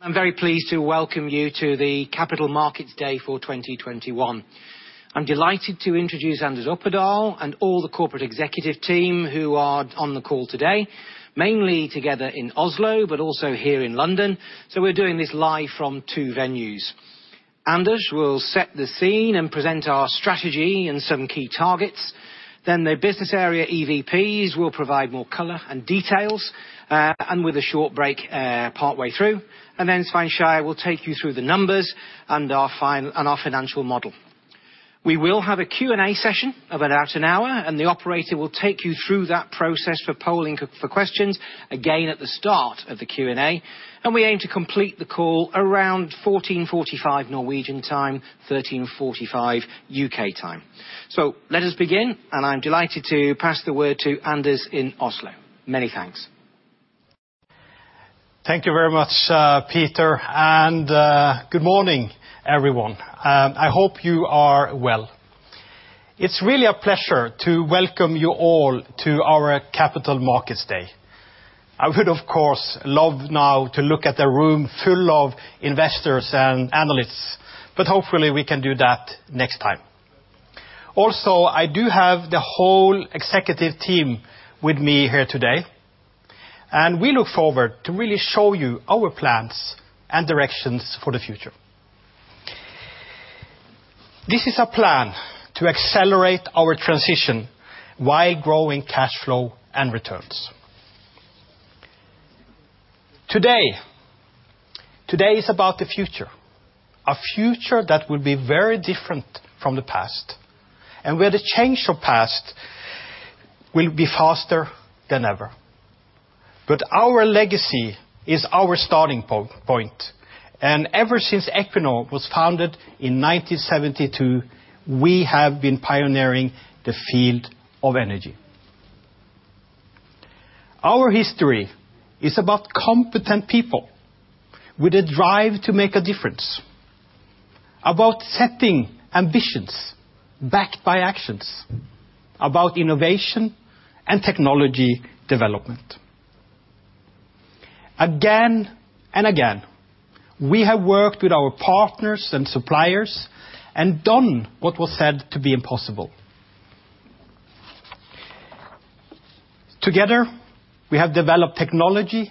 I'm very pleased to welcome you to the Capital Markets Day for 2021. I'm delighted to introduce Anders Opedal and all the corporate executive team who are on the call today, mainly together in Oslo, but also here in London. We're doing this live from two venues. Anders will set the scene and present our strategy and some key targets. The business area EVPs will provide more color and details, and with a short break part way through. Svein Skeie will take you through the numbers and our financial model. We will have a Q&A session of about an hour, and the operator will take you through that process for polling for questions again at the start of the Q&A. We aim to complete the call around 14:45 Norwegian time, 13:45 U.K. time. Let us begin, and I'm delighted to pass the word to Anders in Oslo. Many thanks. Thank you very much, Peter. Good morning, everyone. I hope you are well. It's really a pleasure to welcome you all to our Capital Markets Day. I would, of course, love now to look at the room full of investors and analysts, but hopefully we can do that next time. I do have the whole executive team with me here today, and we look forward to really show you our plans and directions for the future. This is a plan to accelerate our transition while growing cash flow and returns. Today is about the future, a future that will be very different from the past, and where the change from the past will be faster than ever. Our legacy is our starting point, and ever since Equinor was founded in 1972, we have been pioneering the field of energy. Our history is about competent people with a drive to make a difference, about setting ambitions backed by actions, about innovation and technology development. Again, and again, we have worked with our partners and suppliers and done what was said to be impossible. Together, we have developed technology,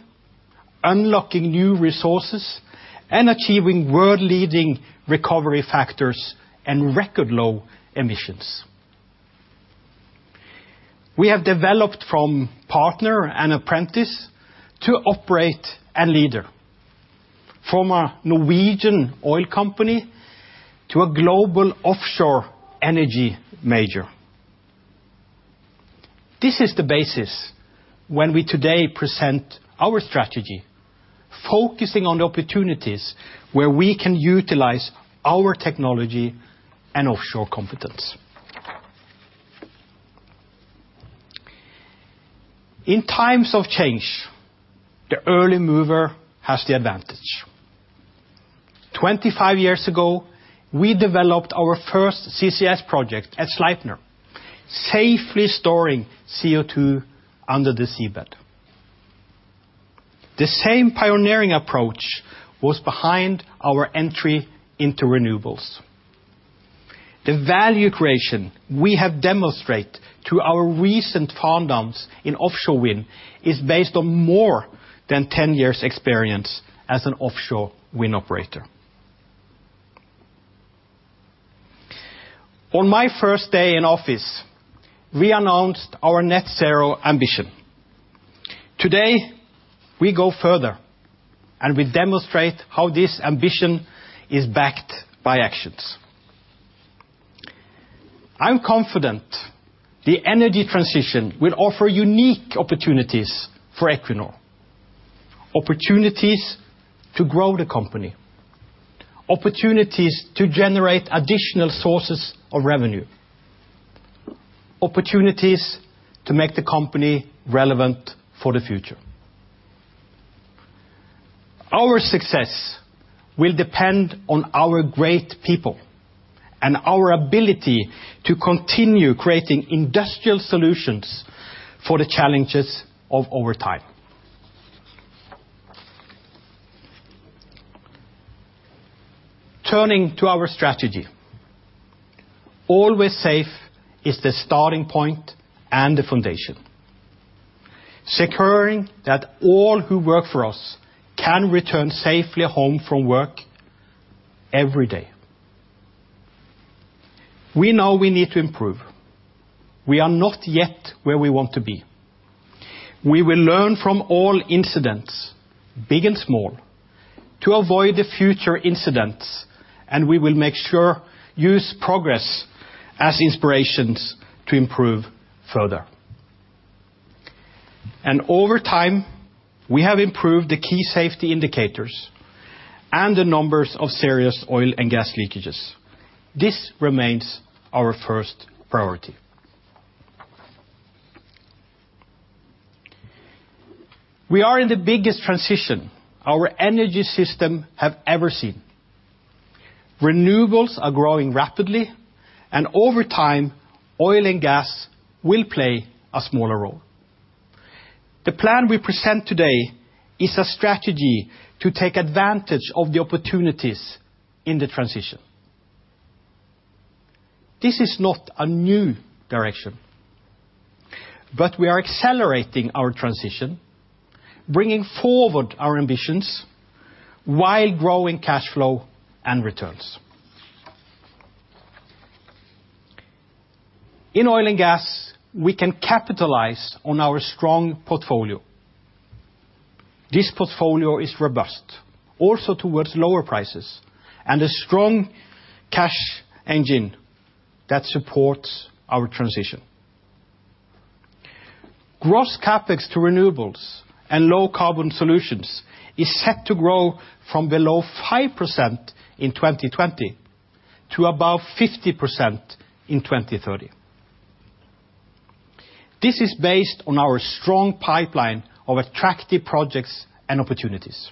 unlocking new resources, and achieving world-leading recovery factors and record low emissions. We have developed from partner and apprentice to operate and leader. From a Norwegian oil company to a global offshore energy major. This is the basis when we today present our strategy, focusing on the opportunities where we can utilize our technology and offshore competence. In times of change, the early mover has the advantage. 25 years ago, we developed our first CCS project at Sleipner, safely storing CO2 under the seabed. The same pioneering approach was behind our entry into renewables. The value creation we have demonstrated through our recent farm downs in offshore wind is based on more than 10 years experience as an offshore wind operator. On my first day in office, we announced our net zero ambition. Today, we go further, and we demonstrate how this ambition is backed by actions. I'm confident the energy transition will offer unique opportunities for Equinor, opportunities to grow the company, opportunities to generate additional sources of revenue, opportunities to make the company relevant for the future. Our success will depend on our great people and our ability to continue creating industrial solutions for the challenges of our time. Turning to our strategy. Always safe is the starting point and the foundation, securing that all who work for us can return safely home from work every day. We know we need to improve. We are not yet where we want to be. We will learn from all incidents, big and small, to avoid the future incidents, and we will make sure use progress as inspirations to improve further. Over time, we have improved the key safety indicators and the numbers of serious oil and gas leakages. This remains our first priority. We are in the biggest transition our energy system have ever seen. Renewables are growing rapidly, and over time, oil and gas will play a smaller role. The plan we present today is a strategy to take advantage of the opportunities in the transition. This is not a new direction, but we are accelerating our transition, bringing forward our ambitions while growing cash flow and returns. In oil and gas, we can capitalize on our strong portfolio. This portfolio is robust, also towards lower prices, and a strong cash engine that supports our transition. Gross CapEx to renewables and low-carbon solutions is set to grow from below 5% in 2020 to above 50% in 2030. This is based on our strong pipeline of attractive projects and opportunities.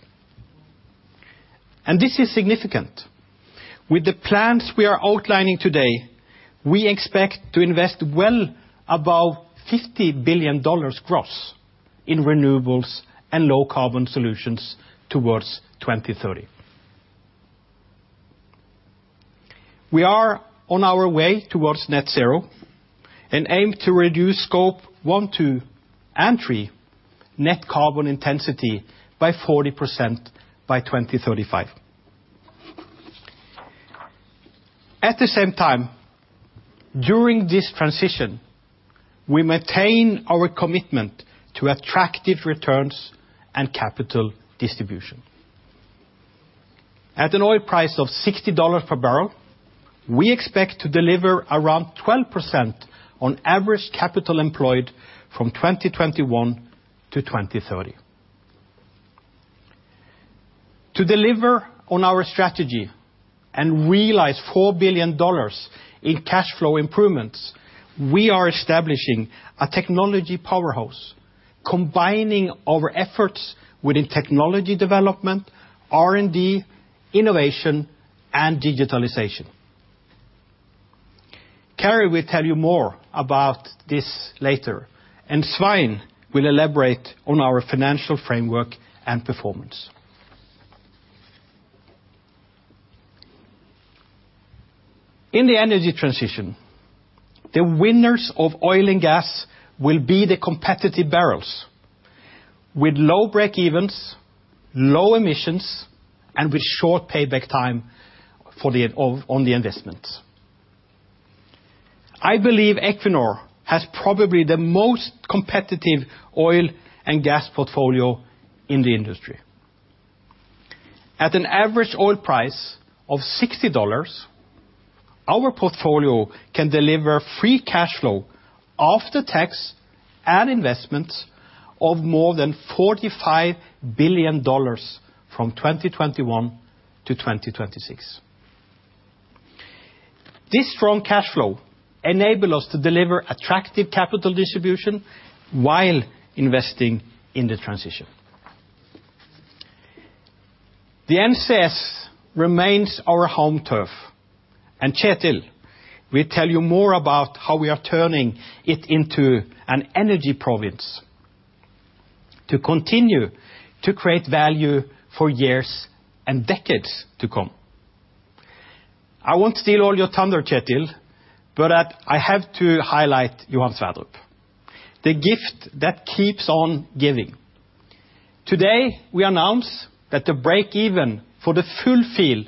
This is significant. With the plans we are outlining today, we expect to invest well above $50 billion gross in renewables and low carbon solutions towards 2030. We are on our way towards net zero and aim to reduce Scope 1, 2, and 3 net carbon intensity by 40% by 2035. At the same time, during this transition, we maintain our commitment to attractive returns and capital distribution. At an oil price of $60 per barrel, we expect to deliver around 12% on average capital employed from 2021-2030. To deliver on our strategy and realize $4 billion in cash flow improvements, we are establishing a technology powerhouse, combining our efforts within technology development, R&D, innovation, and digitalization. Carri will tell you more about this later, and Svein will elaborate on our financial framework and performance. In the energy transition, the winners of oil and gas will be the competitive barrels with low break-evens, low emissions, and with short payback time on the investments. I believe Equinor has probably the most competitive oil and gas portfolio in the industry. At an average oil price of $60, our portfolio can deliver free cash flow after tax and investments of more than $45 billion from 2021-2036. This strong cash flow enable us to deliver attractive capital distribution while investing in the transition. The NCS remains our home turf. Kjetil will tell you more about how we are turning it into an energy province to continue to create value for years and decades to come. I won't steal all your thunder, Kjetil, I have to highlight Johan Sverdrup, the gift that keeps on giving. Today, we announce that the breakeven for the full field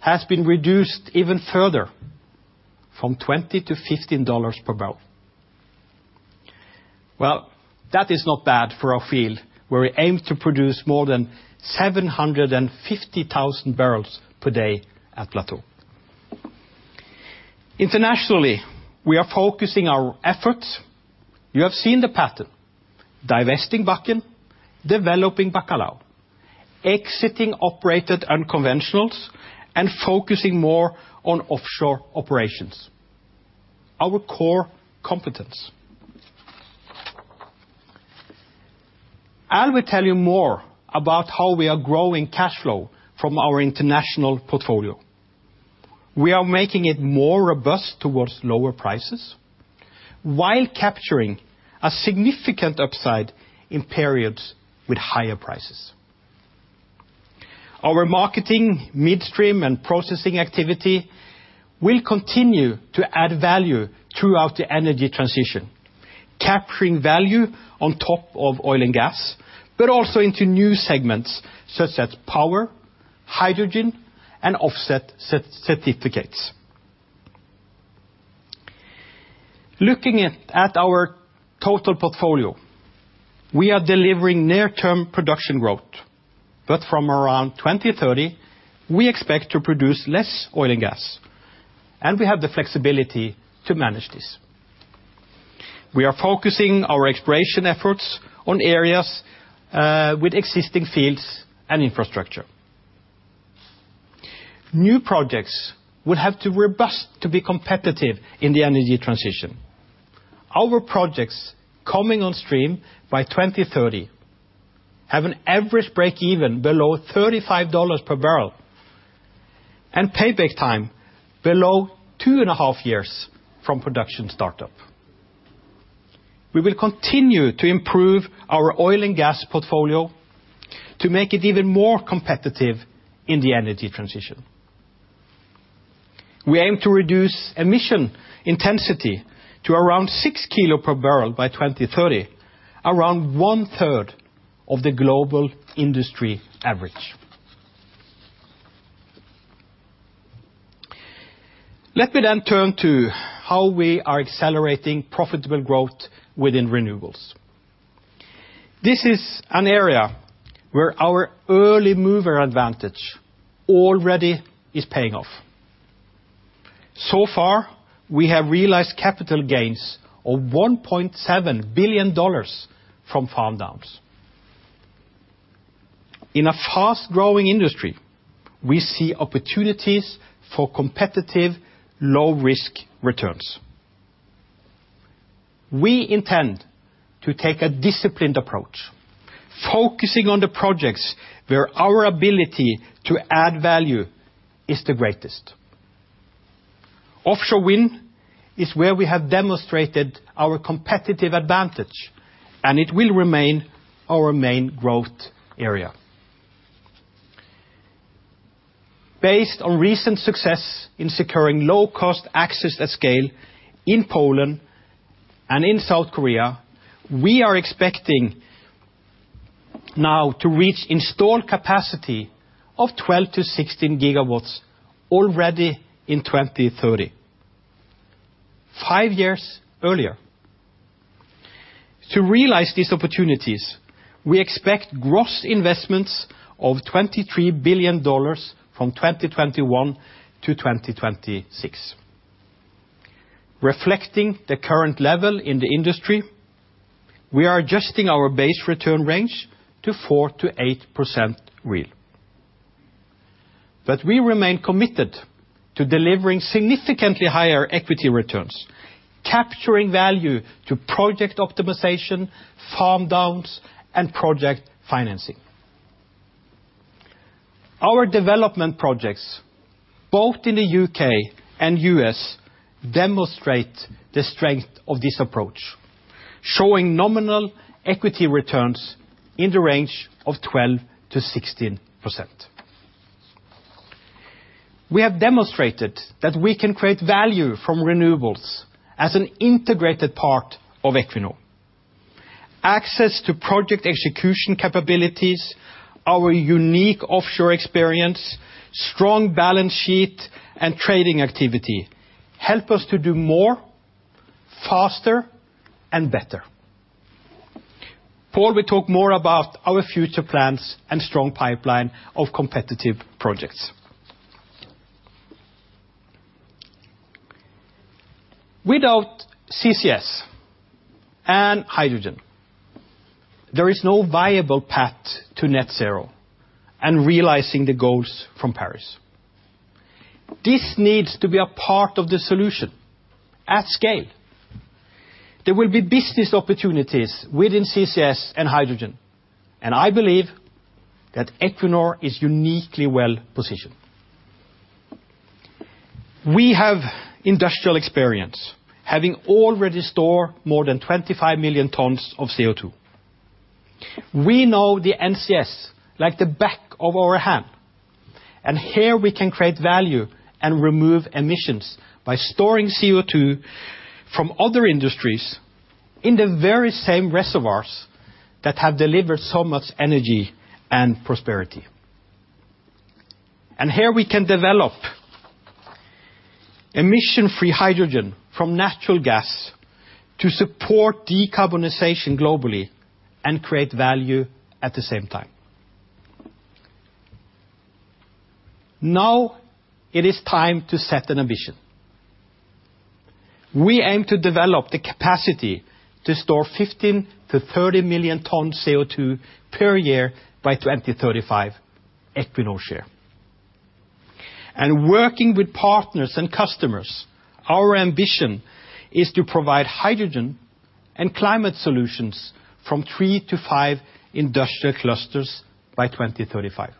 has been reduced even further from $20-$15 per barrel. Well, that is not bad for a field where we aim to produce more than 750,000 barrels per day at plateau. Internationally, we are focusing our efforts. You have seen the pattern, divesting Bakken, developing Bacalhau, exiting operated unconventionals, and focusing more on offshore operations, our core competence. I will tell you more about how we are growing cash flow from our international portfolio. We are making it more robust towards lower prices while capturing a significant upside in periods with higher prices. Our marketing, midstream, and processing activity will continue to add value throughout the energy transition, capturing value on top of oil and gas, but also into new segments such as power, hydrogen, and offset certificates. Looking at our total portfolio, we are delivering near-term production growth. From around 2030, we expect to produce less oil and gas, and we have the flexibility to manage this. We are focusing our exploration efforts on areas with existing fields and infrastructure. New projects will have to be robust to be competitive in the energy transition. Our projects coming on stream by 2030 have an average breakeven below $35 per barrel and payback time below two and a half years from production startup. We will continue to improve our oil and gas portfolio to make it even more competitive in the energy transition. We aim to reduce emission intensity to around 6 kilo per barrel by 2030, around one third of the global industry average. Let me then turn to how we are accelerating profitable growth within renewables. This is an area where our early mover advantage already is paying off. So far, we have realized capital gains of $1.7 billion from farm downs. In a fast-growing industry, we see opportunities for competitive low-risk returns. We intend to take a disciplined approach, focusing on the projects where our ability to add value is the greatest. Offshore wind is where we have demonstrated our competitive advantage, and it will remain our main growth area. Based on recent success in securing low-cost access at scale in Poland and in South Korea, we are expecting now to reach installed capacity of 12 GW-16 GW already in 2030, five years earlier. To realize these opportunities, we expect gross investments of $23 billion from 2021-2026. Reflecting the current level in the industry, we are adjusting our base return range to 4%-8% real. We remain committed to delivering significantly higher equity returns, capturing value through project optimization, farm downs, and project financing. Our development projects, both in the U.K. and U.S., demonstrate the strength of this approach, showing nominal equity returns in the range of 12%-16%. We have demonstrated that we can create value from renewables as an integrated part of Equinor. Access to project execution capabilities, our unique offshore experience, strong balance sheet, and trading activity help us to do more, faster, and better. Pål will talk more about our future plans and strong pipeline of competitive projects. Without CCS and hydrogen, there is no viable path to net zero and realizing the goals from Paris. This needs to be a part of the solution at scale. There will be business opportunities within CCS and hydrogen, and I believe that Equinor is uniquely well-positioned. We have industrial experience, having already stored more than 25 million tons of CO2. We know the NCS like the back of our hand, and here we can create value and remove emissions by storing CO2 from other industries in the very same reservoirs that have delivered so much energy and prosperity. Here we can develop emission-free hydrogen from natural gas to support decarbonization globally and create value at the same time. Now it is time to set an ambition. We aim to develop the capacity to store 15-30 million tons of CO2 per year by 2035, Equinor share. Working with partners and customers, our ambition is to provide hydrogen and climate solutions from three-five industrial clusters by 2035.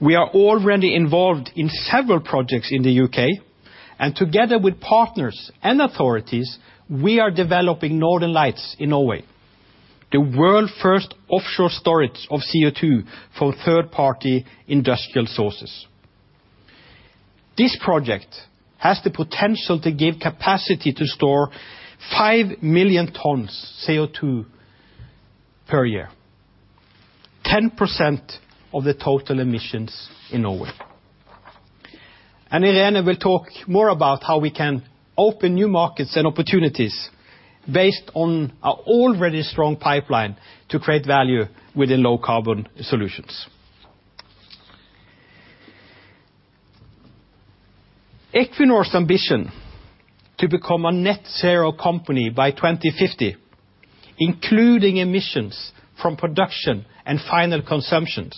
We are already involved in several projects in the U.K., and together with partners and authorities, we are developing Northern Lights in Norway, the world's first offshore storage of CO2 for third-party industrial sources. This project has the potential to give capacity to store 5 million tons of CO2 per year, 10% of the total emissions in Norway. In the end, we'll talk more about how we can open new markets and opportunities based on our already strong pipeline to create value within low-carbon solutions. Equinor's ambition to become a net zero company by 2050, including emissions from production and final consumption,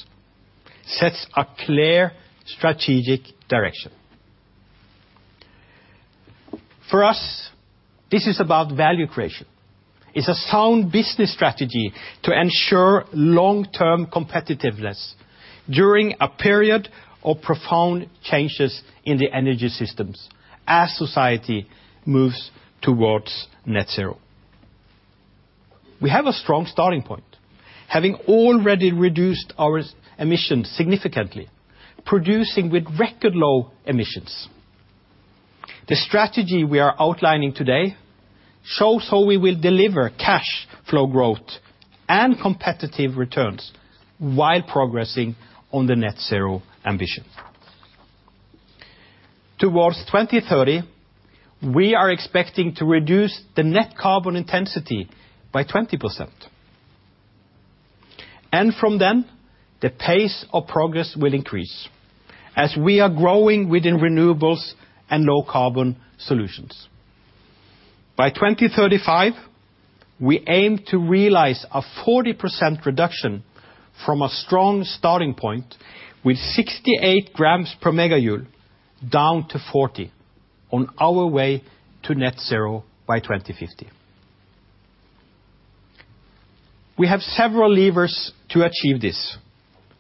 sets a clear strategic direction. For us, this is about value creation. It's a sound business strategy to ensure long-term competitiveness during a period of profound changes in the energy systems as society moves towards net zero. We have a strong starting point, having already reduced our emissions significantly, producing with record low emissions. The strategy we are outlining today shows how we will deliver cash flow growth and competitive returns while progressing on the net zero ambition. Towards 2030, we are expecting to reduce the net carbon intensity by 20%. From then, the pace of progress will increase as we are growing within renewables and low carbon solutions. By 2035, we aim to realize a 40% reduction from a strong starting point with 68 g per megajoule down to 40 on our way to net zero by 2050. We have several levers to achieve this.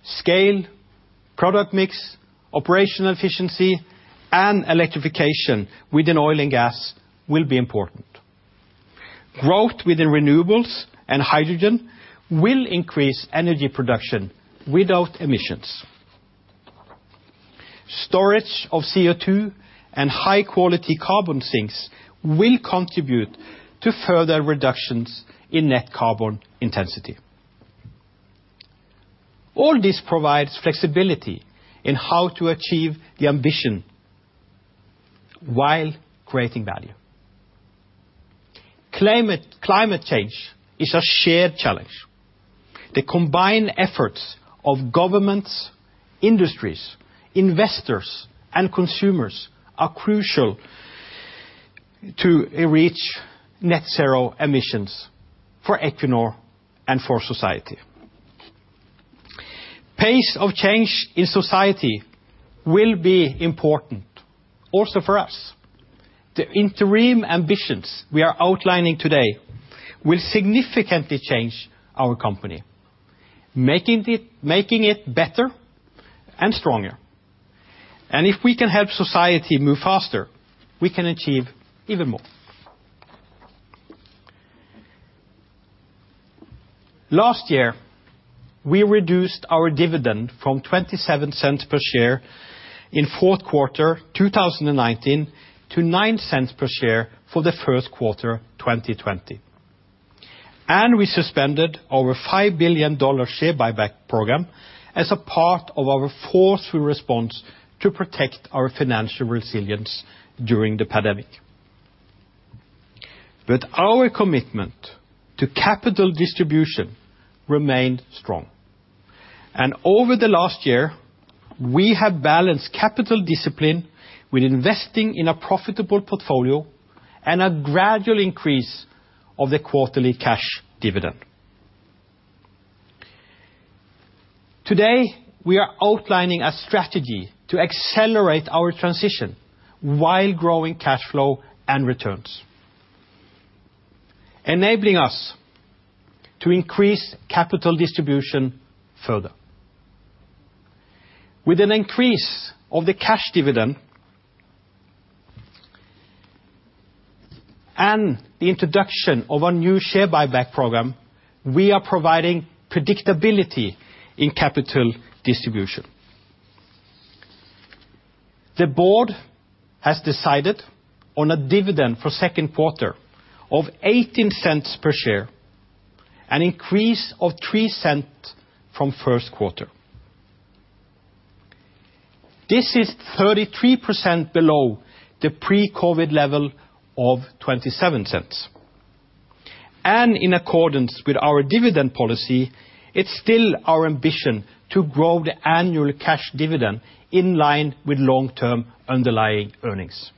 Scale, product mix, operational efficiency, and electrification within oil and gas will be important. Growth within renewables and hydrogen will increase energy production without emissions. Storage of CO2 and high-quality carbon sinks will contribute to further reductions in net carbon intensity. All this provides flexibility in how to achieve the ambition while creating value. Climate change is a shared challenge. The combined efforts of governments, industries, investors, and consumers are crucial to reach net zero emissions for Equinor and for society. Pace of change in society will be important also for us. The interim ambitions we are outlining today will significantly change our company, making it better and stronger. If we can help society move faster, we can achieve even more. Last year, we reduced our dividend from $0.27 per share in Q4 2019-$0.09 per share for the Q1 of 2020. We suspended our $5 billion share buyback program as a part of our forceful response to protect our financial resilience during the pandemic. Our commitment to capital distribution remained strong. Over the last year, we have balanced capital discipline with investing in a profitable portfolio and a gradual increase of the quarterly cash dividend. Today, we are outlining a strategy to accelerate our transition while growing cash flow and returns, enabling us to increase capital distribution further. With an increase of the cash dividend and the introduction of a new share buyback program, we are providing predictability in capital distribution. The board has decided on a dividend for Q2 of $0.18 per share, an increase of $0.03 from Q1. This is 33% below the pre-COVID level of $0.27. In accordance with our dividend policy, it's still our ambition to grow the annual cash dividend in line with long-term underlying earnings.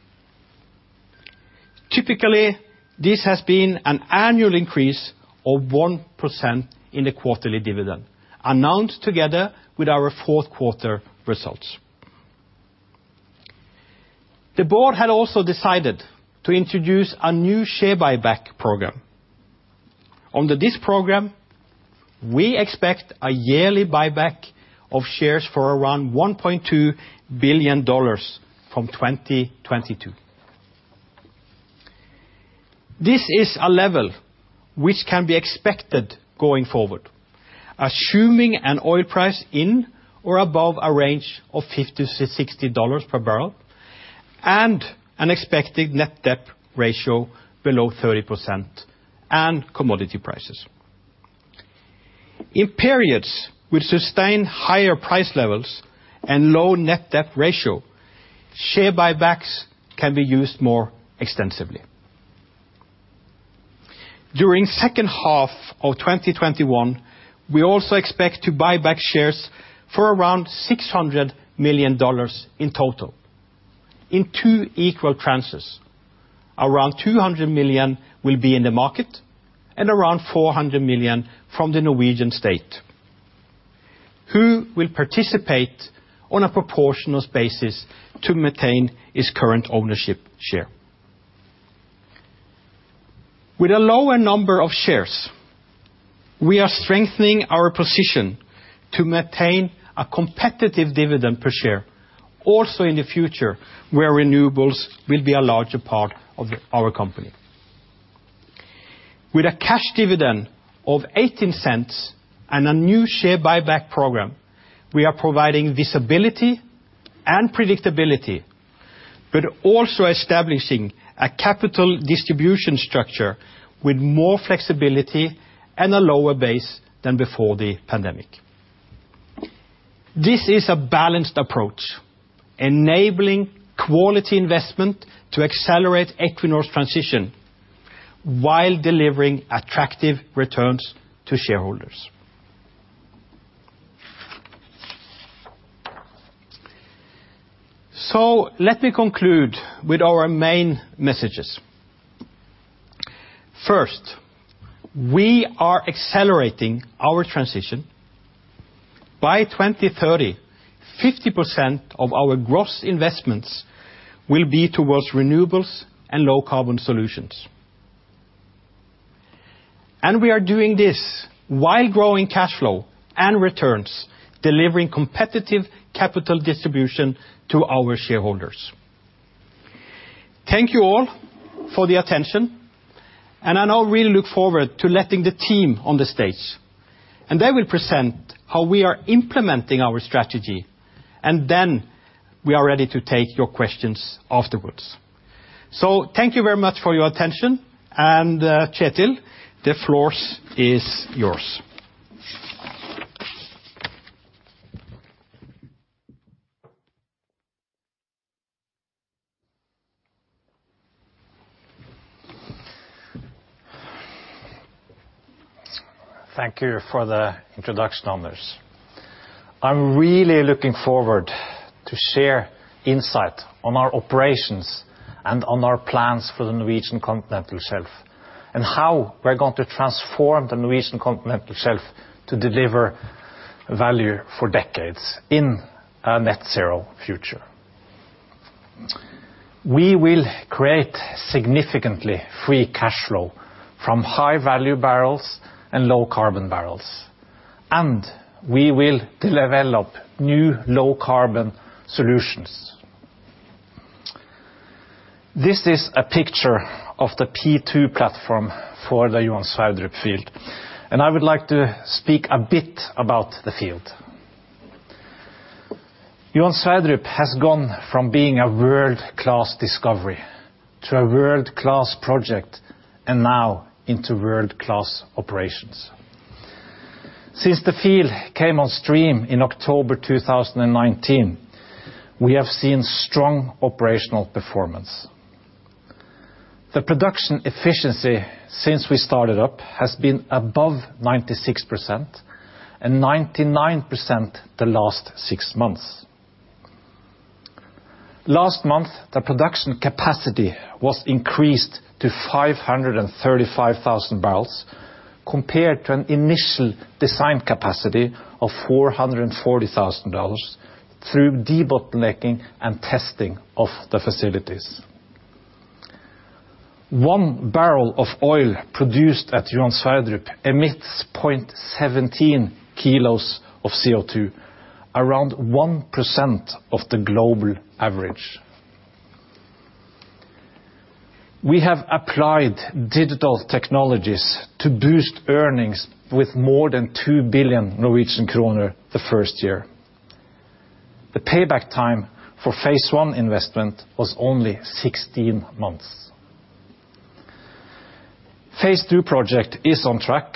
Typically, this has been an annual increase of 1% in the quarterly dividend, announced together with our Q4 results. The board had also decided to introduce a new share buyback program. Under this program, we expect a yearly buyback of shares for around $1.2 billion from 2022. This is a level which can be expected going forward, assuming an oil price in or above a range of $50-$60 per barrel and an expected net debt ratio below 30% and commodity prices. In periods with sustained higher price levels and low net debt ratio, share buybacks can be used more extensively. During H2 of 2021, we also expect to buy back shares for around $600 million in total, in two equal tranches. Around $200 million will be in the market, and around $400 million from the Norwegian state, who will participate on a proportional basis to maintain its current ownership share. With a lower number of shares, we are strengthening our position to maintain a competitive dividend per share also in the future, where renewables will be a larger part of our company. With a cash dividend of 0.18 and a new share buyback program, we are providing visibility and predictability, but also establishing a capital distribution structure with more flexibility and a lower base than before the pandemic. This is a balanced approach, enabling quality investment to accelerate Equinor's transition while delivering attractive returns to shareholders. Let me conclude with our main messages. First, we are accelerating our transition. By 2030, 50% of our gross investments will be towards renewables and low carbon solutions. We are doing this while growing cash flow and returns, delivering competitive capital distribution to our shareholders. Thank you all for the attention. I now really look forward to letting the team on the stage. They will present how we are implementing our strategy. We are ready to take your questions afterwards. Thank you very much for your attention. Kjetil, the floor is yours. Thank you for the introduction, Anders. I'm really looking forward to share insight on our operations and on our plans for the Norwegian Continental Shelf and how we're going to transform the Norwegian Continental Shelf to deliver value for decades in a net zero future. We will create significantly free cash flow from high-value barrels and low carbon barrels, and we will develop new low carbon solutions. This is a picture of the P2 platform for the Johan Sverdrup field, and I would like to speak a bit about the field. Johan Sverdrup has gone from being a world-class discovery, to a world-class project, and now into world-class operations. Since the field came on stream in October 2019, we have seen strong operational performance. The production efficiency since we started up has been above 96%, and 99% the last six months. Last month, the production capacity was increased to 535,000 barrels compared to an initial design capacity of 440,000 through debottlenecking and testing of the facilities. One barrel of oil produced at Johan Sverdrup emits 0.17 kilos of CO2, around 1% of the global average. We have applied digital technologies to boost earnings with more than 2 billion Norwegian kroner the first year. The payback time for Phase I investment was only 16 months. Phase II project is on track.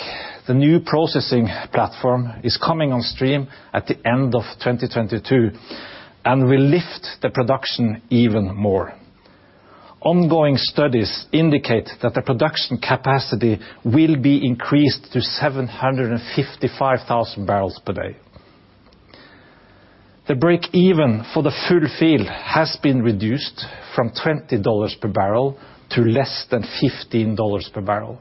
The new processing platform is coming on stream at the end of 2022 and will lift the production even more. Ongoing studies indicate that the production capacity will be increased to 755,000 barrels per day. The break even for the full field has been reduced from $20 per barrel to less than $15 per barrel,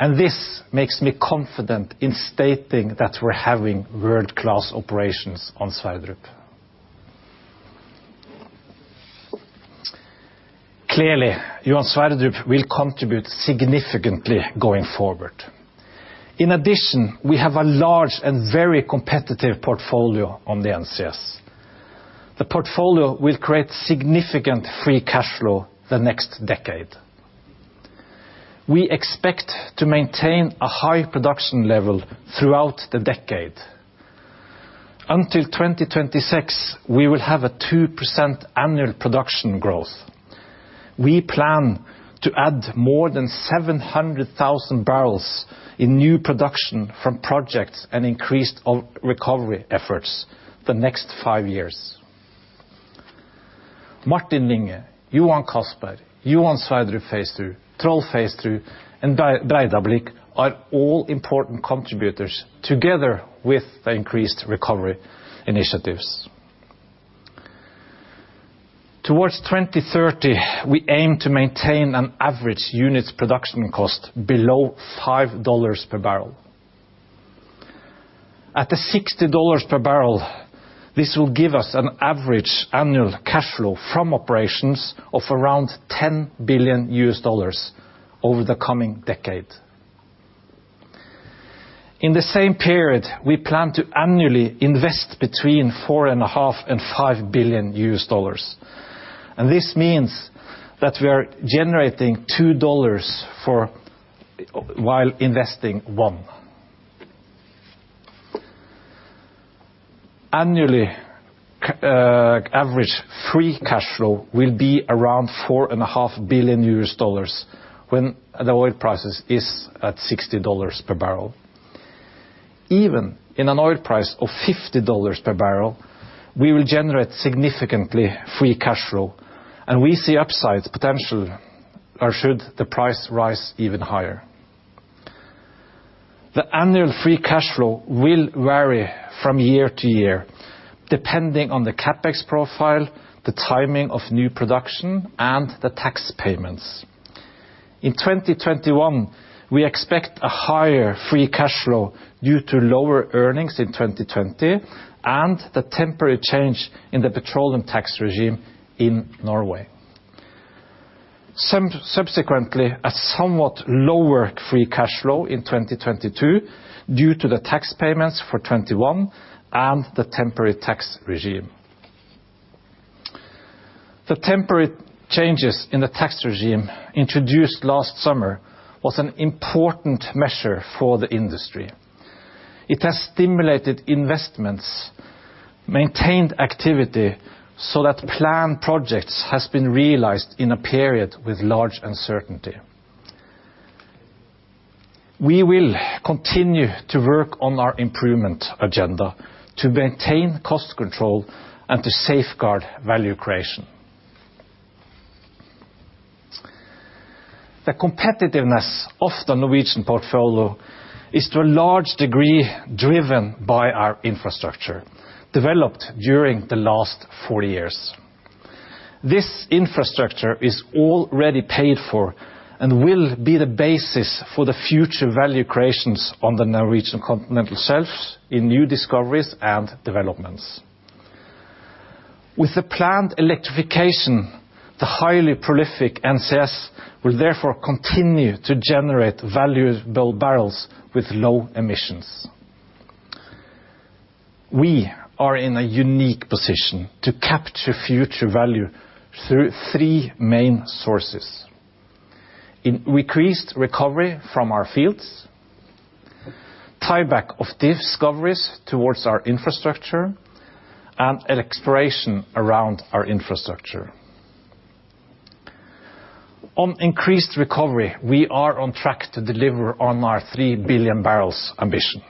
and this makes me confident in stating that we're having world-class operations on Sverdrup. Clearly, Johan Sverdrup will contribute significantly going forward. In addition, we have a large and very competitive portfolio on the NCS. The portfolio will create significant free cash flow the next decade. We expect to maintain a high production level throughout the decade. Until 2026, we will have a 2% annual production growth. We plan to add more than 700,000 barrels in new production from projects and increased recovery efforts the next five years. Martin Linge, Johan Castberg, Johan Sverdrup Phase II, Troll Phase 2, and Breidablikk are all important contributors together with increased recovery initiatives. Towards 2030, we aim to maintain an average unit production cost below $5 per barrel. At the $60 per barrel, this will give us an average annual cash flow from operations of around $10 billion over the coming decade. In the same period, we plan to annually invest between $4.5 billion and $5 billion. This means that we are generating $2 while investing $1. Annually, average free cash flow will be around $4.5 billion when the oil price is at $60 per barrel. Even in an oil price of $50 per barrel, we will generate significant free cash flow, we see upside potential or should the price rise even higher. The annual free cash flow will vary from year-to-year, depending on the CapEx profile, the timing of new production, and the tax payments. In 2021, we expect a higher free cash flow due to lower earnings in 2020 and the temporary change in the petroleum tax regime in Norway. Subsequently, a somewhat lower free cash flow in 2022 due to the tax payments for 2021 and the temporary tax regime. The temporary changes in the tax regime introduced last summer was an important measure for the industry. It has stimulated investments, maintained activity so that planned projects have been realized in a period with large uncertainty. We will continue to work on our improvement agenda to maintain cost control and to safeguard value creation. The competitiveness of the Norwegian portfolio is to a large degree driven by our infrastructure, developed during the last four years. This infrastructure is already paid for and will be the basis for the future value creations on the Norwegian continental shelves in new discoveries and developments. With the planned electrification, the highly prolific NCS will therefore continue to generate value-built barrels with low emissions. We are in a unique position to capture future value through three main sources: increased recovery from our fields, tieback of discoveries towards our infrastructure, and exploration around our infrastructure. On increased recovery, we are on track to deliver on our 3 billion barrels ambition.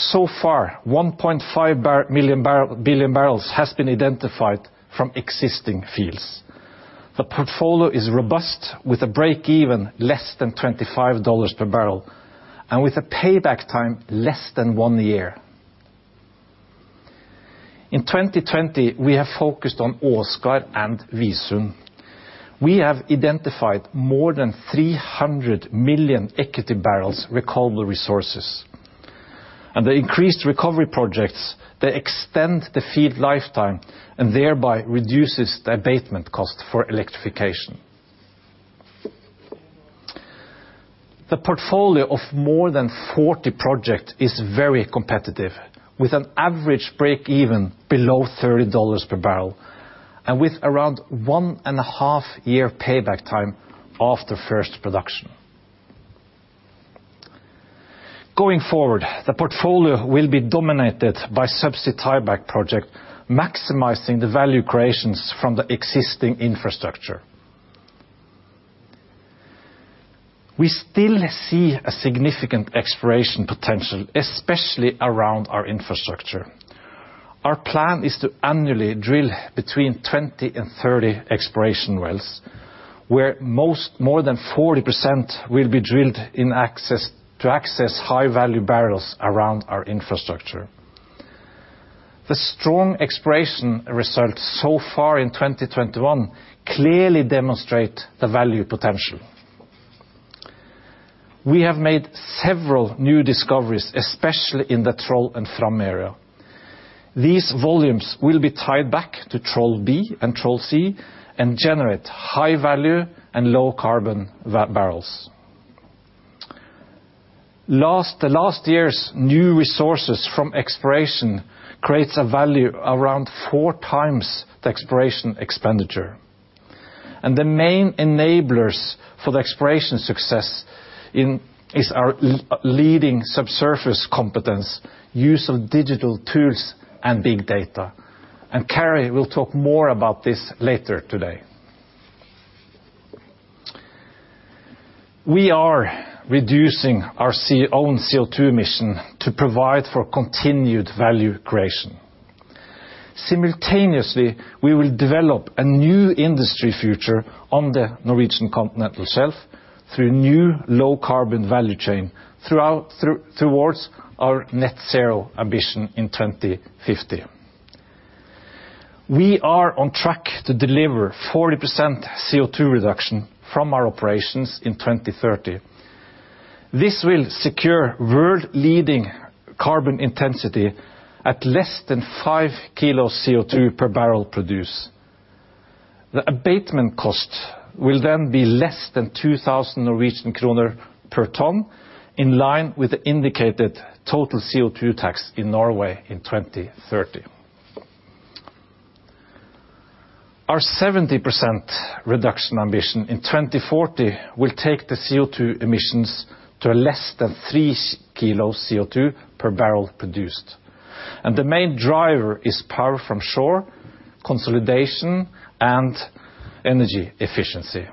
So far, 1.5 billion barrels have been identified from existing fields. The portfolio is robust, with a break-even less than $25 per barrel, and with a payback time less than one year. In 2020, we have focused on Åsgard and Visund. We have identified more than 300 million equity barrels recoverable resources. The increased recovery projects extend the field lifetime and thereby reduce its abatement cost for electrification. The portfolio of more than 40 projects is very competitive, with an average break-even below $30 per barrel and with around 1.5 year payback time after first production. Going forward, the portfolio will be dominated by subsea tieback project, maximizing the value creations from the existing infrastructure. We still see a significant exploration potential, especially around our infrastructure. Our plan is to annually drill between 20 and 30 exploration wells, where more than 40% will be drilled to access high-value barrels around our infrastructure. The strong exploration results so far in 2021 clearly demonstrate the value potential. We have made several new discoveries, especially in the Troll and Fram area. These volumes will be tied back to Troll B and Troll C and generate high value and low carbon barrels. The last year's new resources from exploration creates a value around 4x the exploration expenditure. The main enablers for the exploration success is our leading subsurface competence, use of digital tools, and big data. Carri will talk more about this later today. We are reducing our own CO2 emission to provide for continued value creation. Simultaneously, we will develop a new industry future on the Norwegian continental shelf through new low-carbon value chain towards our net zero ambition in 2050. We are on track to deliver 40% CO2 reduction from our operations in 2030. This will secure world-leading carbon intensity at less than 5 kilos of CO2 per barrel produced. The abatement cost will then be less than 2,000 Norwegian kroner per ton, in line with the indicated total CO2 tax in Norway in 2030. Our 70% reduction ambition in 2040 will take the CO2 emissions to less than three kilos of CO2 per barrel produced, and the main driver is power from shore, consolidation, and energy efficiency.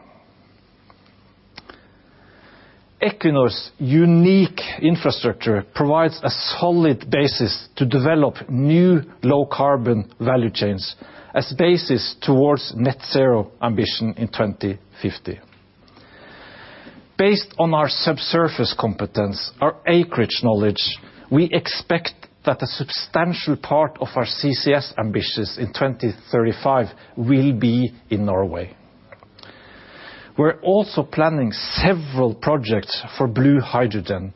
Equinor's unique infrastructure provides a solid basis to develop new low-carbon value chains as a basis towards net zero ambition in 2050. Based on our subsurface competence, our acreage knowledge, we expect that a substantial part of our CCS ambitions in 2035 will be in Norway. We're also planning several projects for blue hydrogen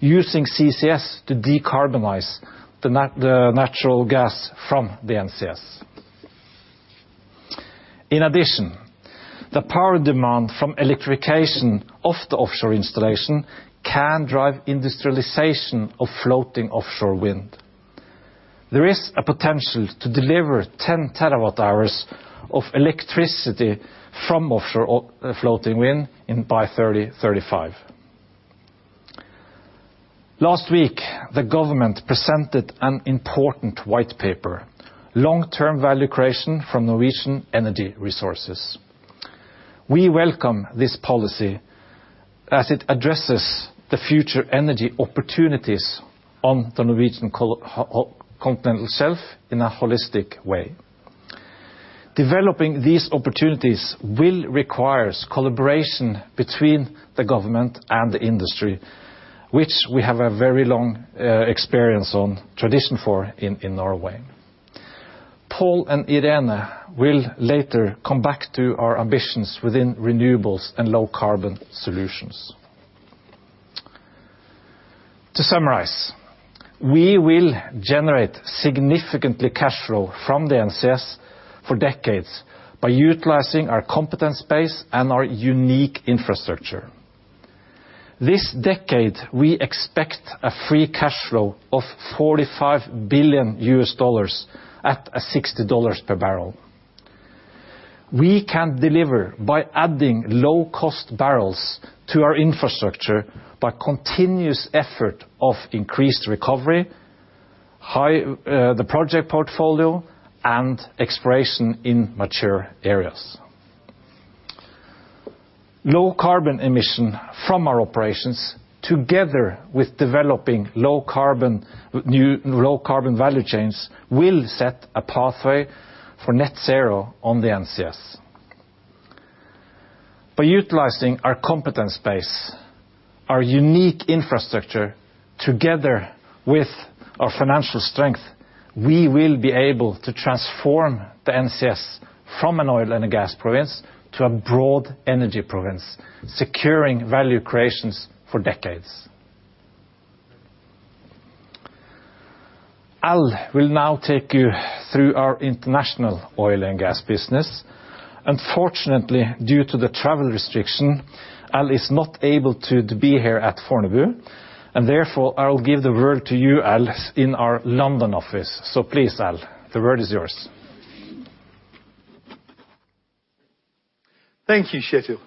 using CCS to decarbonize the natural gas from the NCS. In addition, the power demand from electrification of the offshore installation can drive industrialization of floating offshore wind. There is a potential to deliver 10 TWh of electricity from offshore floating wind by 2035. Last week, the government presented an important white paper, Long-term Value Creation from Norwegian Energy Resources. We welcome this policy, as it addresses the future energy opportunities on the Norwegian continental shelf in a holistic way. Developing these opportunities will require collaboration between the government and the industry, which we have a very long experience on tradition for in Norway. Pål and Irene will later come back to our ambitions within renewables and low-carbon solutions. To summarize, we will generate significant cash flow from the NCS for decades by utilizing our competence base and our unique infrastructure. This decade, we expect a free cash flow of $45 billion at $60 per barrel. We can deliver by adding low-cost barrels to our infrastructure by continuous effort of increased recovery, the project portfolio, and exploration in mature areas. Low carbon emission from our operations, together with developing low-carbon value chains, will set a pathway for net zero on the NCS. By utilizing our competence base, our unique infrastructure, together with our financial strength, we will be able to transform the NCS from an oil and gas province to a broad energy province, securing value creations for decades. Al will now take you through our international oil and gas business. Unfortunately, due to the travel restriction, Al is not able to be here at Fornebu, and therefore, I'll give the word to you, Al, in our London office. Please, Al, the word is yours. Thank you, Kjetil.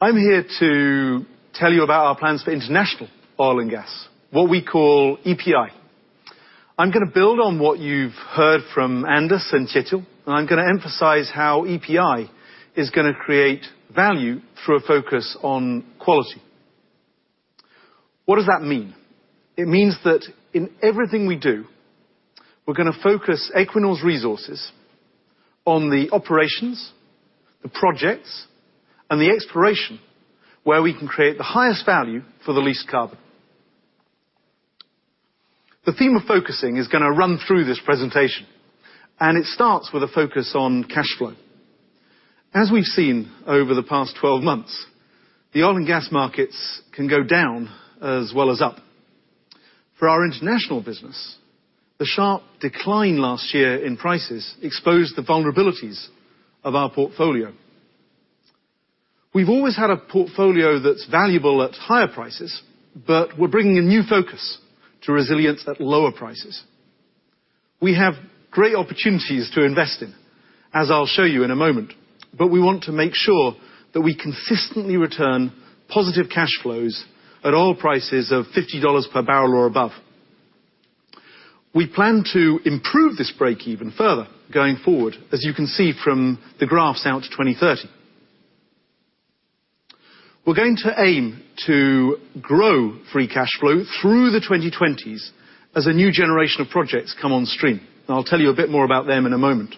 I'm here to tell you about our plans for international oil and gas, what we call EPI. I'm going to build on what you've heard from Anders and Kjetil, and I'm going to emphasize how EPI is going to create value through a focus on quality. What does that mean? It means that in everything we do, we're going to focus Equinor's resources on the operations, the projects, and the exploration where we can create the highest value for the least carbon. The theme of focusing is going to run through this presentation, and it starts with a focus on cash flow. As we've seen over the past 12 months, the oil and gas markets can go down as well as up. For our international business, the sharp decline last year in prices exposed the vulnerabilities of our portfolio. We've always had a portfolio that's valuable at higher prices, but we're bringing a new focus to resilience at lower prices. We have great opportunities to invest in, as I'll show you in a moment, but we want to make sure that we consistently return positive cash flows at oil prices of $50 per barrel or above. We plan to improve this breakeven further going forward, as you can see from the graphs out to 2030. We're going to aim to grow free cash flow through the 2020s as a new generation of projects come on stream. I'll tell you a bit more about them in a moment.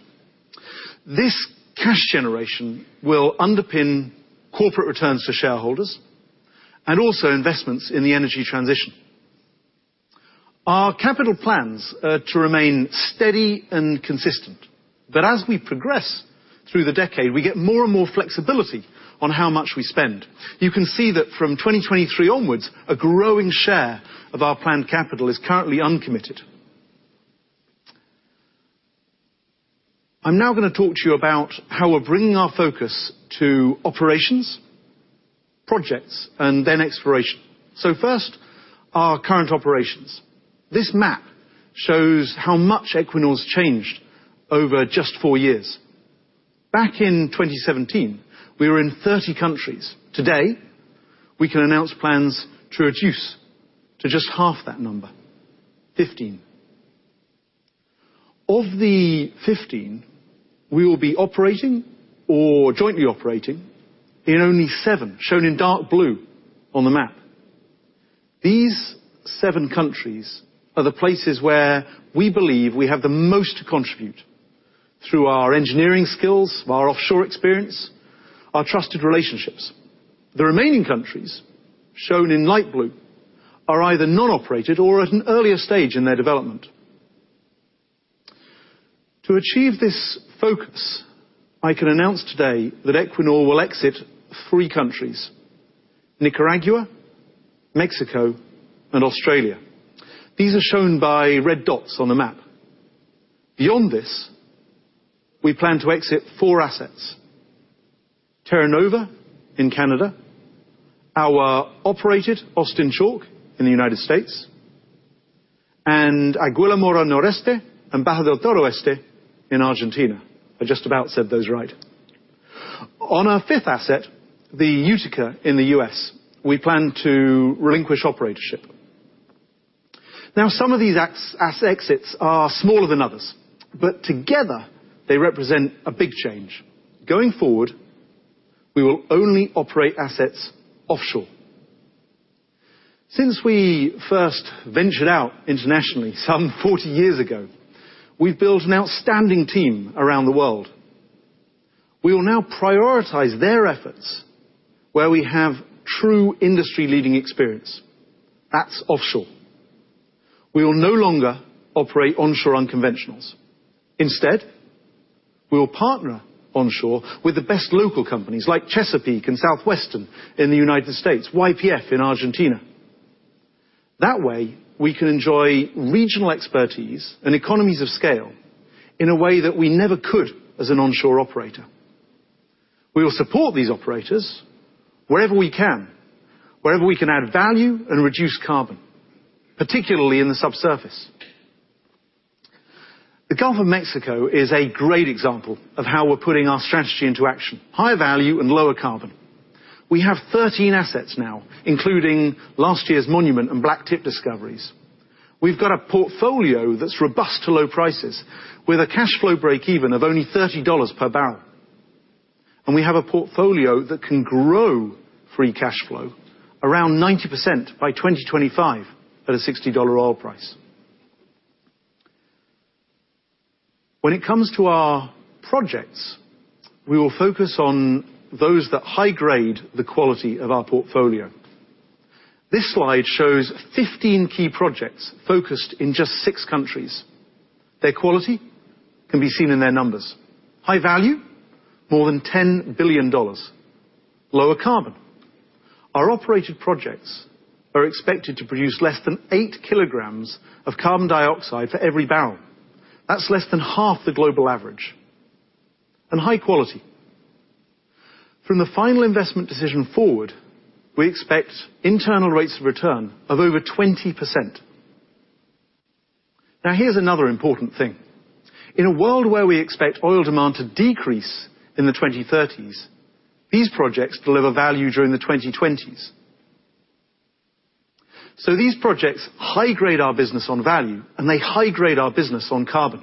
This cash generation will underpin corporate returns to shareholders and also investments in the energy transition. Our capital plans are to remain steady and consistent, but as we progress through the decade, we get more and more flexibility on how much we spend. You can see that from 2023 onwards, a growing share of our planned capital is currently uncommitted. I'm now going to talk to you about how we're bringing our focus to operations, projects, and then exploration. First, our current operations. This map shows how much Equinor's changed over just four years. Back in 2017, we were in 30 countries. Today, we can announce plans to reduce to just half that number, 15. Of the 15, we will be operating or jointly operating in only seven, shown in dark blue on the map. These seven countries are the places where we believe we have the most to contribute through our engineering skills, our offshore experience, our trusted relationships. The remaining countries, shown in light blue, are either non-operated or at an earlier stage in their development. To achieve this focus, I can announce today that Equinor will exit three countries, Nicaragua, Mexico, and Australia. These are shown by red dots on the map. Beyond this, we plan to exit four assets. Terra Nova in Canada, our operated Austin Chalk in the U.S., and Aguila Mora Noreste and Bajo del Toro Este in Argentina. I just about said those right. On our fifth asset, the Utica in the U.S., we plan to relinquish operatorship. Some of these exits are smaller than others, but together they represent a big change. Going forward, we will only operate assets offshore. Since we first ventured out internationally some 40 years ago, we've built an outstanding team around the world. We will now prioritize their efforts where we have true industry-leading experience. That's offshore. We will no longer operate onshore unconventionals. Instead, we'll partner onshore with the best local companies like Chesapeake and Southwestern in the U.S., YPF in Argentina. That way, we can enjoy regional expertise and economies of scale in a way that we never could as an onshore operator. We will support these operators wherever we can, wherever we can add value and reduce carbon, particularly in the subsurface. The Gulf of Mexico is a great example of how we're putting our strategy into action, high value and lower carbon. We have 13 assets now, including last year's Monument and Blacktip discoveries. We've got a portfolio that's robust to low prices with a cash flow breakeven of only $30 per barrel, and we have a portfolio that can grow free cash flow around 90% by 2025 at a $60 oil price. When it comes to our projects, we will focus on those that high-grade the quality of our portfolio. This slide shows 15 key projects focused in just six countries. Their quality can be seen in their numbers. High value, more than $10 billion. Lower carbon. Our operated projects are expected to produce less than 8 kg of carbon dioxide for every barrel. That's less than half the global average. High quality. From the final investment decision forward, we expect internal rates of return of over 20%. Now, here's another important thing. In a world where we expect oil demand to decrease in the 2030s, these projects deliver value during the 2020s. These projects high-grade our business on value, and they high-grade our business on carbon.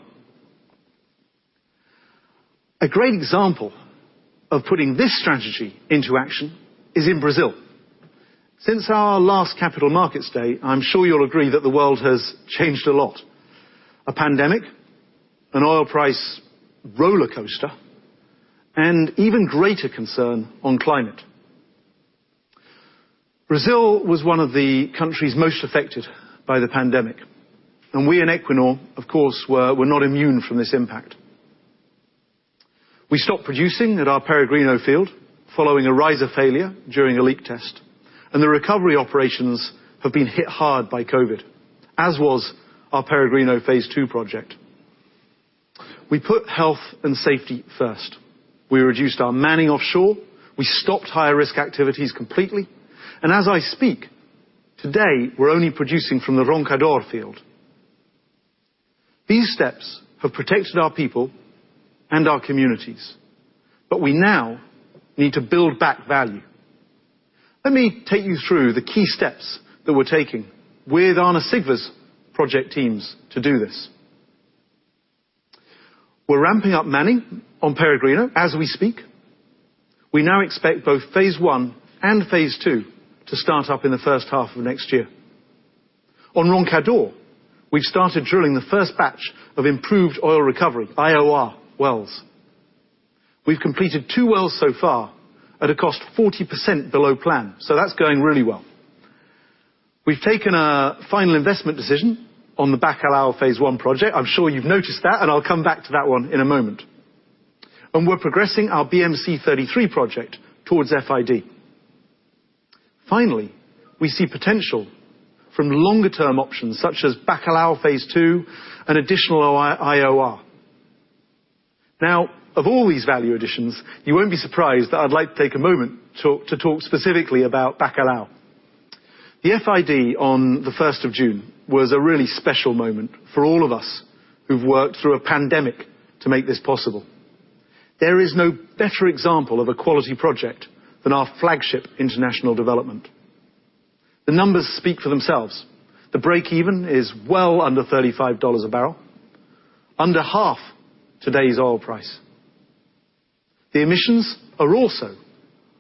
A great example of putting this strategy into action is in Brazil. Since our last Capital Markets Day, I'm sure you'll agree that the world has changed a lot. A pandemic, an oil price roller coaster, and even greater concern on climate. Brazil was one of the countries most affected by the pandemic, and we in Equinor, of course, were not immune from this impact. We stopped producing at our Peregrino field following a riser failure during a leak test, and the recovery operations have been hit hard by COVID, as was our Peregrino Phase II project. We put health and safety first. We reduced our manning offshore. We stopped high-risk activities completely. As I speak today, we're only producing from the Roncador field. These steps have protected our people and our communities, but we now need to build back value. Let me take you through the key steps that we're taking with Arne Sigve's project teams to do this. We're ramping up manning on Peregrino as we speak. We now expect both phase I and phase II to start up in the H1 of next year. On Roncador, we've started drilling the first batch of improved oil recovery, IOR wells. We've completed two wells so far at a cost 40% below plan. We've taken a final investment decision on the Bacalhau Phase 1 project. I'm sure you've noticed that, and I'll come back to that one in a moment. We're progressing our BM-C-33 project towards FID. Finally, we see potential from longer-term options such as Bacalhau Phase 2 and additional IOR. Of all these value additions, you won't be surprised that I'd like to take a moment to talk specifically about Bacalhau. The FID on the June 1st was a really special moment for all of us who've worked through a pandemic to make this possible. There is no better example of a quality project than our flagship international development. The numbers speak for themselves. The break even is well under $35 a barrel, under half today's oil price. The emissions are also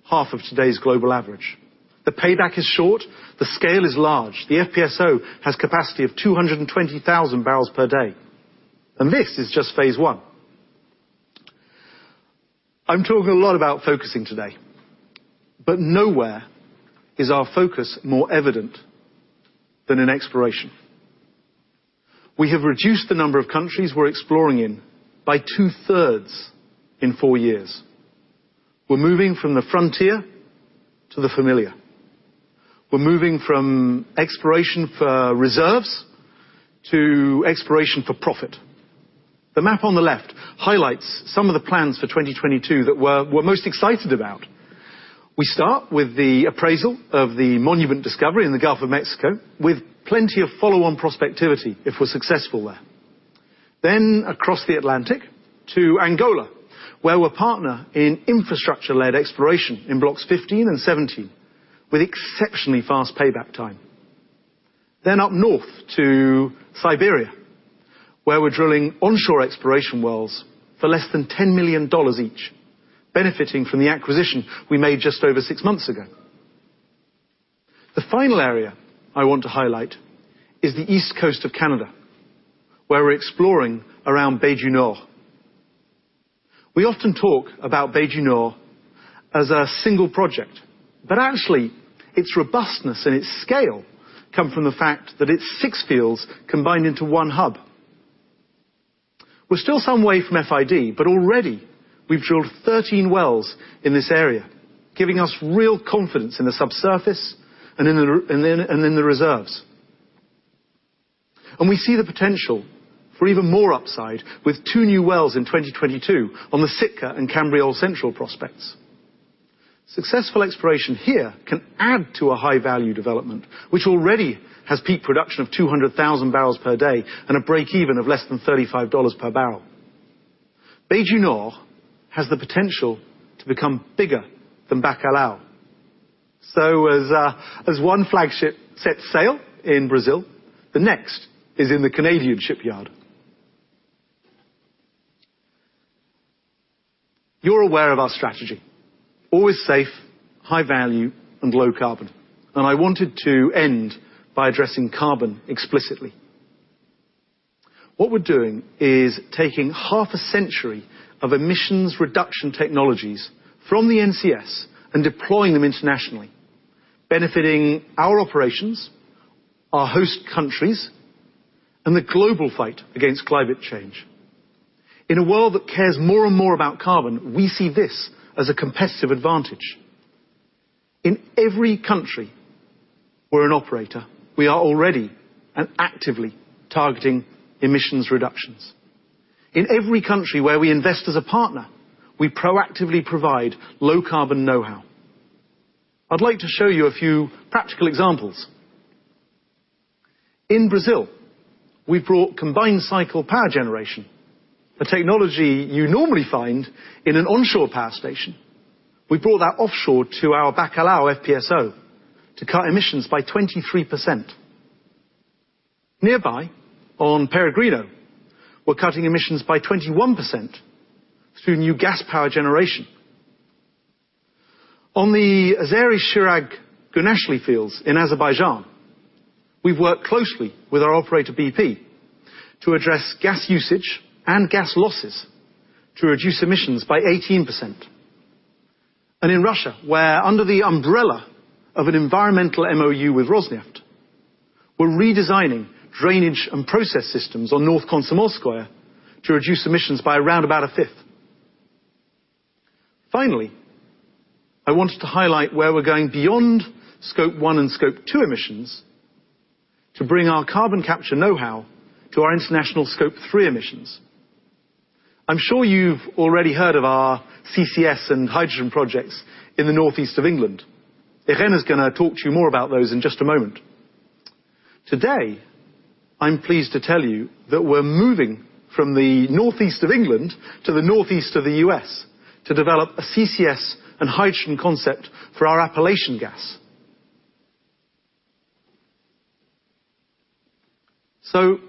half of today's global average. The payback is short. The scale is large. The FPSO has capacity of 220,000 barrels per day. This is just phase I. I'm talking a lot about focusing today, but nowhere is our focus more evident than in exploration. We have reduced the number of countries we're exploring in by two-thirds in four years. We're moving from the frontier to the familiar. We're moving from exploration for reserves to exploration for profit. The map on the left highlights some of the plans for 2022 that we're most excited about. We start with the appraisal of the Monument discovery in the Gulf of Mexico with plenty of follow-on prospectivity if we're successful there. Across the Atlantic to Angola, where we're partner in infrastructure-led exploration in blocks 15 and 17 with exceptionally fast payback time. Up north to Siberia, where we're drilling onshore exploration wells for less than NOK 10 million each, benefiting from the acquisition we made just over six months ago. The final area I want to highlight is the East Coast of Canada, where we're exploring around Bay du Nord. We often talk about Bay du Nord as a single project, actually, its robustness and its scale come from the fact that it's six fields combined into one hub. We're still some way from FID, already we've drilled 13 wells in this area, giving us real confidence in the subsurface and in the reserves. We see the potential for even more upside with two new wells in 2022 on the Sitka and Cambriol Central prospects. Successful exploration here can add to a high-value development, which already has peak production of 200,000 barrels per day and a break even of less than $35 per barrel. Bay du Nord has the potential to become bigger than Bacalhau. As one flagship sets sail in Brazil, the next is in the Canadian shipyard. You're aware of our strategy, always safe, high value, and low carbon. I wanted to end by addressing carbon explicitly. What we're doing is taking half a century of emissions reduction technologies from the NCS and deploying them internationally, benefiting our operations, our host countries, and the global fight against climate change. In a world that cares more and more about carbon, we see this as a competitive advantage. In every country we're an operator, we are already and actively targeting emissions reductions. In every country where we invest as a partner, we proactively provide low-carbon know-how. I'd like to show you a few practical examples. In Brazil, we've brought combined cycle power generation, a technology you normally find in an onshore power station. We brought that offshore to our Bacalhau FPSO to cut emissions by 23%. Nearby on Peregrino, we're cutting emissions by 21% through new gas power generation. On the Azeri-Chirag-Guneshli fields in Azerbaijan, we've worked closely with our operator, BP, to address gas usage and gas losses to reduce emissions by 18%. In Russia, where under the umbrella of an environmental MoU with Rosneft, we're redesigning drainage and process systems on North Komsomolsk to reduce emissions by around about a fifth. Finally, I wanted to highlight where we're going beyond Scope 1 and Scope 2 emissions to bring our carbon capture know-how to our international Scope 3 emissions. I'm sure you've already heard of our CCS and hydrogen projects in the northeast of England. Irene is going to talk to you more about those in just a moment. Today, I'm pleased to tell you that we're moving from the northeast of England to the northeast of the U.S. to develop a CCS and hydrogen concept for our Appalachian gas. To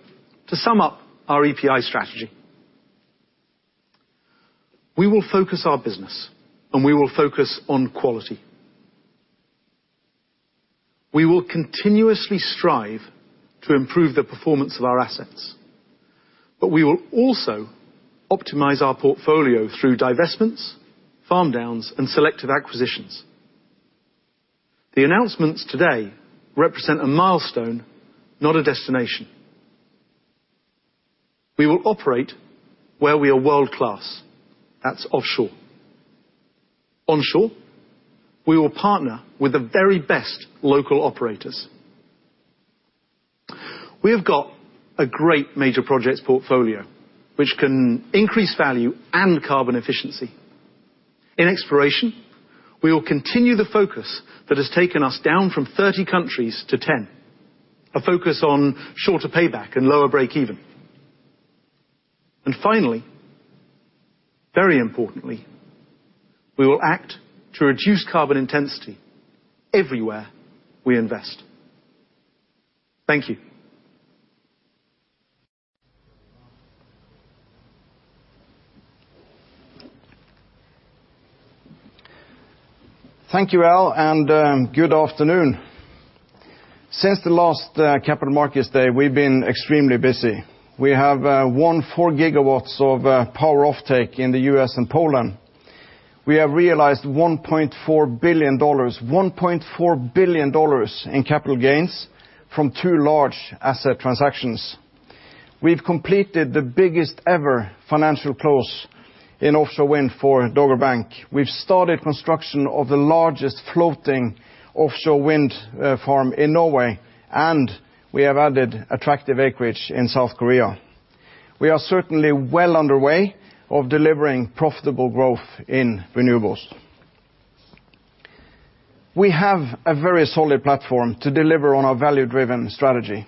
sum up our EPI strategy, we will focus our business, we will focus on quality. We will continuously strive to improve the performance of our assets, we will also optimize our portfolio through divestments, farm downs, and selective acquisitions. The announcements today represent a milestone, not a destination. We will operate where we are world-class. That's offshore. Onshore, we will partner with the very best local operators. We have got a great major projects portfolio which can increase value and carbon efficiency. In exploration, we will continue the focus that has taken us down from 30 countries to 10, a focus on shorter payback and lower breakeven. Finally, very importantly, we will act to reduce carbon intensity everywhere we invest. Thank you. Thank you, Al, and good afternoon. Since the last Capital Markets Day, we've been extremely busy. We have won 4 GW of power offtake in the U.S. and Poland. We have realized $1.4 billion in capital gains from two large asset transactions. We've completed the biggest ever financial close in offshore wind for Dogger Bank. We've started construction of the largest floating offshore wind farm in Norway, and we have added attractive acreage in South Korea. We are certainly well underway of delivering profitable growth in renewables. We have a very solid platform to deliver on our value-driven strategy.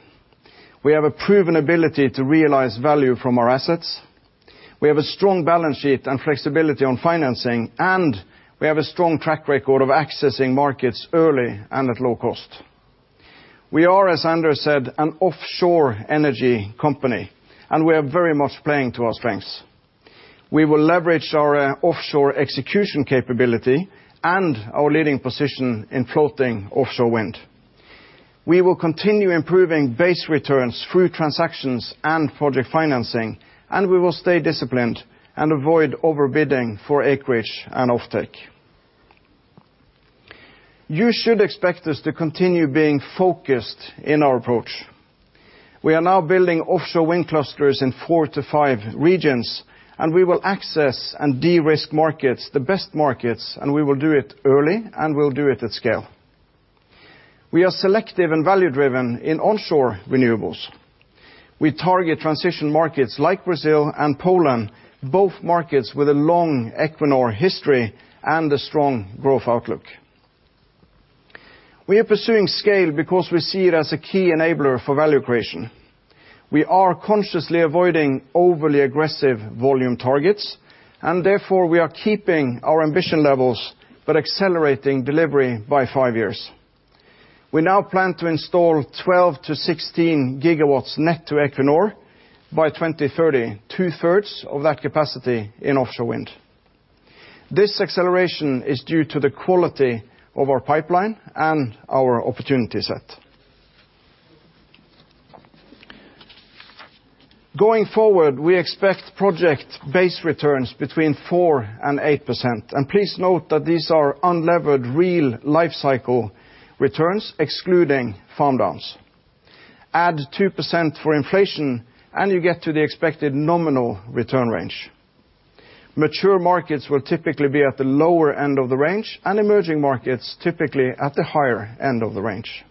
We have a proven ability to realize value from our assets, we have a strong balance sheet and flexibility on financing, and we have a strong track record of accessing markets early and at low cost. We are, as Anders said, an offshore energy company, and we are very much playing to our strengths. We will leverage our offshore execution capability and our leading position in floating offshore wind. We will continue improving base returns through transactions and project financing, and we will stay disciplined and avoid overbidding for acreage and offtake. You should expect us to continue being focused in our approach. We are now building offshore wind clusters in four to five regions, and we will access and de-risk markets, the best markets, and we will do it early, and we will do it at scale. We are selective and value-driven in onshore renewables. We target transition markets like Brazil and Poland, both markets with a long Equinor history and a strong growth outlook. We are pursuing scale because we see it as a key enabler for value creation. We are consciously avoiding overly aggressive volume targets, therefore we are keeping our ambition levels but accelerating delivery by five years. We now plan to install 12 GW-16 GW net to Equinor by 2030, two-thirds of that capacity in offshore wind. This acceleration is due to the quality of our pipeline and our opportunity set. Going forward, we expect project base returns between 4% and 8%. Please note that these are unlevered real lifecycle returns excluding farm-downs. Add 2% for inflation, you get to the expected nominal return range. Mature markets will typically be at the lower end of the range and emerging markets typically at the higher end of the range.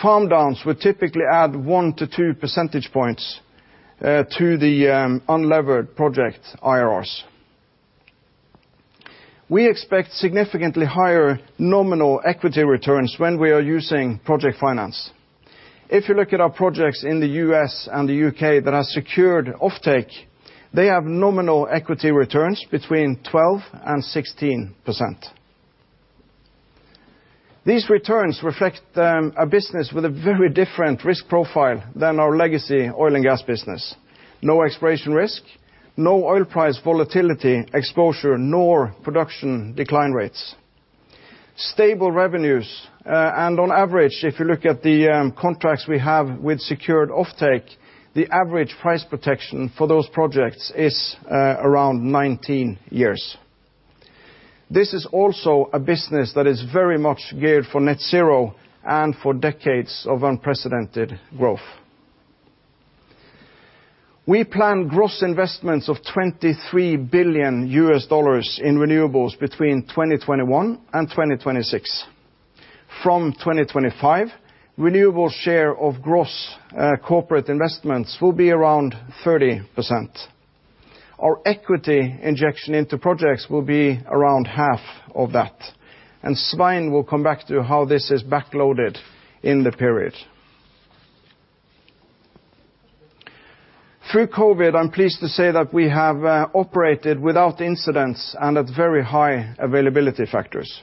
Farm-downs would typically add 1-2 percentage points to the unlevered project IRRs. We expect significantly higher nominal equity returns when we are using project finance. If you look at our projects in the U.S. and the U.K. that have secured offtake, they have nominal equity returns between 12% and 16%. These returns reflect a business with a very different risk profile than our legacy oil and gas business. No exploration risk, no oil price volatility exposure, nor production decline rates. Stable revenues, and on average, if you look at the contracts we have with secured offtake, the average price protection for those projects is around 19 years. This is also a business that is very much geared for net zero and for decades of unprecedented growth. We plan gross investments of $23 billion in renewables between 2021 and 2026. From 2025, renewable share of gross corporate investments will be around 30%. Our equity injection into projects will be around half of that, and Svein will come back to how this is back-loaded in the period. Through COVID, I'm pleased to say that we have operated without incidents and at very high availability factors.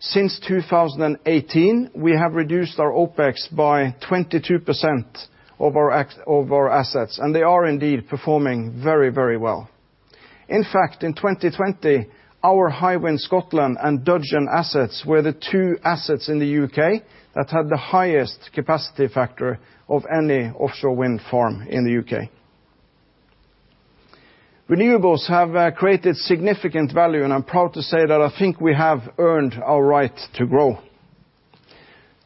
Since 2018, we have reduced our OpEx by 22% of our assets, and they are indeed performing very well. In fact, in 2020, our Hywind Scotland and Dogger Bank assets were the two assets in the U.K. that had the highest capacity factor of any offshore wind farm in the U.K. Renewables have created significant value, and I'm proud to say that I think we have earned our right to grow.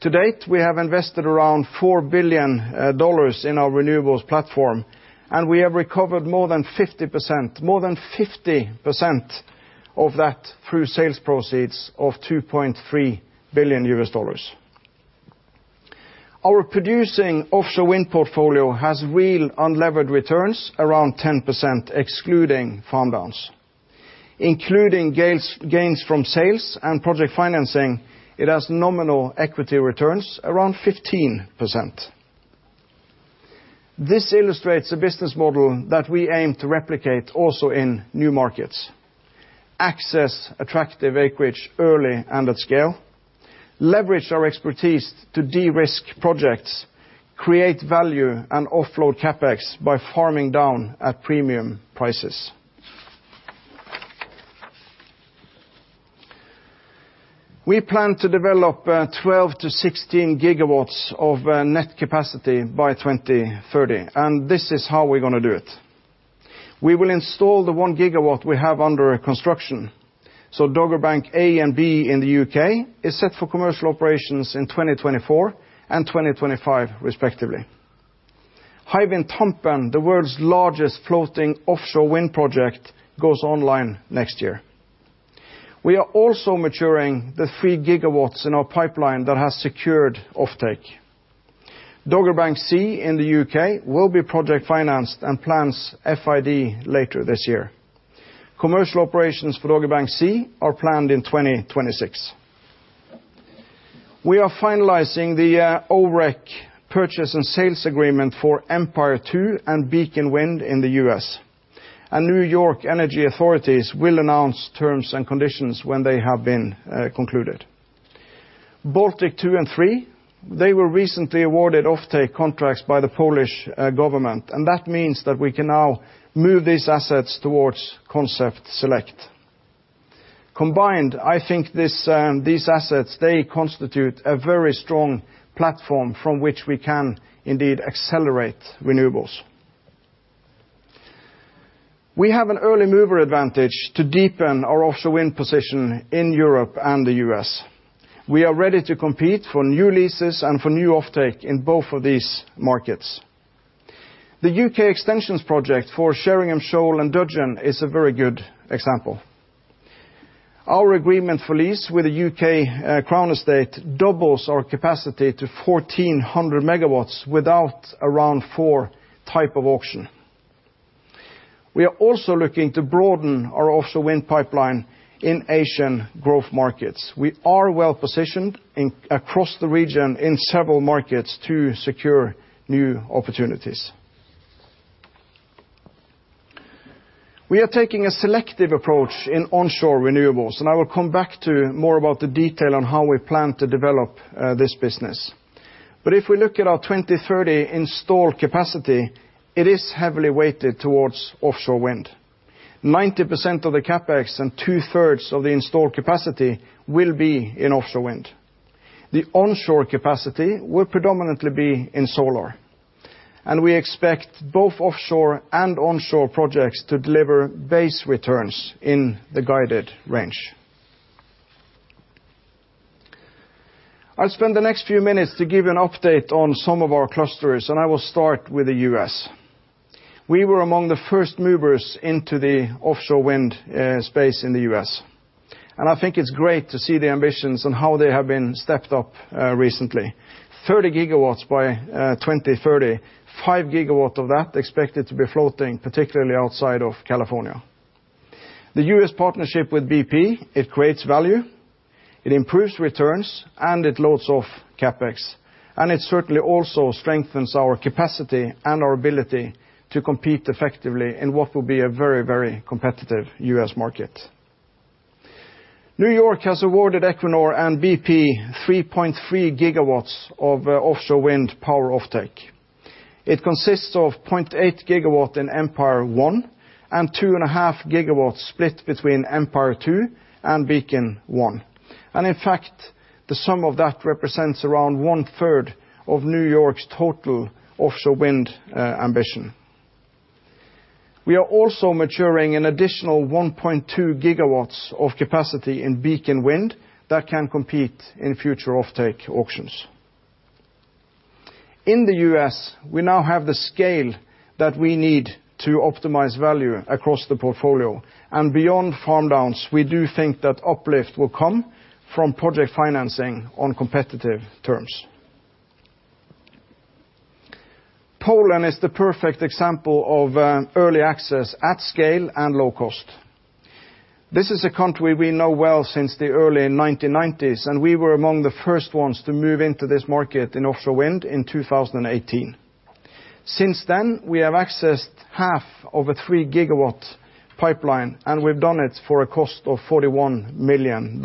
To-date, we have invested around $4 billion in our renewables platform, and we have recovered more than 50%, more than 50% of that through sales proceeds of $2.3 billion. Our producing offshore wind portfolio has real unlevered returns around 10%, excluding farm downs. Including gains from sales and project financing, it has nominal equity returns around 15%. This illustrates a business model that we aim to replicate also in new markets. Access attractive acreage early and at scale, leverage our expertise to de-risk projects, create value, and offload CapEx by farming down at premium prices. We plan to develop 12 GW-16 GW of net capacity by 2030, and this is how we're going to do it. We will install the 1 GW we have under construction. Dogger Bank A and B in the U.K. is set for commercial operations in 2024 and 2025, respectively. Hywind Tampen, the world's largest floating offshore wind project, goes online next year. We are also maturing the 3 GW in our pipeline that has secured offtake. Dogger Bank C in the U.K. will be project financed and plans FID later this year. Commercial operations for Dogger Bank C are planned in 2026. We are finalizing the OREC purchase and sales agreement for Empire Wind 2 and Beacon Wind in the U.S. New York energy authorities will announce terms and conditions when they have been concluded. Bałtyk II and III, they were recently awarded offtake contracts by the Polish government, that means that we can now move these assets towards concept select. Combined, I think these assets constitute a very strong platform from which we can indeed accelerate renewables. We have an early mover advantage to deepen our offshore wind position in Europe and the U.S. We are ready to compete for new leases and for new offtake in both of these markets. The U.K. extensions project for Sheringham Shoal and Dogger Bank is a very good example. Our agreement for lease with The Crown Estate doubles our capacity to 1,400 MW without a Round Four type of auction. We are also looking to broaden our offshore wind pipeline in Asian growth markets. We are well positioned across the region in several markets to secure new opportunities. We are taking a selective approach in onshore renewables. I will come back to more about the detail on how we plan to develop this business. If we look at our 2030 installed capacity, it is heavily weighted towards offshore wind. 90% of the CapEx and two-thirds of the installed capacity will be in offshore wind. The onshore capacity will predominantly be in solar. We expect both offshore and onshore projects to deliver base returns in the guided range. I'll spend the next few minutes to give an update on some of our clusters, and I will start with the U.S. We were among the first movers into the offshore wind space in the U.S., and I think it's great to see the ambitions and how they have been stepped up recently. 30 GW by 2030, 5 GW of that expected to be floating, particularly outside of California. The U.S. partnership with BP, it creates value, it improves returns, and it loads off CapEx. It certainly also strengthens our capacity and our ability to compete effectively in what will be a very competitive U.S. market. New York has awarded Equinor and BP 3.3 GW of offshore wind power offtake. It consists of 0.8 GW in Empire 1 and 2.5 GW split between Empire 2 and Beacon 1. In fact, the sum of that represents around one-third of New York's total offshore wind ambition. We are also maturing an additional 1.2 GW of capacity in Beacon Wind that can compete in future offtake auctions. In the U.S., we now have the scale that we need to optimize value across the portfolio. Beyond farm downs, we do think that uplift will come from project financing on competitive terms. Poland is the perfect example of early access at scale and low cost. This is a country we know well since the early 1990s, and we were among the first ones to move into this market in offshore wind in 2018. Since then, we have accessed half of a 3 GW pipeline, and we’ve done it for a cost of $41 million.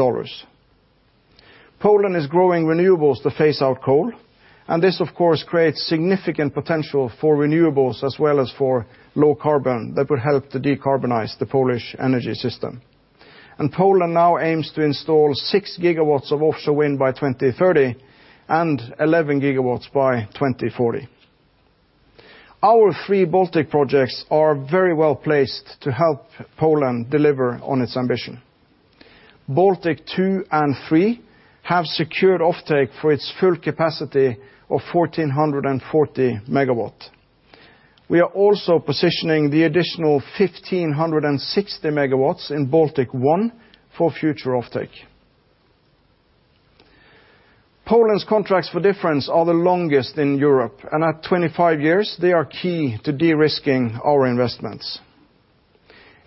Poland is growing renewables to phase out coal, and this, of course, creates significant potential for renewables as well as for low carbon that will help to decarbonize the Polish energy system. Poland now aims to install 6 GW of offshore wind by 2030 and 11GW by 2040. Our 3 Bałtyk projects are very well-placed to help Poland deliver on its ambition. Bałtyk II and III have secured offtake for its full capacity of 1,440 MW. We are also positioning the additional 1,560 MW in Bałtyk I for future offtake. Poland's contracts for difference are the longest in Europe, and at 25 years, they are key to de-risking our investments.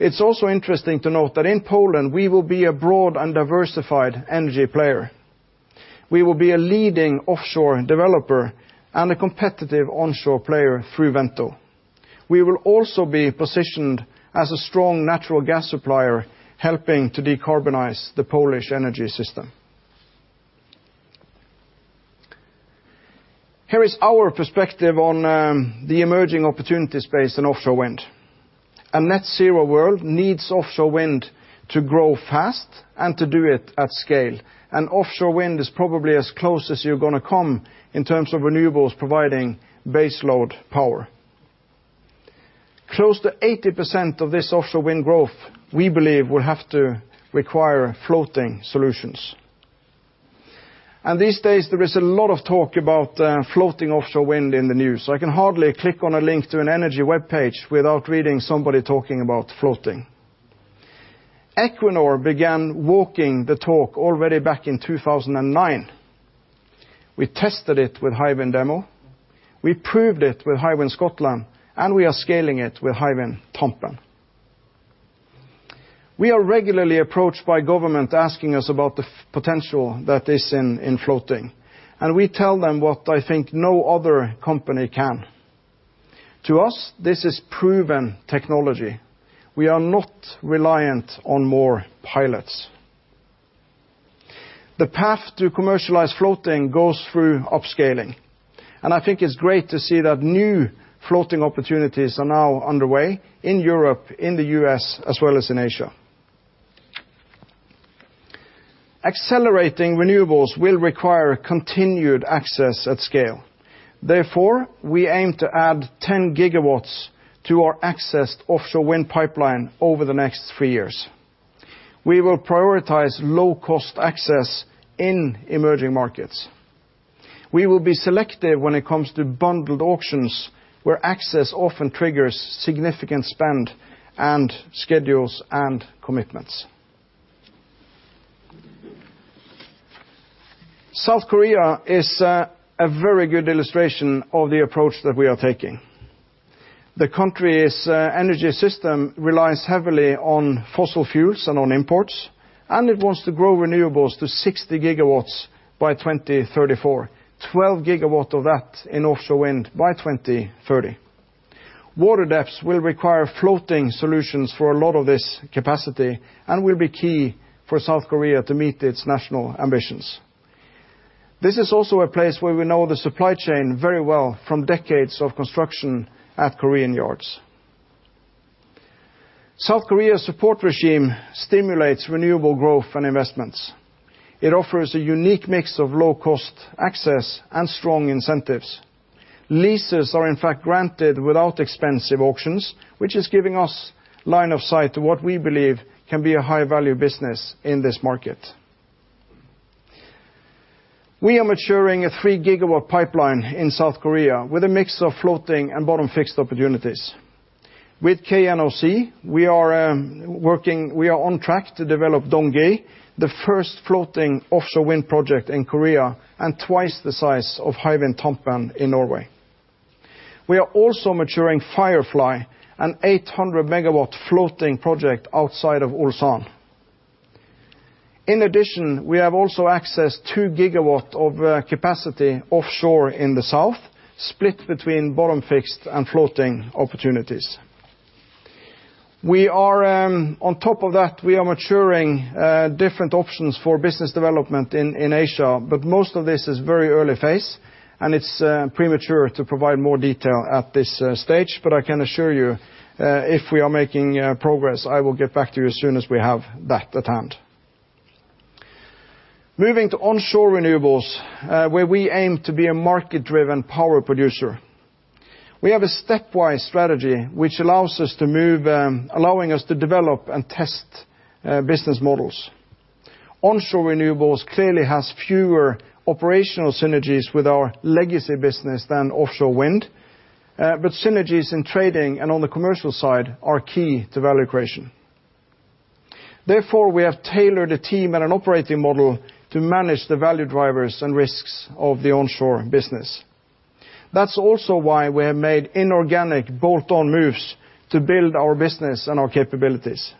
It is also interesting to note that in Poland, we will be a broad and diversified energy player. We will be a leading offshore developer and a competitive onshore player through Wento. We will also be positioned as a strong natural gas supplier, helping to decarbonize the Polish energy system. Here is our perspective on the emerging opportunity space in offshore wind. A net zero world needs offshore wind to grow fast and to do it at scale, offshore wind is probably as close as you're going to come in terms of renewables providing base load power. Close to 80% of this offshore wind growth, we believe, will have to require floating solutions. These days there is a lot of talk about floating offshore wind in the news. I can hardly click on a link to an energy webpage without reading somebody talking about floating. Equinor began walking the talk already back in 2009. We tested it with Hywind Demo, we proved it with Hywind Scotland, we are scaling it with Hywind Tampen. We are regularly approached by government asking us about the potential that is in floating, we tell them what I think no other company can. To us, this is proven technology. We are not reliant on more pilots. The path to commercialize floating goes through upscaling, and I think it's great to see that new floating opportunities are now underway in Europe, in the U.S., as well as in Asia. Accelerating renewables will require continued access at scale. Therefore, we aim to add 10 GW to our accessed offshore wind pipeline over the next three years. We will prioritize low-cost access in emerging markets. We will be selective when it comes to bundled auctions, where access often triggers significant spend and schedules and commitments. South Korea is a very good illustration of the approach that we are taking. The country's energy system relies heavily on fossil fuels and on imports, and it wants to grow renewables to 60 GW by 2034, 12 GW of that in offshore wind by 2030. Water depths will require floating solutions for a lot of this capacity and will be key for South Korea to meet its national ambitions. This is also a place where we know the supply chain very well from decades of construction at Korean yards. South Korea support regime stimulates renewable growth and investments. It offers a unique mix of low cost access and strong incentives. Leases are in fact granted without expensive auctions, which is giving us line of sight to what we believe can be a high value business in this market. We are maturing a 3 GW pipeline in South Korea with a mix of floating and bottom fixed opportunities. With KNOC, we are on track to develop Donghae, the first floating offshore wind project in Korea and 2x the size of Hywind Tampen in Norway. We are also maturing Firefly, an 800 MW floating project outside of Ulsan. In addition, we have also accessed 2 GW of capacity offshore in the south, split between bottom fixed and floating opportunities. On top of that, we are maturing different options for business development in Asia, but most of this is very early phase and it's premature to provide more detail at this stage. I can assure you, if we are making progress, I will get back to you as soon as we have that at hand. Moving to onshore renewables, where we aim to be a market-driven power producer. We have a stepwise strategy allowing us to develop and test business models. Onshore renewables clearly has fewer operational synergies with our legacy business than offshore wind, but synergies in trading and on the commercial side are key to value creation. Therefore, we have tailored a team and an operating model to manage the value drivers and risks of the onshore business. That's also why we have made inorganic bolt-on moves to build our business and our capabilities.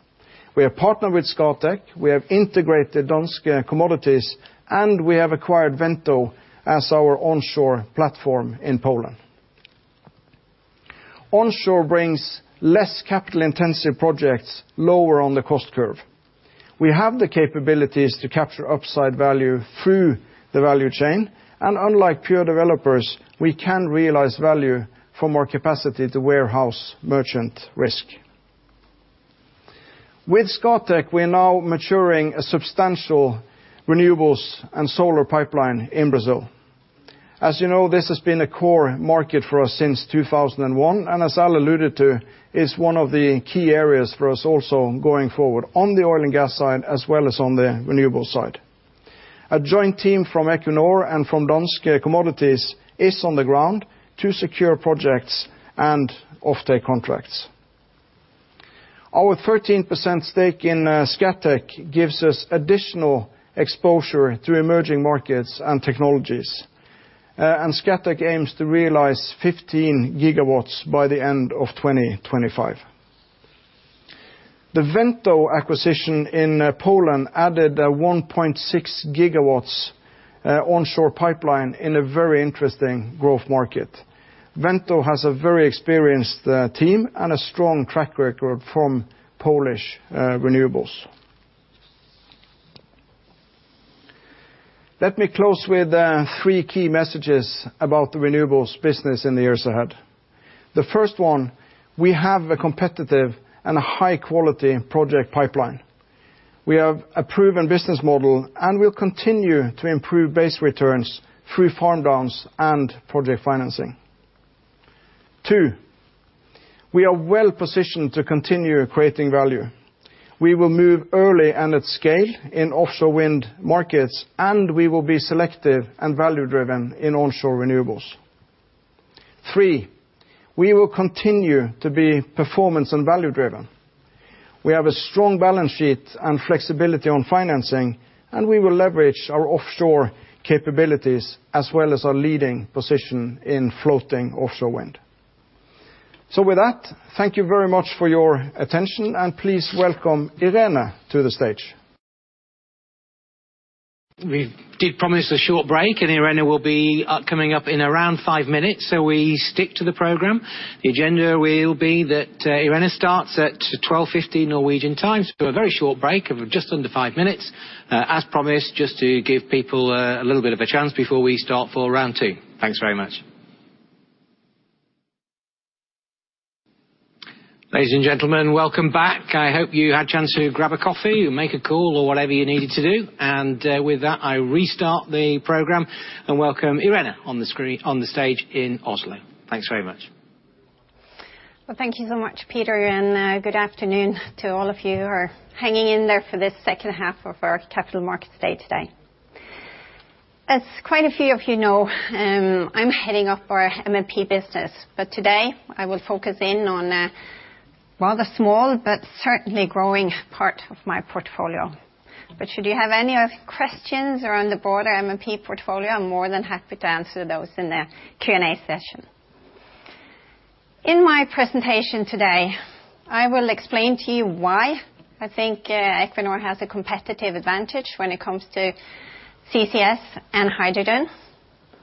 We have partnered with Scatec, we have integrated Danske Commodities, and we have acquired Wento as our onshore platform in Poland. Onshore brings less capital-intensive projects lower on the cost curve. We have the capabilities to capture upside value through the value chain, and unlike pure developers, we can realize value from our capacity to warehouse merchant risk. With Scatec, we are now maturing a substantial renewables and solar pipeline in Brazil. As you know, this has been a core market for us since 2001, as Al alluded to, is one of the key areas for us also going forward on the oil and gas side, as well as on the renewables side. A joint team from Equinor and from Danske Commodities is on the ground to secure projects and offtake contracts. Our 13% stake in Scatec gives us additional exposure to emerging markets and technologies, and Scatec aims to realize 15 GW by the end of 2025. The Wento acquisition in Poland added a 1.6 GW onshore pipeline in a very interesting growth market. Wento has a very experienced team and a strong track record from Polish renewables. Let me close with three key messages about the renewables business in the years ahead. The first one, we have a competitive and high-quality project pipeline. We have a proven business model, and we'll continue to improve base returns through farm downs and project financing. Two, we are well-positioned to continue creating value. We will move early and at scale in offshore wind markets, and we will be selective and value-driven in onshore renewables. Three, we will continue to be performance and value-driven. We have a strong balance sheet and flexibility on financing, and we will leverage our offshore capabilities as well as our leading position in floating offshore wind. With that, thank you very much for your attention, and please welcome Irene to the stage. We did promise a short break. Irene will be coming up in around five minutes, so we stick to the program. The agenda will be that Irene starts at 12:50 Norwegian time, so a very short break of just under five minutes. As promised, just to give people a little bit of a chance before we start for round 2:00. Thanks very much. Ladies and gentlemen, welcome back. I hope you had a chance to grab a coffee, make a call, or whatever you needed to do. With that, I restart the program and welcome Irene on the stage in Oslo. Thanks very much. Well, thank you so much, Peter, good afternoon to all of you who are hanging in there for this H2 of our Capital Markets Day today. As quite a few of you know, I'm heading up our MMP business. Today I will focus in on, while the small, but certainly growing part of my portfolio. Should you have any questions around the broader MMP portfolio, I'm more than happy to answer those in the Q&A session. In my presentation today, I will explain to you why I think Equinor has a competitive advantage when it comes to CCS and hydrogen.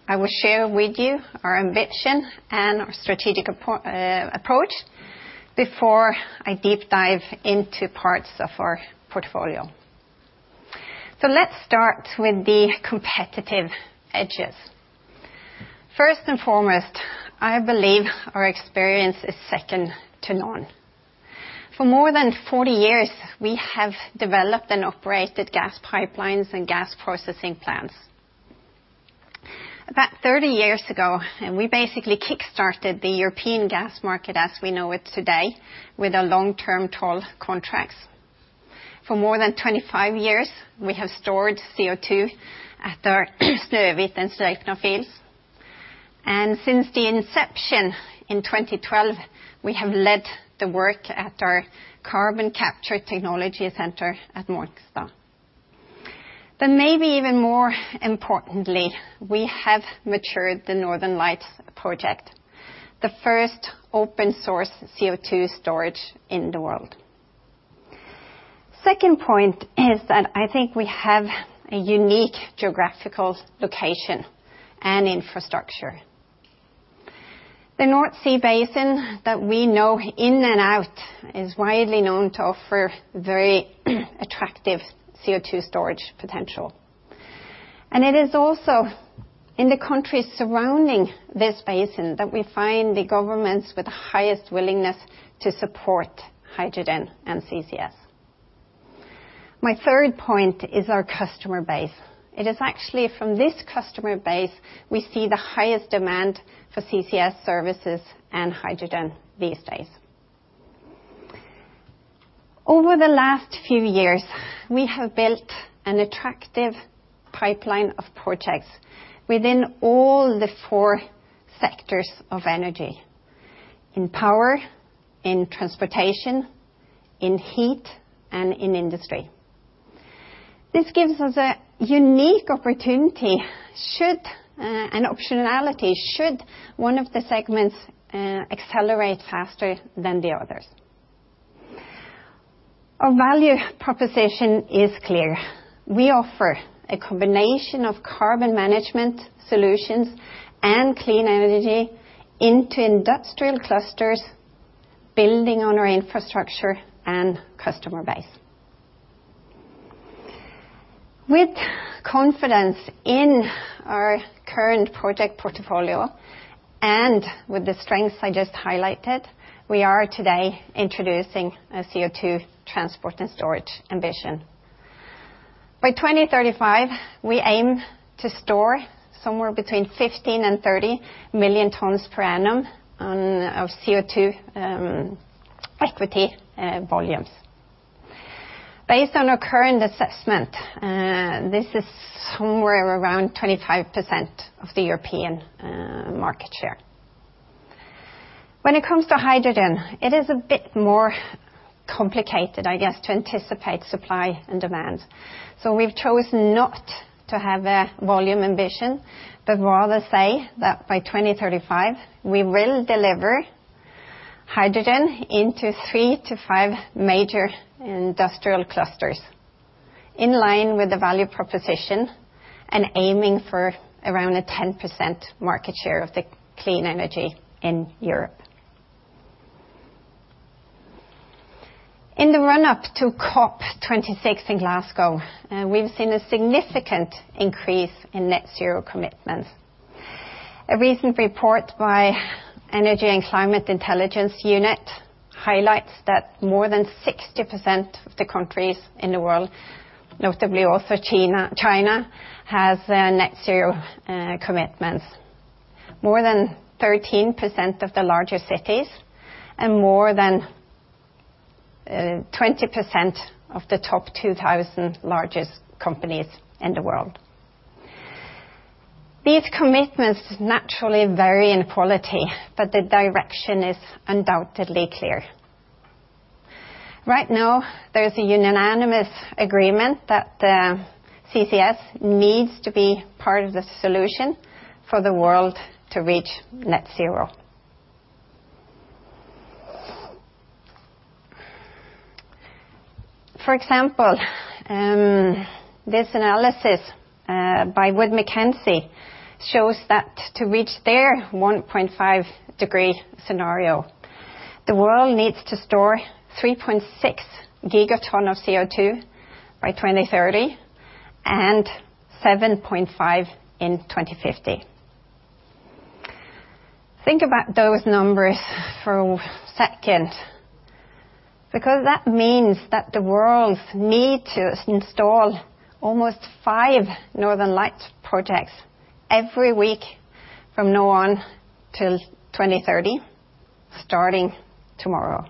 I will share with you our ambition and our strategic approach before I deep dive into parts of our portfolio. Let's start with the competitive edges. First and foremost, I believe our experience is second to none. For more than 40 years, we have developed and operated gas pipelines and gas processing plants. About 30 years ago, we basically kickstarted the European gas market as we know it today with our long-term toll contracts. For more than 25 years, we have stored CO2 at our Snøhvit and Sleipner fields. Since the inception in 2012, we have led the work at our Carbon Capture Technology Center at Mongstad. Maybe even more importantly, we have matured the Northern Lights project, the first open source CO2 storage in the world. Second point is that I think we have a unique geographical location and infrastructure. The North Sea basin that we know in and out is widely known to offer very attractive CO2 storage potential. It is also in the countries surrounding this basin that we find the governments with the highest willingness to support hydrogen and CCS. My third point is our customer base. It is actually from this customer base we see the highest demand for CCS services and hydrogen these days. Over the last few years, we have built an attractive pipeline of projects within all the four sectors of energy, in power, in transportation, in heat, and in industry. This gives us a unique opportunity and optionality should one of the segments accelerate faster than the others. Our value proposition is clear. We offer a combination of carbon management solutions and clean energy into industrial clusters, building on our infrastructure and customer base. With confidence in our current project portfolio and with the strengths I just highlighted, we are today introducing a CO2 transport and storage ambition. By 2035, we aim to store somewhere between 15 and 30 million tons per annum of CO2 equity volumes. Based on our current assessment, this is somewhere around 25% of the European market share. When it comes to hydrogen, it is a bit more complicated, I guess, to anticipate supply and demand. We've chosen not to have a volume ambition, but rather say that by 2035 we will deliver hydrogen into three-five major industrial clusters in line with the value proposition and aiming for around a 10% market share of the clean energy in Europe. In the run-up to COP26 in Glasgow, we've seen a significant increase in net zero commitments. A recent report by Energy and Climate Intelligence Unit highlights that more than 60% of the countries in the world, notably also China, have net zero commitments. More than 13% of the larger cities and more than 20% of the top 2,000 largest companies in the world. These commitments naturally vary in quality, but the direction is undoubtedly clear. Right now, there's a unanimous agreement that the CCS needs to be part of the solution for the world to reach net zero. For example, this analysis by Wood Mackenzie shows that to reach their 1.5 degree scenario, the world needs to store 3.6 Gt of CO2 by 2030 and 7.5 Gt in 2050. Think about those numbers for a second, because that means that the world need to install almost five Northern Lights projects every week from now on till 2030, starting tomorrow.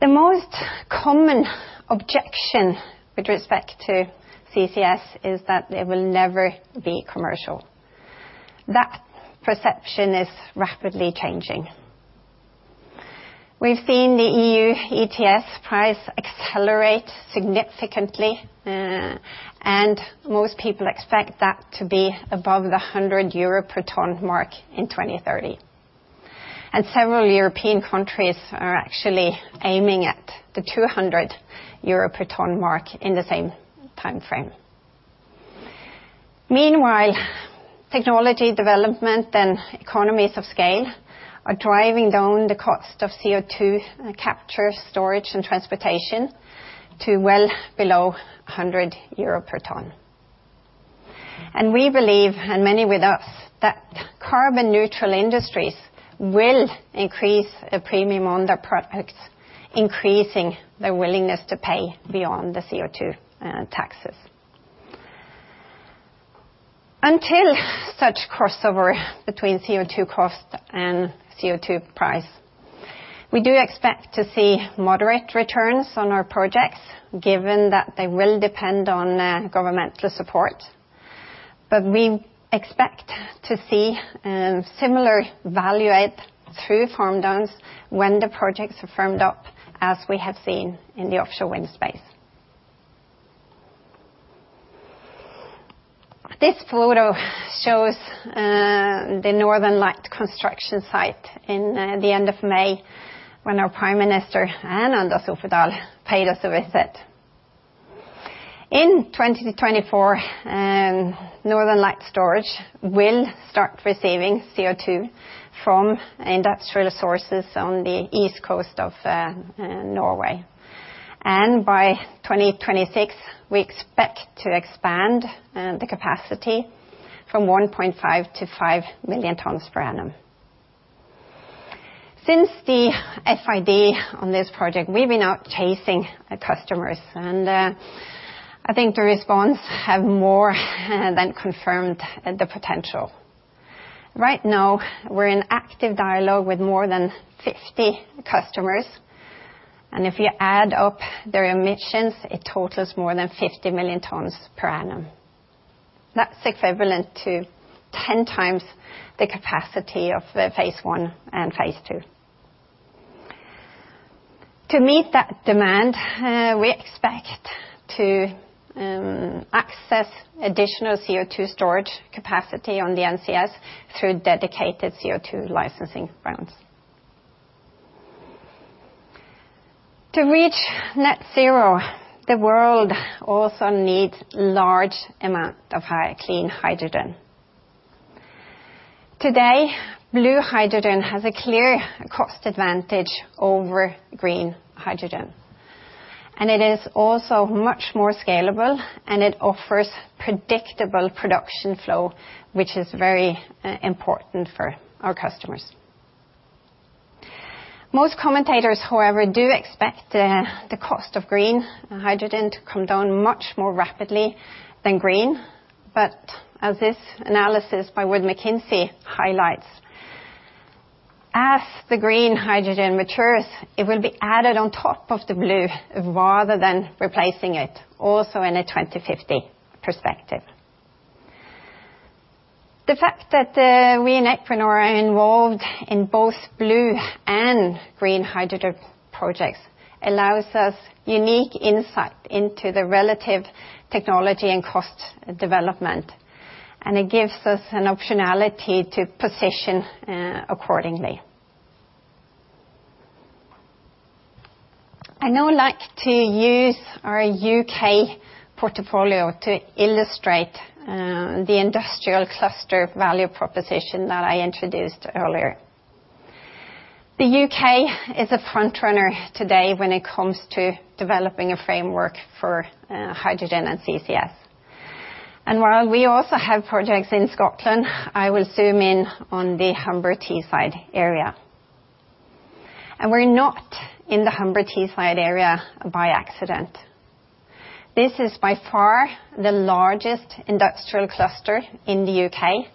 The most common objection with respect to CCS is that it will never be commercial. That perception is rapidly changing. We've seen the EU ETS price accelerate significantly, and most people expect that to be above the 100 euro per ton mark in 2030, and several European countries are actually aiming at the 200 euro per ton mark in the same timeframe. Meanwhile, technology development and economies of scale are driving down the cost of CO2 capture, storage, and transportation to well below 100 euro per ton. We believe, and many with us, that carbon neutral industries will increase a premium on their products, increasing their willingness to pay beyond the CO2 taxes. Until such crossover between CO2 cost and CO2 price, we do expect to see moderate returns on our projects given that they will depend on governmental support. We expect to see similar value add through farm downs when the projects are firmed up, as we have seen in the offshore wind space. This photo shows the Northern Lights construction site in the end of May, when our Prime Minister, Erna Solberg, paid us a visit. In 2024, Northern Lights storage will start receiving CO2 from industrial sources on the east coast of Norway. By 2026, we expect to expand the capacity from 1.5-5 million tons per annum. Since the FID on this project, we've been out chasing the customers, and I think the response have more than confirmed the potential. Right now, we're in active dialogue with more than 50 customers. If you add up their emissions, it totals more than 50 million tons per annum. That's equivalent to 10x the capacity of the phase I and phase II. To meet that demand, we expect to access additional CO2 storage capacity on the NCS through dedicated CO2 licensing rounds. To reach net zero, the world also needs large amount of clean hydrogen. Today, blue hydrogen has a clear cost advantage over green hydrogen, and it is also much more scalable, and it offers predictable production flow, which is very important for our customers. Most commentators, however, do expect the cost of green hydrogen to come down much more rapidly than green, but as this analysis by Wood Mackenzie highlights, as the green hydrogen matures, it will be added on top of the blue rather than replacing it, also in a 2050 perspective. The fact that we in Equinor are involved in both blue and green hydrogen projects allows us unique insight into the relative technology and cost development, and it gives us an optionality to position accordingly. I now like to use our U.K. portfolio to illustrate the industrial cluster value proposition that I introduced earlier. The U.K. is a frontrunner today when it comes to developing a framework for hydrogen and CCS. While we also have projects in Scotland, I will zoom in on the Humber Teesside area. We're not in the Humber Teesside area by accident. This is by far the largest industrial cluster in the U.K.,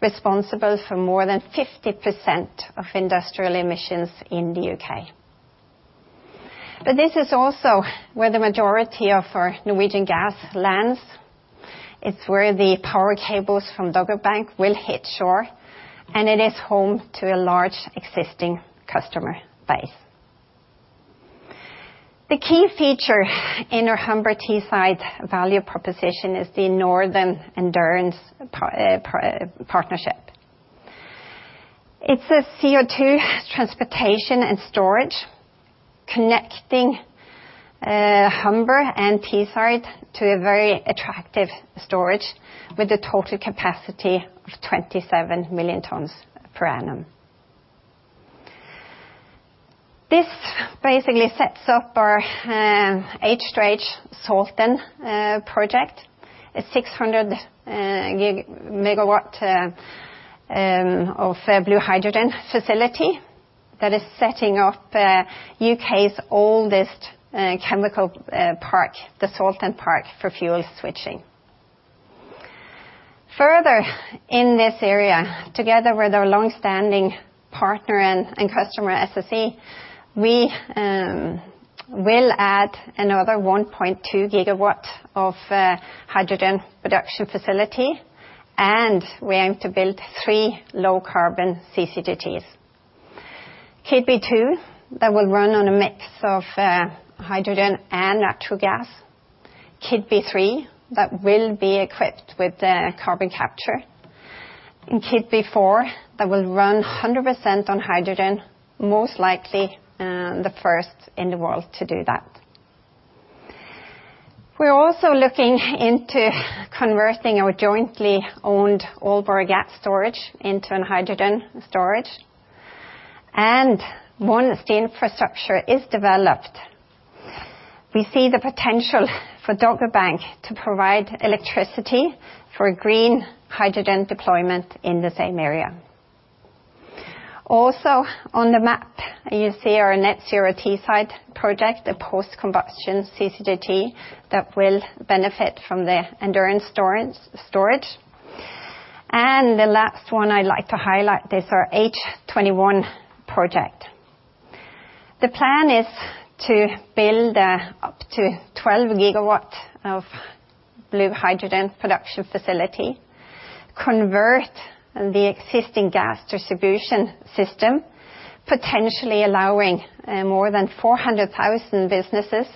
responsible for more than 50% of industrial emissions in the U.K. This is also where the majority of our Norwegian gas lands. It's where the power cables from Dogger Bank will hit shore, and it is home to a large existing customer base. The key feature in our Humber Teesside value proposition is the Northern Endurance Partnership. It's a CO2 transportation and storage connecting Humber and Teesside to a very attractive storage with a total capacity of 27 million tons per annum. This basically sets up our H2H Saltend project, a 600 MW of blue hydrogen facility that is setting up U.K.'s oldest Chemicals Park, the Saltend Chemicals Park, for fuel switching. Further in this area, together with our longstanding partner and customer, SSE, we will add another 1.2 GW of hydrogen production facility. We aim to build three low-carbon CCGTs. Keadby 2 that will run on a mix of hydrogen and natural gas, Keadby 3 that will be equipped with the carbon capture. Keadby Hydrogen that will run 100% on hydrogen, most likely the first in the world to do that. We're also looking into converting our jointly owned Aldbrough gas storage into a hydrogen storage. Once the infrastructure is developed, we see the potential for Dogger Bank to provide electricity for green hydrogen deployment in the same area. Also on the map, you see our Net Zero Teesside project, a post-combustion CCGT that will benefit from the endurance storage. The last one I'd like to highlight is our H21 project. The plan is to build up to 12 GW of blue hydrogen production facility, convert the existing gas distribution system, potentially allowing more than 400,000 businesses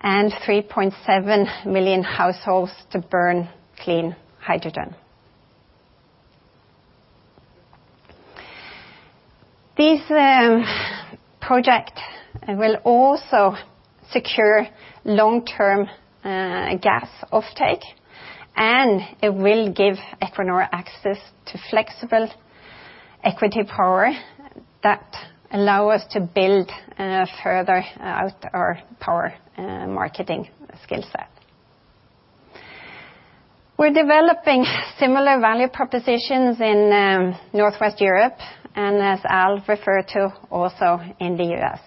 and 3.7 million households to burn clean hydrogen. These project will also secure long-term gas offtake, and it will give Equinor access to flexible equity power that allow us to build further out our power marketing skill set. We're developing similar value propositions in Northwest Europe, and as Al referred to, also in the U.S.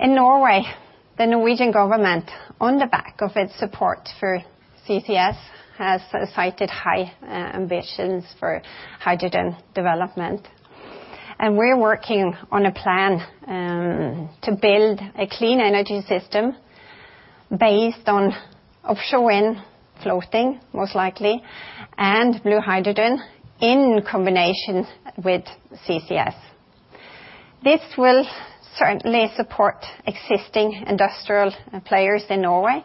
In Norway, the Norwegian government, on the back of its support for CCS, has cited high ambitions for hydrogen development. We're working on a plan to build a clean energy system based on offshore wind, floating, most likely, and blue hydrogen in combination with CCS. This will certainly support existing industrial players in Norway.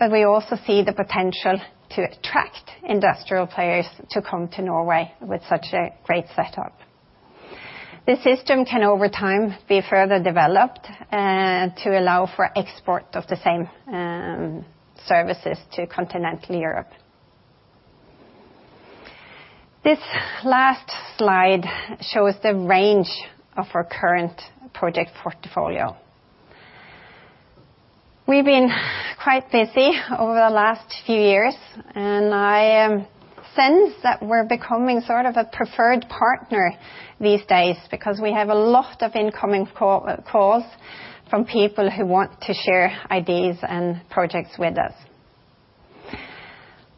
We also see the potential to attract industrial players to come to Norway with such a great setup. The system can, over time, be further developed to allow for export of the same services to continental Europe. This last slide shows the range of our current project portfolio. We've been quite busy over the last few years. I sense that we're becoming sort of a preferred partner these days because we have a lot of incoming calls from people who want to share ideas and projects with us.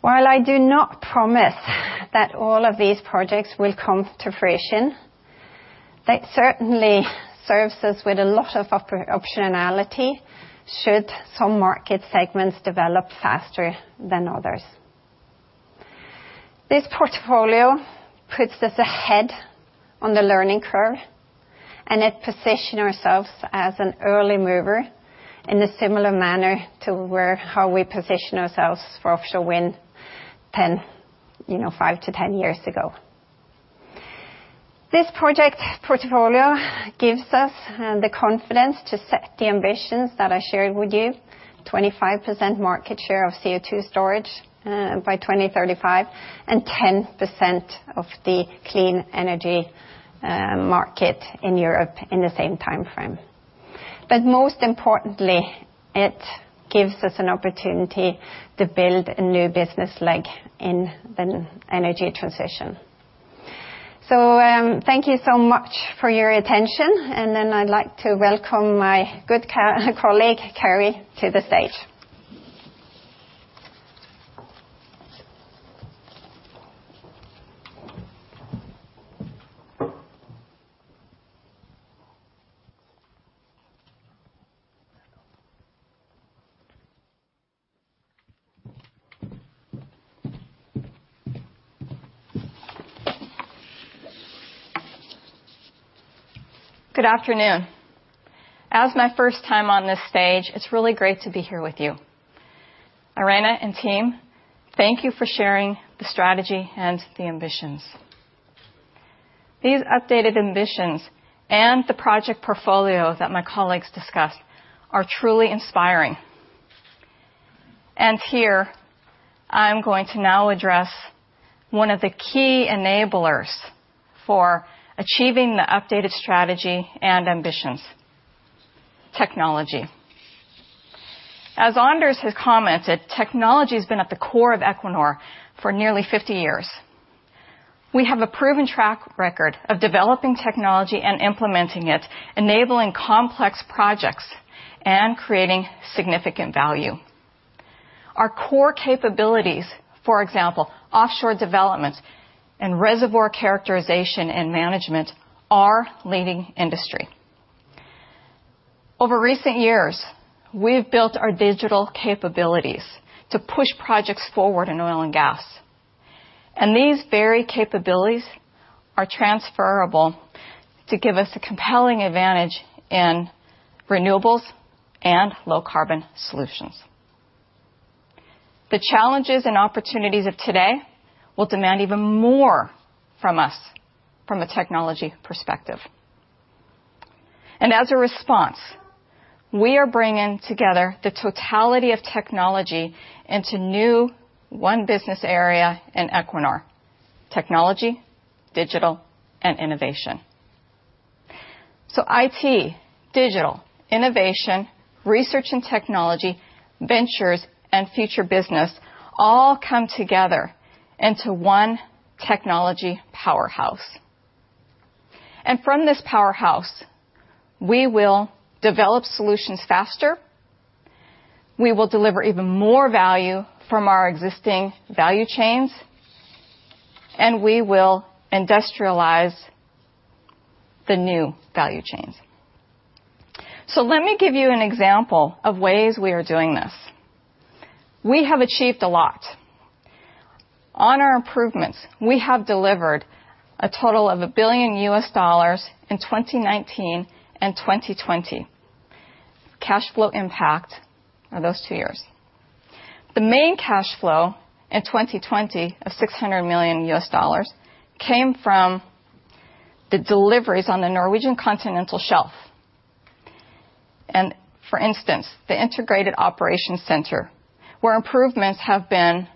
While I do not promise that all of these projects will come to fruition, it certainly serves us with a lot of optionality should some market segments develop faster than others. This portfolio puts us ahead on the learning curve, It positions ourselves as an early mover in a similar manner to how we positioned ourselves for offshore wind five-10 years ago. This project portfolio gives us the confidence to set the ambitions that I shared with you, 25% market share of CO2 storage by 2035 and 10% of the clean energy market in Europe in the same timeframe. Most importantly, it gives us an opportunity to build a new business leg in an energy transition. Thank you so much for your attention, I'd like to welcome my good colleague, Carri, to the stage. Good afternoon. As my first time on this stage, it's really great to be here with you. Irene and team, thank you for sharing the strategy and the ambitions. These updated ambitions and the project portfolio that my colleagues discussed are truly inspiring. Here, I'm going to now address one of the key enablers for achieving the updated strategy and ambitions, technology. As Anders has commented, technology has been at the core of Equinor for nearly 50 years. We have a proven track record of developing technology and implementing it, enabling complex projects and creating significant value. Our core capabilities, for example, offshore development and reservoir characterization and management, are leading industry. Over recent years, we have built our digital capabilities to push projects forward in oil and gas. These very capabilities are transferable to give us a compelling advantage in renewables and low carbon solutions. The challenges and opportunities of today will demand even more from us from a technology perspective. As a response, we are bringing together the totality of technology into new one business area in Equinor, Technology, Digital, and Innovation. IT, Digital, Innovation, Research and Technology, Ventures, and Future Business all come together into one technology powerhouse. From this powerhouse, we will develop solutions faster, we will deliver even more value from our existing value chains, and we will industrialize the new value chains. Let me give you an example of ways we are doing this. We have achieved a lot. On our improvements, we have delivered a total of $1 billion in 2019 and 2020, cash flow impact on those two years. The main cash flow in 2020 of $600 million came from the deliveries on the Norwegian continental shelf. For instance, the integrated operations center, where improvements have been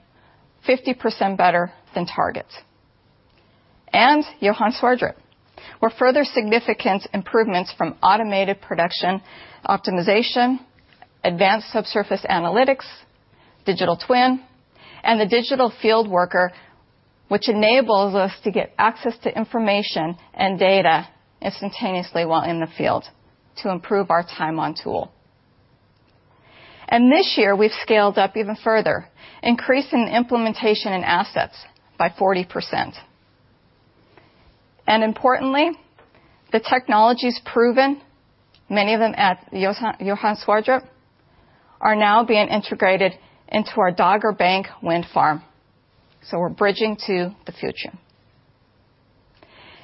50% better than targets. Johan Sverdrup, where further significant improvements from automated production optimization, advanced subsurface analytics, digital twin, and the digital field worker, which enables us to get access to information and data instantaneously while in the field to improve our time on tool. This year, we've scaled up even further, increasing the implementation and assets by 40%. Importantly, the technologies proven, many of them at Johan Sverdrup, are now being integrated into our Dogger Bank wind farm. We're bridging to the future.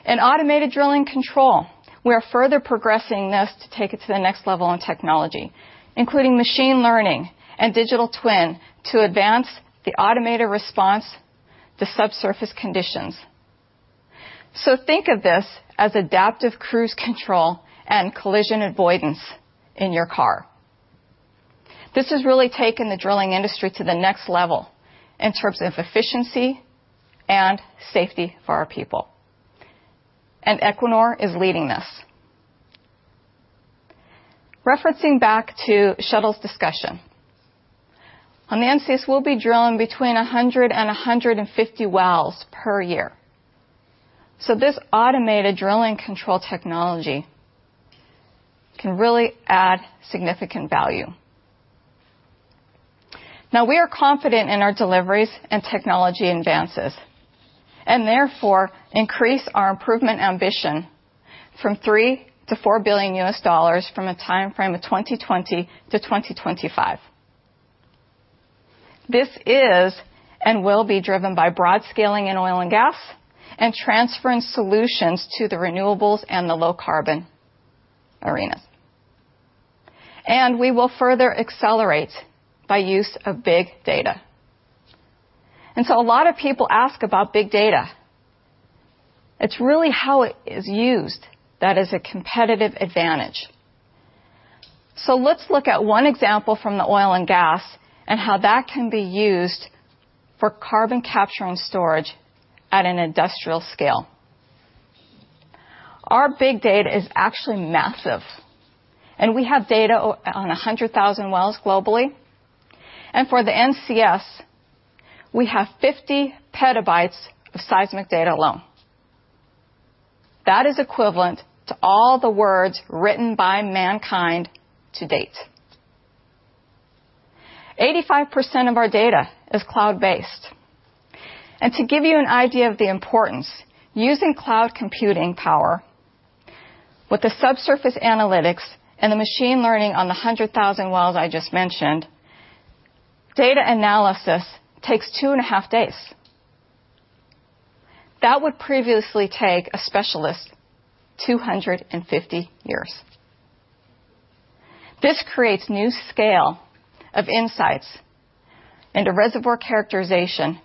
In automated drilling control, we are further progressing this to take it to the next level in technology, including machine learning and digital twin to advance the automated response to subsurface conditions. Think of this as adaptive cruise control and collision avoidance in your car. This has really taken the drilling industry to the next level in terms of efficiency and safety for our people. Equinor is leading this. Referencing back to Kjetil's discussion, on the NCS, we will be drilling between 100 and 150 wells per year. This automated drilling control technology can really add significant value. Now, we are confident in our deliveries and technology advances, and therefore, increase our improvement ambition from $3 billion-$4 billion from a timeframe of 2020-2025. This is and will be driven by broad scaling in oil and gas, and transferring solutions to the renewables and the low-carbon arenas. We will further accelerate by use of big data. A lot of people ask about big data. It is really how it is used that is a competitive advantage. Let's look at one example from the oil and gas and how that can be used for carbon capture and storage at an industrial scale. Our big data is actually massive, and we have data on 100,000 wells globally. For the NCS, we have 50 PB of seismic data alone. That is equivalent to all the words written by mankind to date. 85% of our data is cloud-based. To give you an idea of the importance, using cloud computing power with the subsurface analytics and the machine learning on the 100,000 wells I just mentioned, data analysis takes two and a half days. That would previously take a specialist 250 years. This creates new scale of insights into reservoir characterization,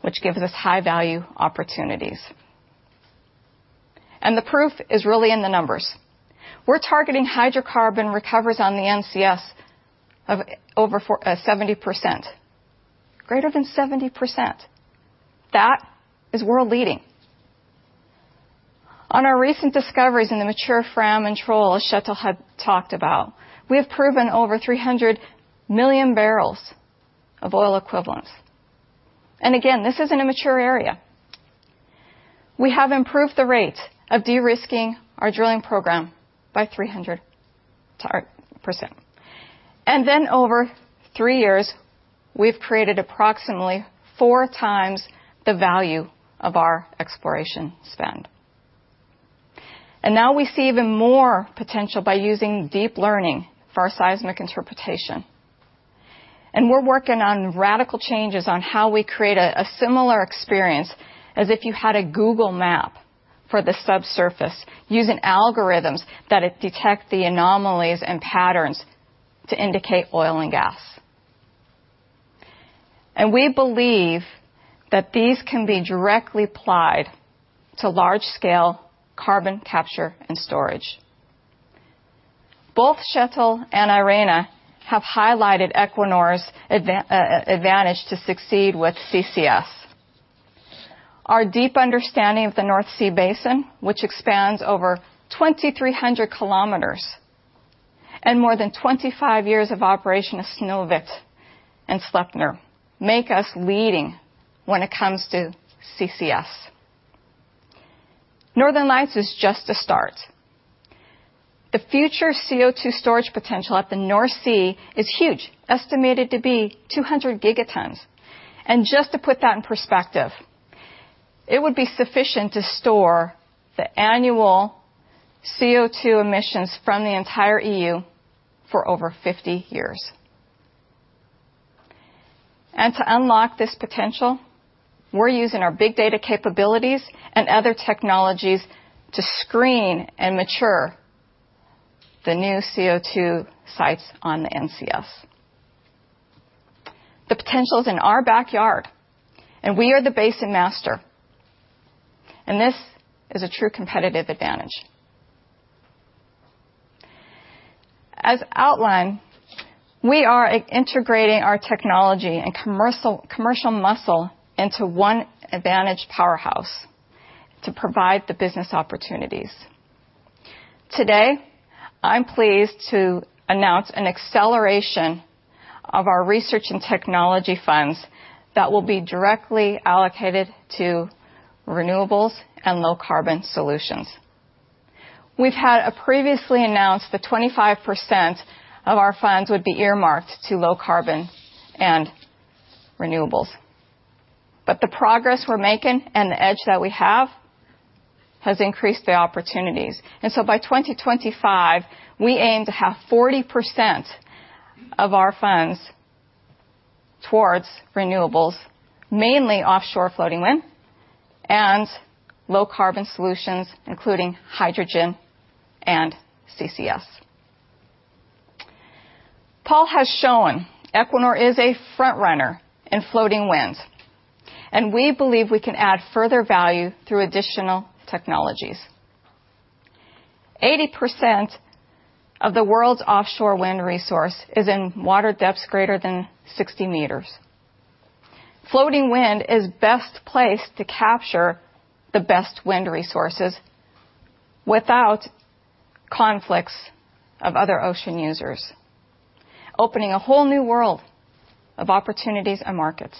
which gives us high-value opportunities. The proof is really in the numbers. We're targeting hydrocarbon recoveries on the NCS of over 70%, greater than 70%. That is world-leading. On our recent discoveries in the mature Fram and Troll, as Kjetil had talked about, we have proven over 300 million barrels of oil equivalents. Again, this is in a mature area. We have improved the rate of de-risking our drilling program by 300%. Over three years, we've created approximately 4x the value of our exploration spend. Now we see even more potential by using deep learning for our seismic interpretation. We're working on radical changes on how we create a similar experience as if you had a Google map for the subsurface using algorithms that detect the anomalies and patterns to indicate oil and gas. We believe that these can be directly applied to large-scale carbon capture and storage. Both Kjetil and Irene have highlighted Equinor's advantage to succeed with CCS. Our deep understanding of the North Sea Basin, which expands over 2,300 km, and more than 25 years of operation of Snøhvit and Sleipner, make us leading when it comes to CCS. Northern Lights is just a start. The future CO2 storage potential at the North Sea is huge, estimated to be 200 Gt. Just to put that in perspective, it would be sufficient to store the annual CO2 emissions from the entire EU for over 50 years. To unlock this potential, we're using our big data capabilities and other technologies to screen and mature the new CO2 sites on the NCS. The potential's in our backyard, and we are the basin master, and this is a true competitive advantage. As outlined, we are integrating our technology and commercial muscle into one advantage powerhouse to provide the business opportunities. Today, I'm pleased to announce an acceleration of our research and technology funds that will be directly allocated to renewables and low-carbon solutions. We've had previously announced that 25% of our funds would be earmarked to low carbon and renewables. The progress we're making and the edge that we have, has increased the opportunities. By 2025, we aim to have 40% of our funds towards renewables, mainly offshore floating wind and low-carbon solutions, including hydrogen and CCS. Pål has shown Equinor is a front-runner in floating wind, and we believe we can add further value through additional technologies. 80% of the world's offshore wind resource is in water depths greater than 60 m. Floating wind is best placed to capture the best wind resources without conflicts of other ocean users, opening a whole new world of opportunities and markets.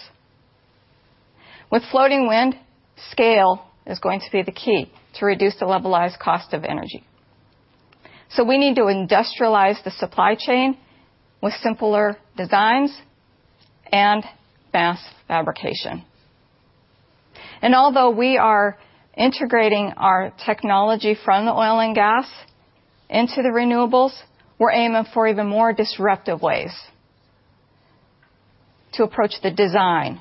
With floating wind, scale is going to be the key to reduce the levelized cost of energy. We need to industrialize the supply chain with simpler designs and mass fabrication. Although we are integrating our technology from the oil and gas into the renewables, we're aiming for even more disruptive ways to approach the design,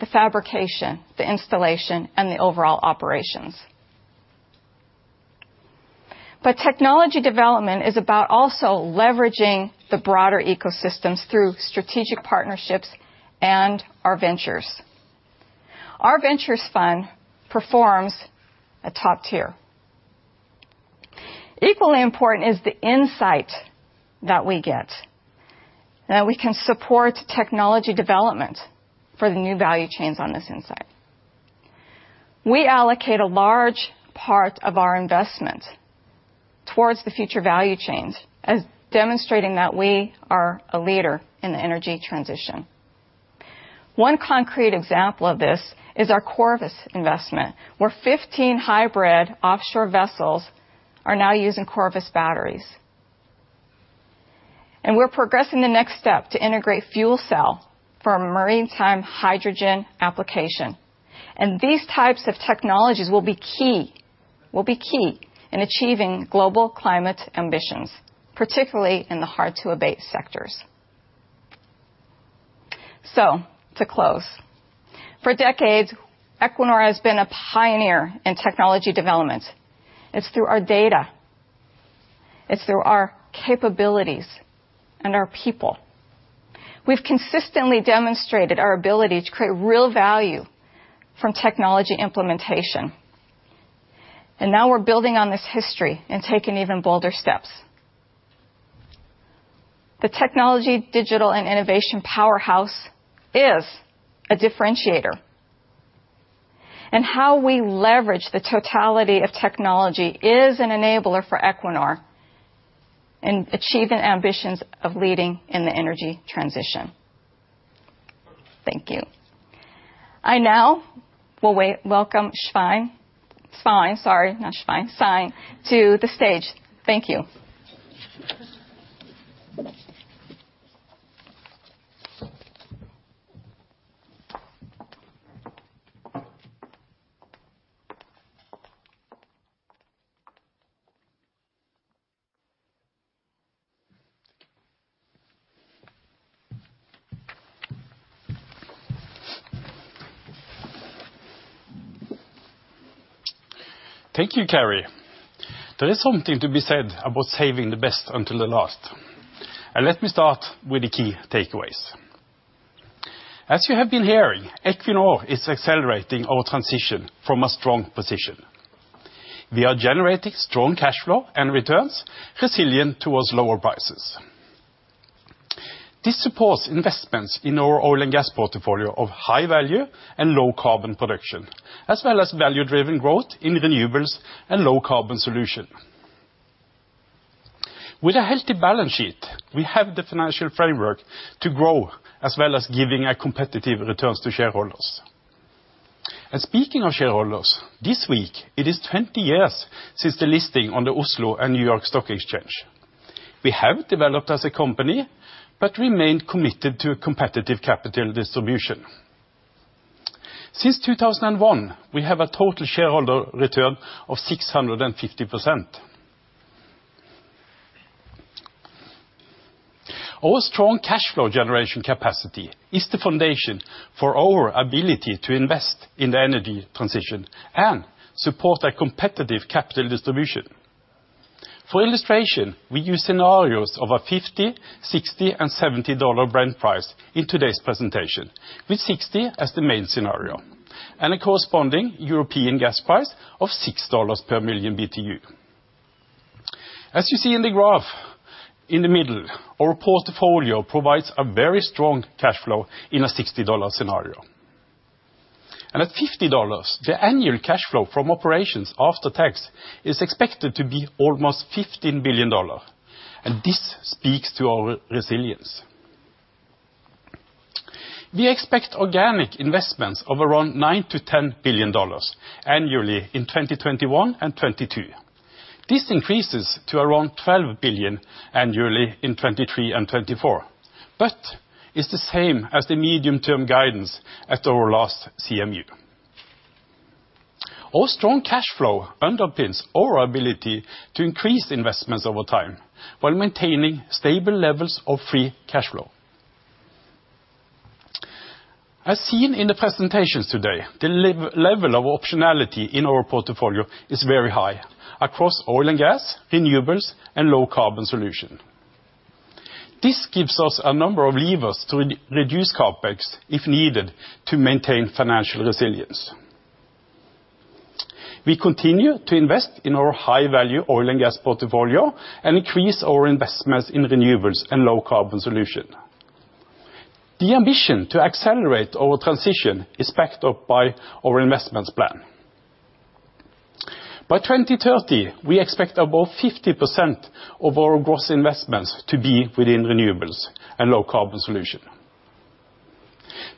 the fabrication, the installation, and the overall operations. Technology development is about also leveraging the broader ecosystems through strategic partnerships and our ventures. Our ventures fund performs a top-tier. Equally important is the insight that we get, that we can support technology development for the new value chains on this insight. We allocate a large part of our investment towards the future value chains, demonstrating that we are a leader in the energy transition. One concrete example of this is our Corvus investment, where 15 hybrid offshore vessels are now using Corvus batteries. We're progressing the next step to integrate fuel cell for a maritime hydrogen application. These types of technologies will be key in achieving global climate ambitions, particularly in the hard-to-abate sectors. To close. For decades, Equinor has been a pioneer in technology development. It's through our data. It's through our capabilities and our people. We've consistently demonstrated our ability to create real value from technology implementation. Now we're building on this history and taking even bolder steps. The Technology, Digital and Innovation powerhouse is a differentiator. How we leverage the totality of technology is an enabler for Equinor in achieving ambitions of leading in the energy transition. Thank you. I now will welcome Svein to the stage. Thank you. Thank you, Carri. There is something to be said about saving the best until the last. Let me start with the key takeaways. As you have been hearing, Equinor is accelerating our transition from a strong position. We are generating strong cash flow and returns, resilient towards lower prices. This supports investments in our oil and gas portfolio of high value and low carbon production, as well as value-driven growth in renewables and low carbon solution. With a healthy balance sheet, we have the financial framework to grow as well as giving a competitive returns to shareholders. Speaking of shareholders, this week, it is 20 years since the listing on the Oslo and New York Stock Exchange. We have developed as a company, but remained committed to a competitive capital distribution. Since 2001, we have a total shareholder return of 650%. Our strong cash flow generation capacity is the foundation for our ability to invest in the energy transition and support a competitive capital distribution. For illustration, we use scenarios of a $50, $60, and $70 Brent price in today's presentation, with $60 as the main scenario, and a corresponding European gas price of $6 per million BTU. As you see in the graph in the middle, our portfolio provides a very strong cash flow in a $60 scenario. At $50, the annual cash flow from operations after tax is expected to be almost $15 billion, and this speaks to our resilience. We expect organic investments of around $9 billion-$10 billion annually in 2021 and 2022. This increases to around $12 billion annually in 2023 and 2024, it's the same as the medium-term guidance at our last CMD. Our strong cash flow underpins our ability to increase investments over time while maintaining stable levels of free cash flow. As seen in the presentations today, the level of optionality in our portfolio is very high across oil and gas, renewables, and low-carbon solutions. This gives us a number of levers to reduce CapEx if needed to maintain financial resilience. We continue to invest in our high-value oil and gas portfolio and increase our investments in renewables and low-carbon solutions. The ambition to accelerate our transition is backed up by our investments plan. By 2030, we expect above 50% of our gross investments to be within renewables and low-carbon solutions.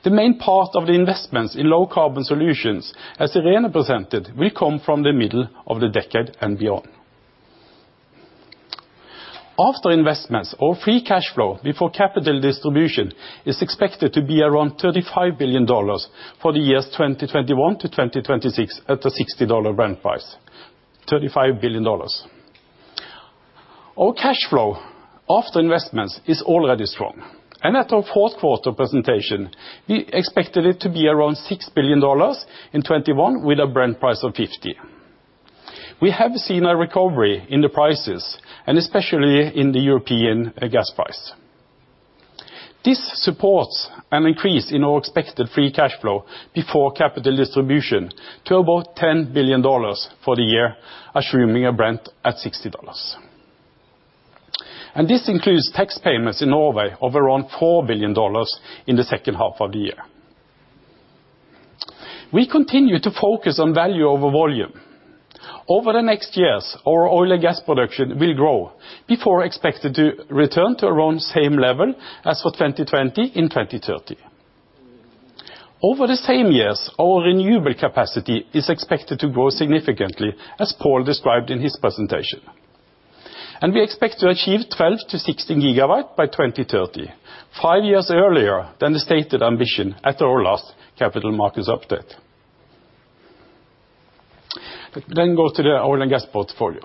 The main part of investments in low-carbon solutions, as Irene presented, will come from the middle of the decade and beyond. After investments, our free cash flow before capital distribution is expected to be around NOK 35 billion for the years 2021-2026 at a NOK 60 Brent price. NOK 35 billion. Our cash flow after investments is already strong. At our Q4 presentation, we expected it to be around NOK 6 billion in 2021 with a Brent price of 50. We have seen a recovery in the prices and especially in the European gas price. This supports an increase in our expected free cash flow before capital distribution to about NOK 10 billion for the year, assuming Brent at NOK 60. This includes tax payments in Norway of around NOK 4 billion in the H2 of the year. We continue to focus on value over volume. Over the next years, our oil and gas production will grow before expected to return to around the same level as for 2020 in 2030. Over the same years, our renewable capacity is expected to grow significantly, as Pål described in his presentation. We expect to achieve 12 GW-16 GW by 2030, five years earlier than the stated ambition at our last capital markets update. Let me go to the oil and gas portfolio.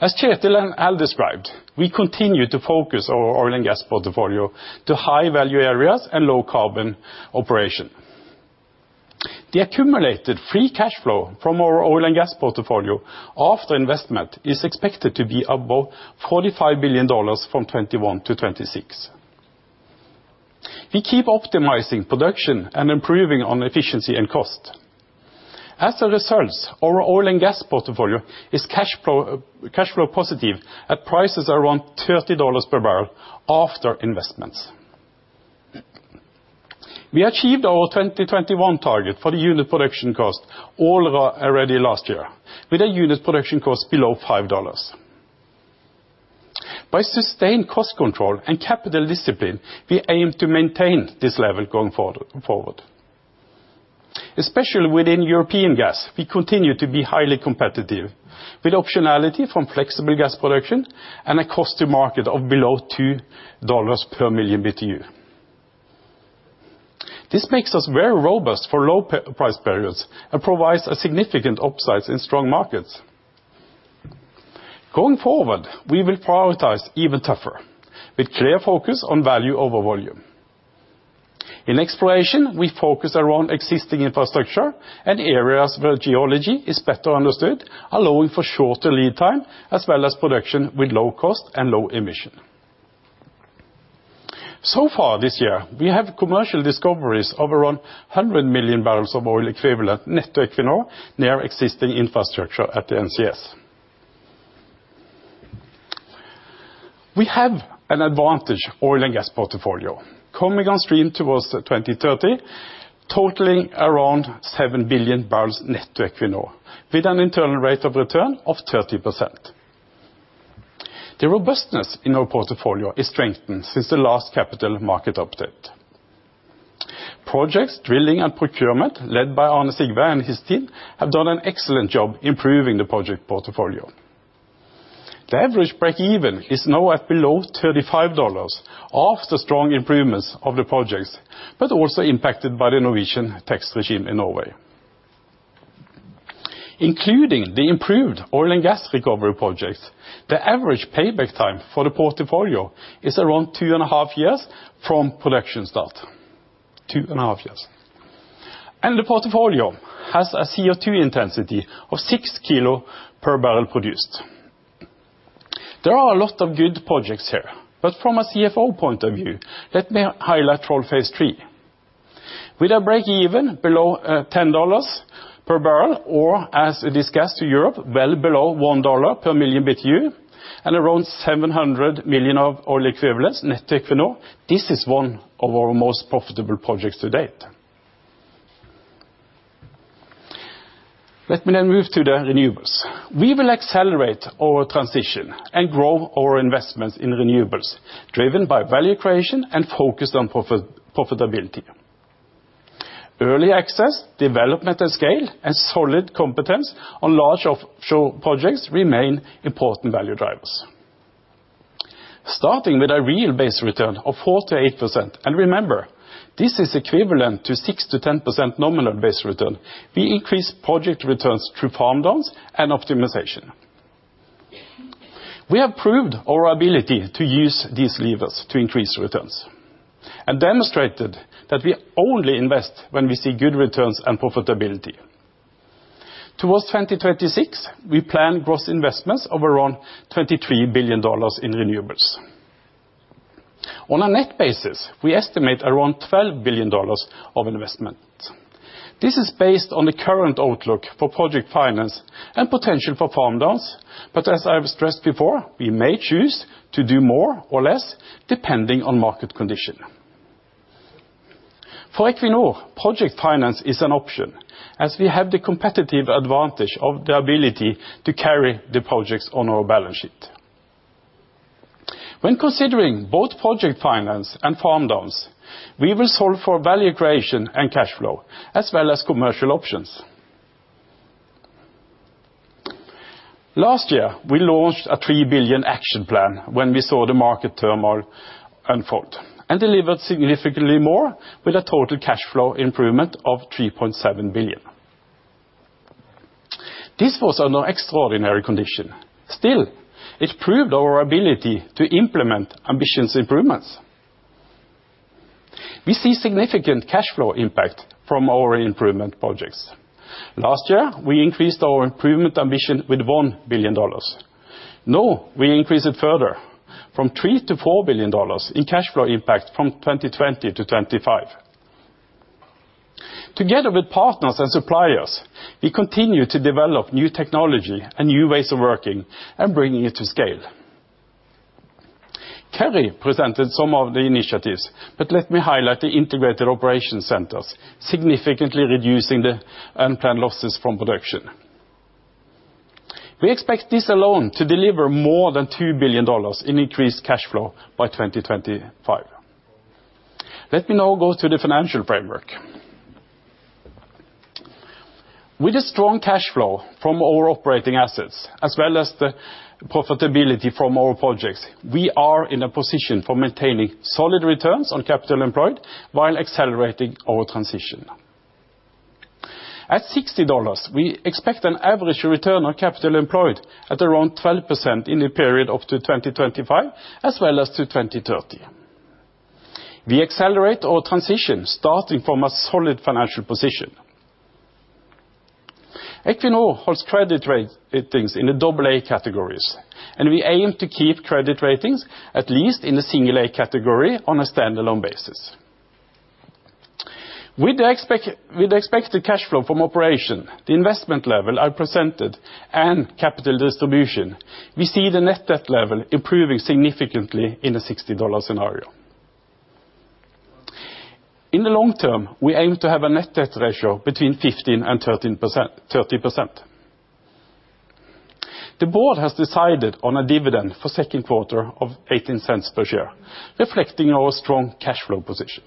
As Kjetil and Al described, we continue to focus our oil and gas portfolio to high-value areas and low-carbon operations. The accumulated free cash flow from our oil and gas portfolio after investment is expected to be above $45 billion from 2021-2026. We keep optimizing production and improving on efficiency and cost. As a result, our oil and gas portfolio is cash flow positive at prices around $30 per barrel after investments. We achieved our 2021 target for the unit production cost already last year, with a unit production cost below $5. By sustained cost control and capital discipline, we aim to maintain this level going forward. Especially within European gas, we continue to be highly competitive with optionality from flexible gas production and a cost to market of below $2 per million BTU. This makes us very robust for low price periods and provides a significant upside in strong markets. Going forward, we will prioritize even tougher with clear focus on value over volume. In exploration, we focus around existing infrastructure and areas where geology is better understood, allowing for shorter lead time as well as production with low cost and low emission. Far this year, we have commercial discoveries of around 100 million barrels of oil equivalent net to Equinor near existing infrastructure at the NCS. We have an advantage oil and gas portfolio coming on stream towards 2030, totaling around 7 billion barrels net to Equinor, with an internal rate of return of 30%. The robustness in our portfolio is strengthened since the last capital market update. Projects, Drilling and Procurement led by Arne Sigve and his team have done an excellent job improving the project portfolio. The average breakeven is now at below NOK 35 after strong improvements of the projects, but also impacted by the Norwegian tax regime in Norway. Including the improved oil and gas recovery projects, the average payback time for the portfolio is around two and a half years from production start. Two and a half years. The portfolio has a CO2 intensity of 6 kilos per barrel produced. There are a lot of good projects here, but from a CFO point of view, let me highlight Troll Phase III. With a breakeven below $10 per barrel or, as a gas to Europe, well below $1 per million BTU. Around $700 million of oil equivalents net debt for now. This is one of our most profitable projects to date. Let me now move to the renewables. We will accelerate our transition and grow our investments in renewables driven by value creation and focused on profitability. Early access, development and scale, and solid competence on large offshore projects remain important value drivers. Starting with a real base return of 4%-8%, and remember, this is equivalent to 6%-10% nominal base return, we increase project returns through farm downs and optimization. We have proved our ability to use these levers to increase returns and demonstrated that we only invest when we see good returns and profitability. Towards 2026, we plan gross investments of around $23 billion in renewables. On a net basis, we estimate around $12 billion of investment. This is based on the current outlook for project finance and potential for farm downs, but as I have stressed before, we may choose to do more or less depending on market condition. For Equinor, project finance is an option as we have the competitive advantage of the ability to carry the projects on our balance sheet. When considering both project finance and farm downs, we will solve for value creation and cash flow as well as commercial options. Last year, we launched a $3 billion action plan when we saw the market turmoil unfold and delivered significantly more with a total cash flow improvement of $3.7 billion. This was under extraordinary condition. Still, it proved our ability to implement ambitious improvements. We see significant cash flow impact from our improvement projects. Last year, we increased our improvement ambition with NOK 1 billion. We increase it further from 3 billion to NOK 4 billion in cash flow impact from 2020-2025. Together with partners and suppliers, we continue to develop new technology and new ways of working and bringing it to scale. Carri presented some of the initiatives, let me highlight the integrated operation centers, significantly reducing the unplanned losses from production. We expect this alone to deliver more than NOK 2 billion in increased cash flow by 2025. Let me now go to the financial framework. With a strong cash flow from our operating assets as well as the profitability from our projects, we are in a position for maintaining solid returns on capital employed while accelerating our transition. At $60, we expect an average return on capital employed at around 12% in the period up to 2025 as well as to 2030. We accelerate our transition starting from a solid financial position. Equinor holds credit ratings in the double A categories. We aim to keep credit ratings at least in a single A category on a standalone basis. With the expected cash flow from operation, the investment level I presented, and capital distribution, we see the net debt level improving significantly in a $60 scenario. In the long-term, we aim to have a net debt ratio between 15% and 30%. The board has decided on a dividend for Q2 of $0.18 per share, reflecting our strong cash flow position.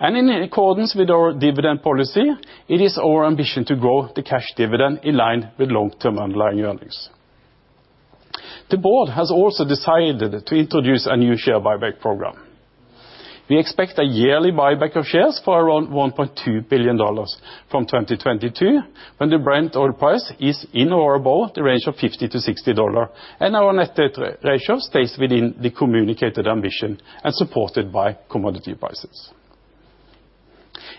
In accordance with our dividend policy, it is our ambition to grow the cash dividend in line with long-term underlying earnings. The board has also decided to introduce a new share buyback program. We expect a yearly buyback of shares for around $1.2 billion from 2022 when the Brent oil price is in or above the range of $50-$60 and our net debt ratio stays within the communicated ambition and supported by commodity prices.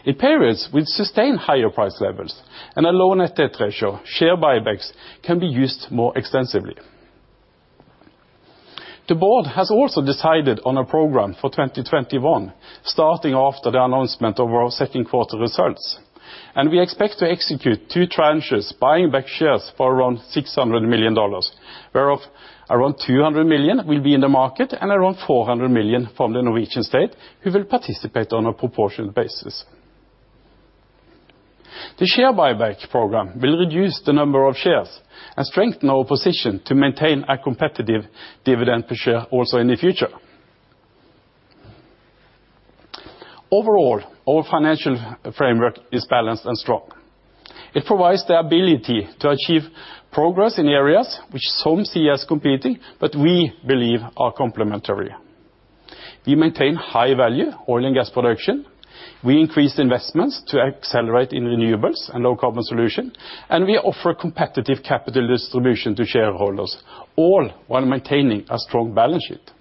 In periods with sustained higher price levels and a low net debt ratio, share buybacks can be used more extensively. The board has also decided on a program for 2021, starting after the announcement of our Q2 results. We expect to execute two tranches buying back shares for around $600 million, whereof around $200 million will be in the market and around $400 million from the Norwegian state, who will participate on a proportionate basis. The share buyback program will reduce the number of shares and strengthen our position to maintain a competitive dividend per share also in the future. Overall, our financial framework is balanced and strong. It provides the ability to achieve progress in areas which some see as competing, but we believe are complementary. We maintain high-value oil and gas production, we increase investments to accelerate in renewables and low carbon solution, and we offer competitive capital distribution to shareholders, all while maintaining a strong balance sheet.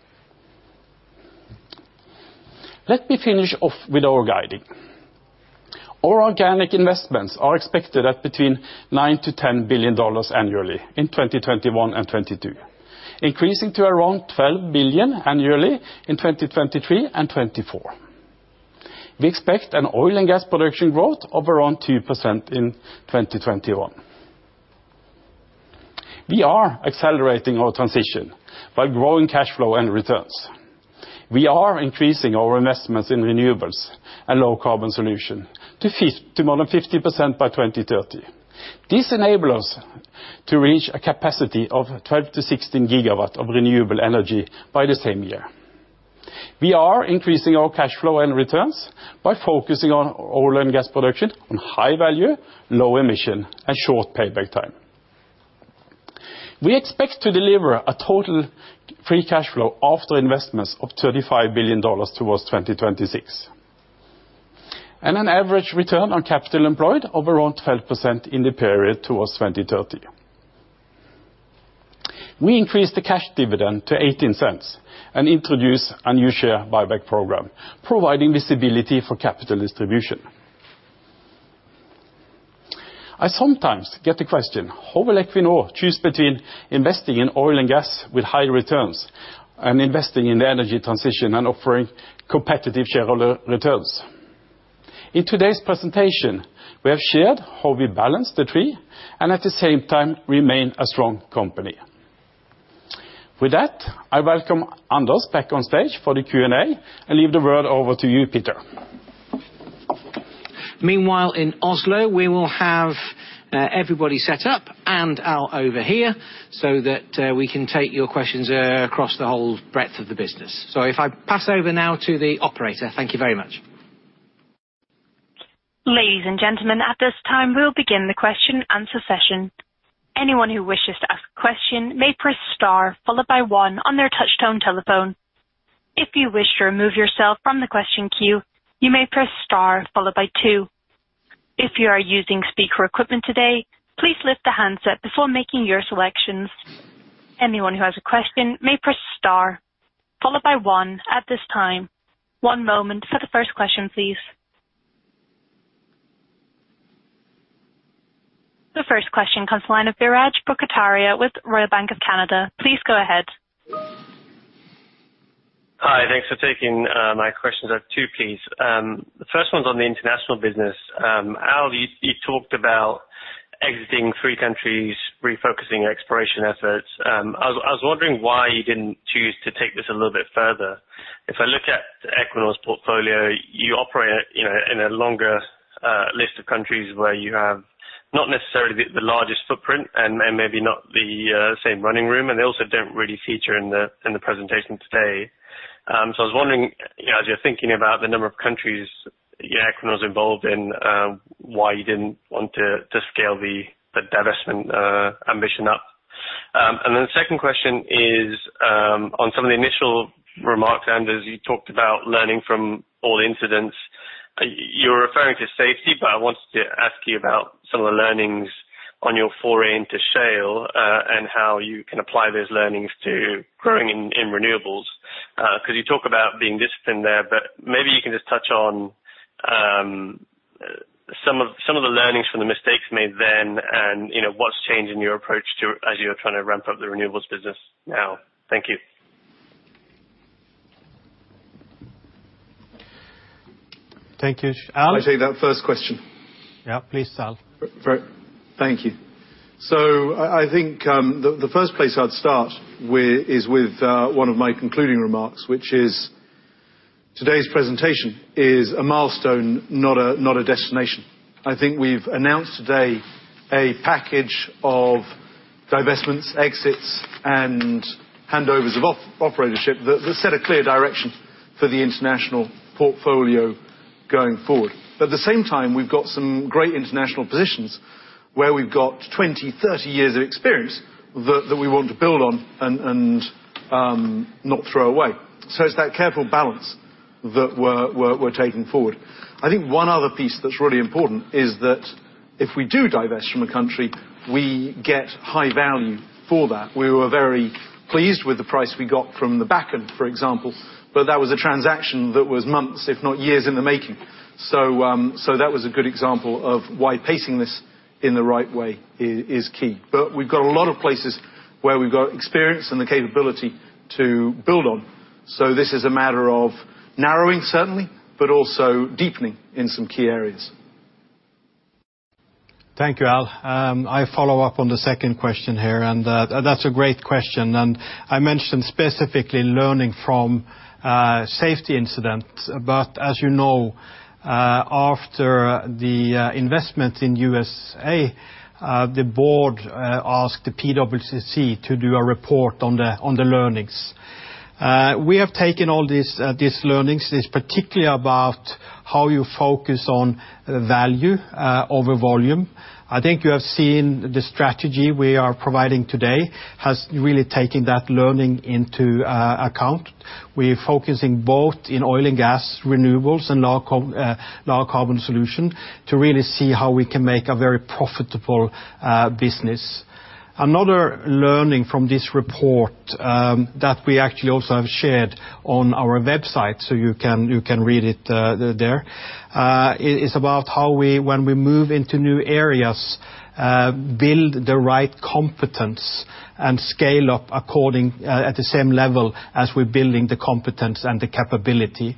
Let me finish off with our guiding. Our organic investments are expected at between $9 billion-$10 billion annually in 2021 and 2022, increasing to around $12 billion annually in 2023 and 2024. We expect an oil and gas production growth of around 2% in 2021. We are accelerating our transition by growing cash flow and returns. We are increasing our investments in renewables and low-carbon solution to more than 50% by 2030. This enable us to reach a capacity of 12 GW-16 GW of renewable energy by the same year. We are increasing our cash flow and returns by focusing on oil and gas production on high value, low emission, and short payback time. We expect to deliver a total free cash flow after investments of $35 billion towards 2026, and an average return on capital employed of around 12% in the period towards 2030. We increased the cash dividend to $0.18 and introduce a new share buyback program, providing visibility for capital distribution. I sometimes get the question, how will Equinor choose between investing in oil and gas with high returns and investing in the energy transition and offering competitive shareholder returns? In today's presentation, we have shared how we balance the three, and at the same time remain a strong company. With that, I welcome Anders back on stage for the Q&A, and leave the word over to you, Peter. Meanwhile, in Oslo, we will have everybody set up and Al over here, so that we can take your questions across the whole breadth of the business. If I pass over now to the operator. Thank you very much. Ladies and gentlemen, at this time we'll begin the question-answer session. Anyone who wishes to question may press star followed by one on their touch tone telephone. If you wish to remove yourself from the question queue, you may press star followed by two. If you are using speaker equipment today, please lift the handset before making your selection. Anyone who has a question may press star followed by one at this time. One moment for the first question, please. The first question comes the line of Biraj Borkhataria with Royal Bank of Canada. Please go ahead. Hi. Thanks for taking my questions. I have two please. The first one's on the international business. Al, you talked about exiting three countries, refocusing exploration efforts. I was wondering why you didn't choose to take this a little bit further. If I look at Equinor's portfolio, you operate in a longer list of countries where you have not necessarily the largest footprint and maybe not the same running room, and they also don't really feature in the presentation today. I was wondering, as you're thinking about the number of countries Equinor's involved in, why you didn't want to scale the divestment ambition up. The second question is on some of the initial remarks, Anders, you talked about learning from all incidents. You're referring to safety, but I wanted to ask you about some of the learnings on your foray into shale, and how you can apply those learnings to growing in renewables. You talk about being disciplined there, but maybe you can just touch on some of the learnings from the mistakes made then, and what's changed in your approach as you're trying to ramp up the renewables business now. Thank you. Thank you. Al? I take that first question. Yeah, please, Al. Thank you. I think the first place I'd start is with one of my concluding remarks, which is today's presentation is a milestone, not a destination. I think we've announced today a package of divestments, exits, and handovers of operatorship that set a clear direction for the international portfolio going forward. At the same time, we've got some great international positions where we've got 20, 30 years of experience that we want to build on and not throw away. It's that careful balance that we're taking forward. I think one other piece that's really important is that if we do divest from a country, we get high value for that. We were very pleased with the price we got from the Bakken, for example, but that was a transaction that was months, if not years in the making. That was a good example of why pacing this in the right way is key. We've got a lot of places where we've got experience and the capability to build on. This is a matter of narrowing, certainly, but also deepening in some key areas. Thank you, Al. I follow-up on the second question here. That's a great question. I mentioned specifically learning from safety incidents. As you know, after the investment in USA, the board asked the PwC to do a report on the learnings. We have taken all these learnings, it's particularly about how you focus on value over volume. I think you have seen the strategy we are providing today has really taken that learning into account. We're focusing both in oil and gas renewables and low carbon solution to really see how we can make a very profitable business. Another learning from this report that we actually also have shared on our website, so you can read it there. It's about how when we move into new areas, build the right competence and scale up at the same level as we're building the competence and the capability.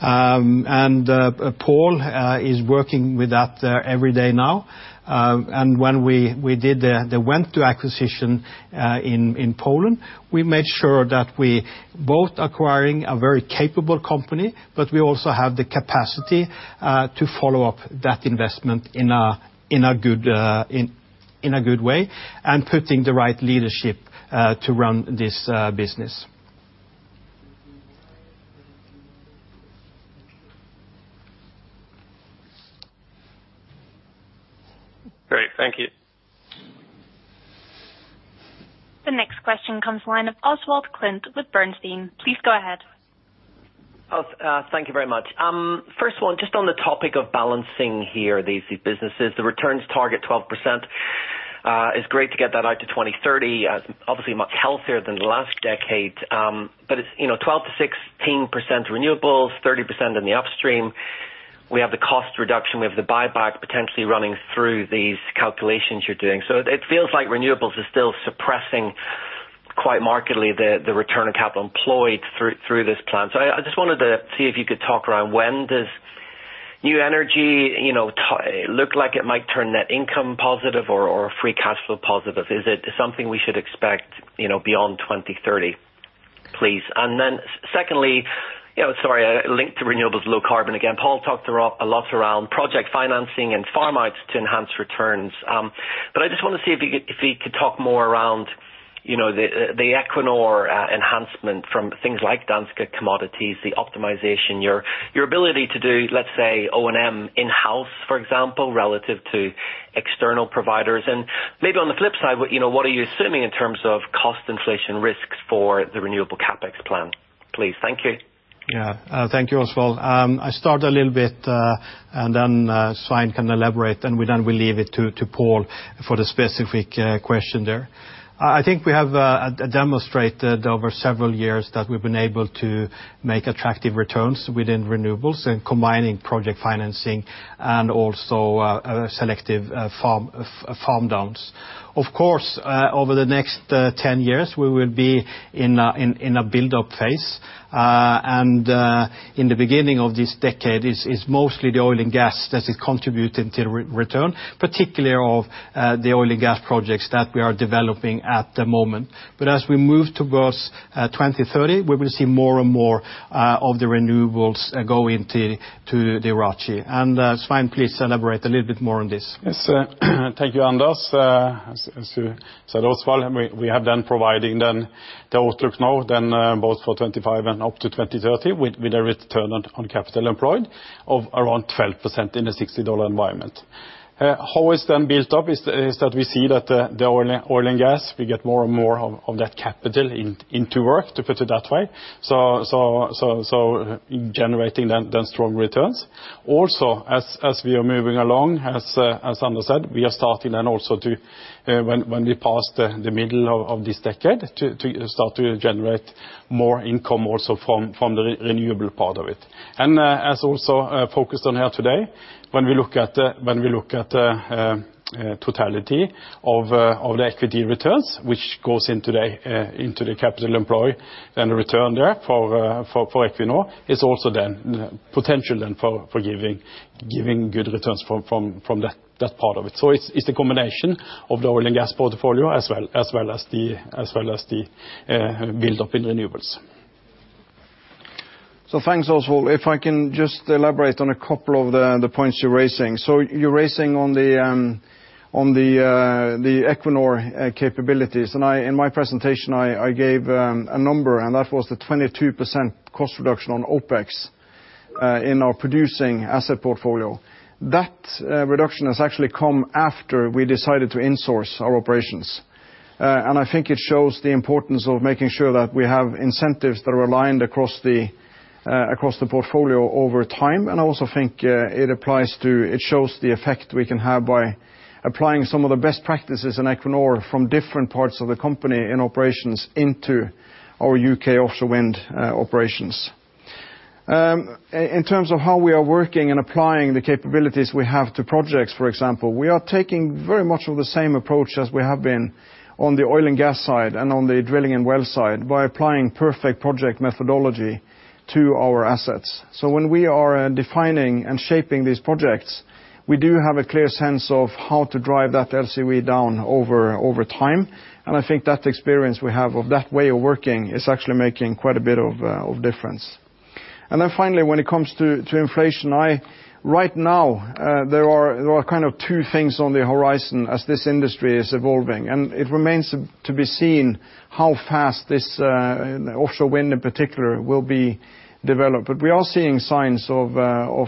Pål is working with that every day now. When we did the Wento acquisition in Poland, we made sure that we're both acquiring a very capable company, but we also have the capacity to follow up that investment in a good way and putting the right leadership to run this business. Great. Thank you. The next question comes the line of Oswald Clint with Bernstein. Please go ahead. Oswald, thank you very much. First of all, just on the topic of balancing here these businesses, the returns target 12%. It's great to get that out to 2030, obviously much healthier than the last decade. It's 12%-16% renewables, 30% in the upstream. We have the cost reduction, we have the buyback potentially running through these calculations you're doing. It feels like renewables are still suppressing, quite markedly, the return on capital employed through this plan. I just wanted to see if you could talk around when this new energy look like it might turn net income positive or free cash flow positive. Is it something we should expect beyond 2030, please? Secondly, sorry, linked to renewables, low carbon again. Pål talked a lot around project financing and farm-outs to enhance returns. I just want to see if you could talk more around the Equinor enhancement from things like Danske Commodities, the optimization, your ability to do, let's say, O&M in-house, for example, relative to external providers. Maybe on the flip side, what are you assuming in terms of cost inflation risks for the renewable CapEx plan, please? Thank you. Thank you, Oswald. I start a little bit, and then Svein can elaborate, and then we leave it to Pål for the specific question there. I think we have demonstrated over several years that we've been able to make attractive returns within renewables and combining project financing and also selective farm-downs. Of course, over the next 10 years, we will be in a build-up phase. In the beginning of this decade, it's mostly the oil and gas that is contributing to return, particularly of the oil and gas projects that we are developing at the moment. As we move towards 2030, we will see more and more of the renewables go into the ROACE. Svein, please elaborate a little bit more on this. Yes. Thank you, Anders. As you said, Oswald, we have been providing the outlook now both for 2025 and up to 2030 with a return on capital employed of around 12% in a $60 environment. How it's then built up is that we see that the oil and gas, we get more and more of that capital into work, to put it that way, generating strong returns. Also, as we are moving along, as Anders said, we are starting then also to, when we pass the middle of this decade, to start to generate more income also from the renewable part of it. As also focused on here today, when we look at the totality of the equity returns, which goes into the capital employed and the return there for Equinor, it's also then potential then for giving good returns from that part of it. It's a combination of the oil and gas portfolio as well as the build-up in renewables. Thanks, Oswald. If I can just elaborate on a couple of the points you're raising. You're raising on the Equinor capabilities. In my presentation, I gave a number, and that was the 22% cost reduction on OpEx in our producing asset portfolio. That reduction has actually come after we decided to insource our operations. I think it shows the importance of making sure that we have incentives that are aligned across the portfolio over time. I also think it shows the effect we can have by applying some of the best practices in Equinor from different parts of the company in operations into our U.K. offshore wind operations. In terms of how we are working and applying the capabilities we have to projects, for example, we are taking very much of the same approach as we have been on the oil and gas side and on the drilling and well side by applying perfect project methodology to our assets. When we are defining and shaping these projects, we do have a clear sense of how to drive that LCOE down over time. I think that experience we have of that way of working is actually making quite a bit of difference. Finally, when it comes to inflation, right now, there are two things on the horizon as this industry is evolving. It remains to be seen how fast this offshore wind in particular will be developed. We are seeing signs of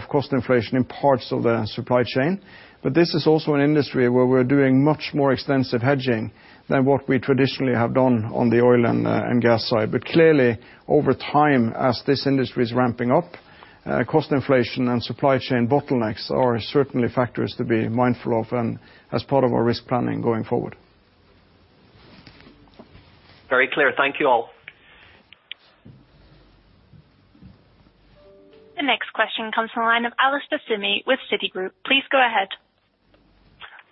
cost inflation in parts of the supply chain. This is also an industry where we're doing much more extensive hedging than what we traditionally have done on the oil and gas side. Clearly, over time, as this industry is ramping up, cost inflation and supply chain bottlenecks are certainly factors to be mindful of and as part of our risk planning going forward. Very clear. Thank you all. The next question comes from the line of Alastair Syme with Citigroup. Please go ahead.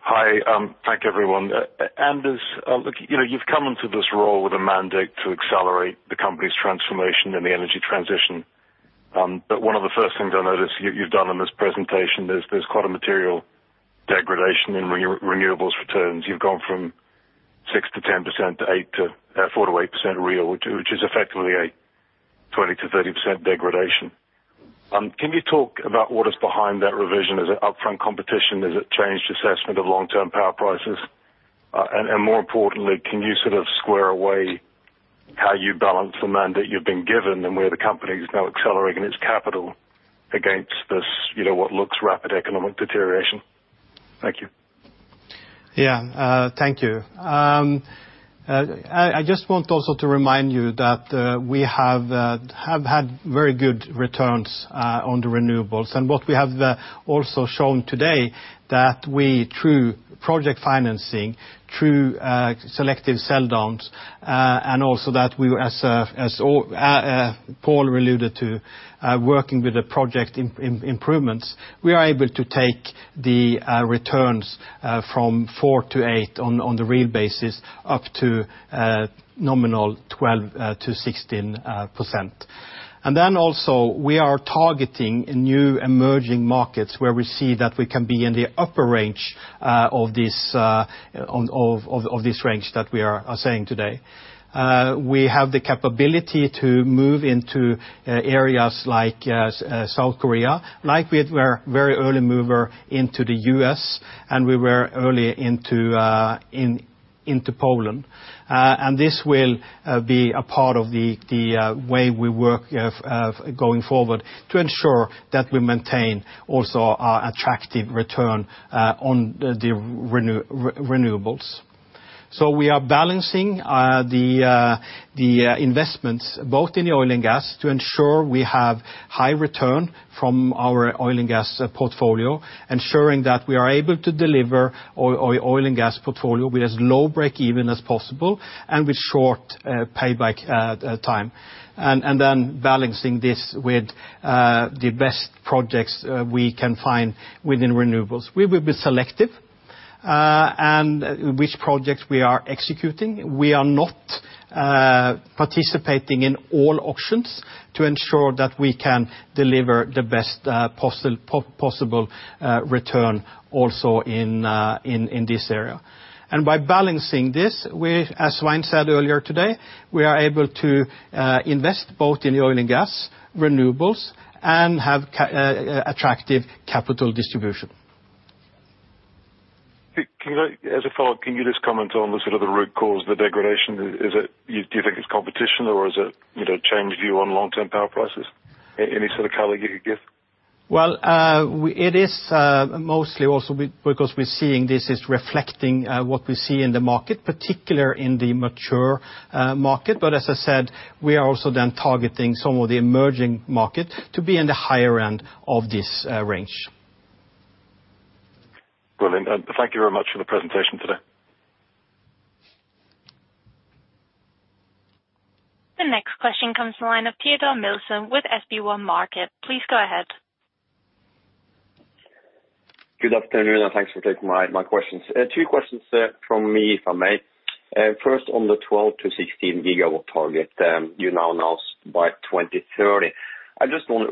Hi. Thank everyone. Anders, you've come into this role with a mandate to accelerate the company's transformation and the energy transition. One of the first things I notice you've done in this presentation is there's quite a material degradation in renewables returns. You've gone from 6%-10%, to 4%-8% real, which is effectively a 20%-30% degradation. Can you talk about what is behind that revision? Is it upfront competition? Is it changed assessment of long-term power prices? More importantly, can you square away how you balance the mandate you've been given and where the company is now accelerating its capital against this, what looks rapid economic deterioration? Thank you. Yeah. Thank you. I just want also to remind you that we have had very good returns on the renewables. What we have also shown today that we, through project financing, through selective sell downs, and also that we, as Pål alluded to, working with the project improvements, we are able to take the returns from 4%-8% on the real basis up to nominal 12%-16%. Also we are targeting new emerging markets where we see that we can be in the upper range of this range that we are saying today. We have the capability to move into areas like South Korea, like we were very early mover into the U.S. and we were early into Poland. This will be a part of the way we work going forward to ensure that we maintain also our attractive return on the renewables. We are balancing the investments both in the oil and gas to ensure we have high return from our oil and gas portfolio, ensuring that we are able to deliver oil and gas portfolio with as low breakeven as possible and with short payback time. Balancing this with the best projects we can find within renewables. We will be selective in which projects we are executing. We are not participating in all auctions to ensure that we can deliver the best possible return also in this area. By balancing this, as Svein said earlier today, we are able to invest both in the oil and gas, renewables and have attractive capital distribution. As a follow-up, can you just comment on the root cause of the degradation? Do you think it's competition or is it changed view on long-term power prices? Any sort of color you could give? Well, it is mostly also because we're seeing this is reflecting what we see in the market, particularly in the mature market. As I said, we are also then targeting some of the emerging market to be in the higher end of this range. Brilliant. Thank you very much for the presentation today. The next question comes from the line of Teodor Sveen-Nilsen with Teodor Sveen-Nilsen. Please go ahead. Good afternoon and thanks for taking my questions. Two questions from me, if I may. First, on the 12GW-16 GW target you now announced by 2030. I just wonder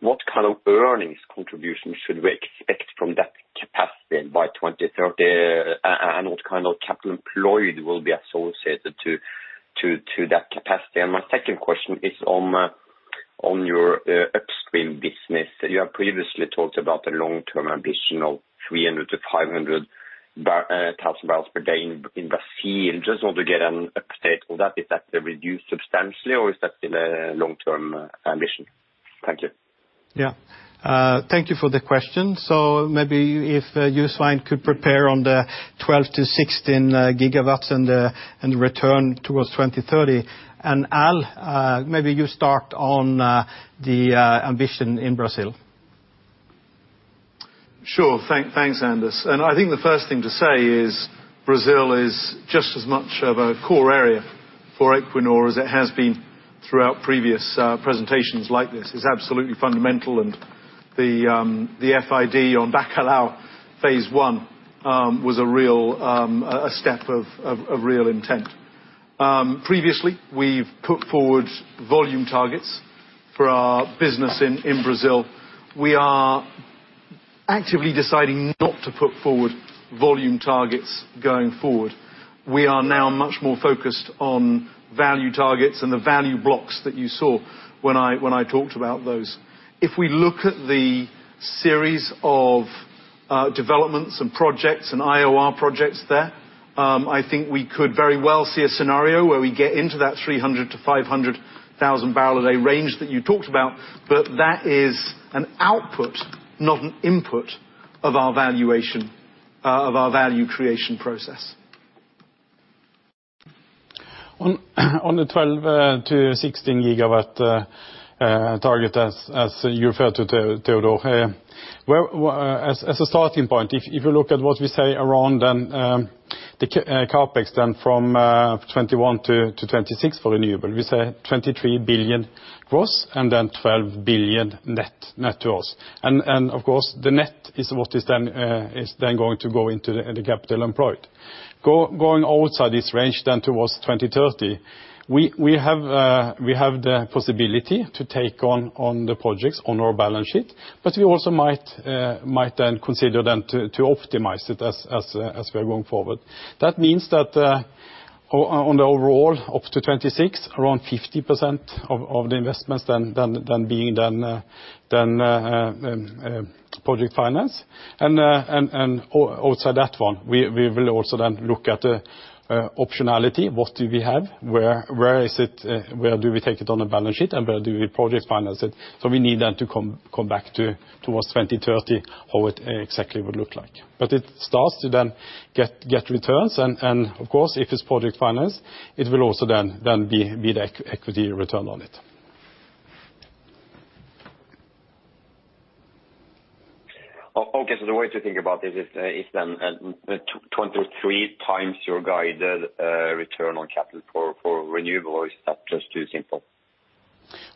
what kind of earnings contribution should we expect from that capacity by 2030? What kind of capital employed will be associated to that capacity? My second question is on your upstream business. You have previously talked about the long-term ambition of 300,000-500,000 barrels per day in Brazil. I just want to get an update on that. Is that reduced substantially or is that still a long-term ambition? Thank you. Yeah. Thank you for the question. Maybe if you, Svein, could prepare on the 12 GW-16 GW and the return towards 2030. Al, maybe you start on the ambition in Brazil. Sure. Thanks, Anders. I think the first thing to say is Brazil is just as much of a core area for Equinor as it has been throughout previous presentations like this. It's absolutely fundamental and the FID on Bacalhau Phase 1 was a step of real intent. Previously, we've put forward volume targets for our business in Brazil. We are actively deciding not to put forward volume targets going forward. We are now much more focused on value targets and the value blocks that you saw when I talked about those. If we look at the series of developments and projects and IOR projects there, I think we could very well see a scenario where we get into that 300,000-500,000 barrel a day range that you talked about, that is an output, not an input of our value creation process. On the 12 GW-16 GW target, as you referred to, Teodor. Well, as a starting point, if you look at what we say around the CapEx from 2021-2026 for renewables, we say $23 billion gross and then $12 billion net to us. Of course, the net is what is going to go into the capital employed. Going outside this range towards 2030, we have the possibility to take on the projects on our balance sheet, we also might consider to optimize it as we're going forward. That means that on the overall up to 2026, around 50% of the investments then being project finance. Outside that one, we will also look at the optionality. What do we have? Where do we take it on the balance sheet, and where do we project finance it? We need to come back towards 2030 how it exactly will look like. It starts to then get returns and, of course, if it's project finance, it will also then be the equity return on it. Okay. The way to think about it is then 23x your guided return on capital for renewables. Is that just too simple?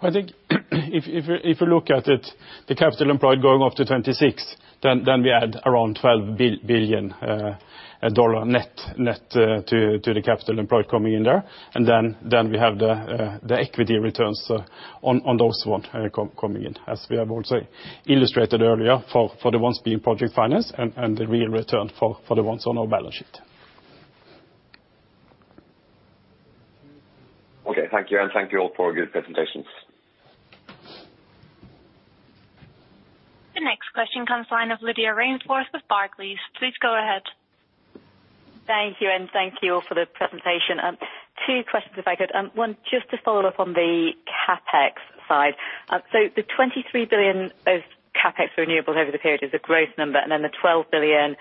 I think if you look at it, the capital employed going up to 2026, then we add around $12 billion net to the capital employed coming in there. We have the equity returns on those ones coming in, as we have also illustrated earlier for the ones being project financed and the real return for the ones on our balance sheet. Okay. Thank you. Thank you all for a good presentation. The next question comes the line of Lydia Rainforth, Barclays. Please go ahead. Thank you, thank you all for the presentation. Two questions if I could. One, just to follow-up on the CapEx side. The $23 billion of CapEx renewable over the period is a gross number and then the $12 billion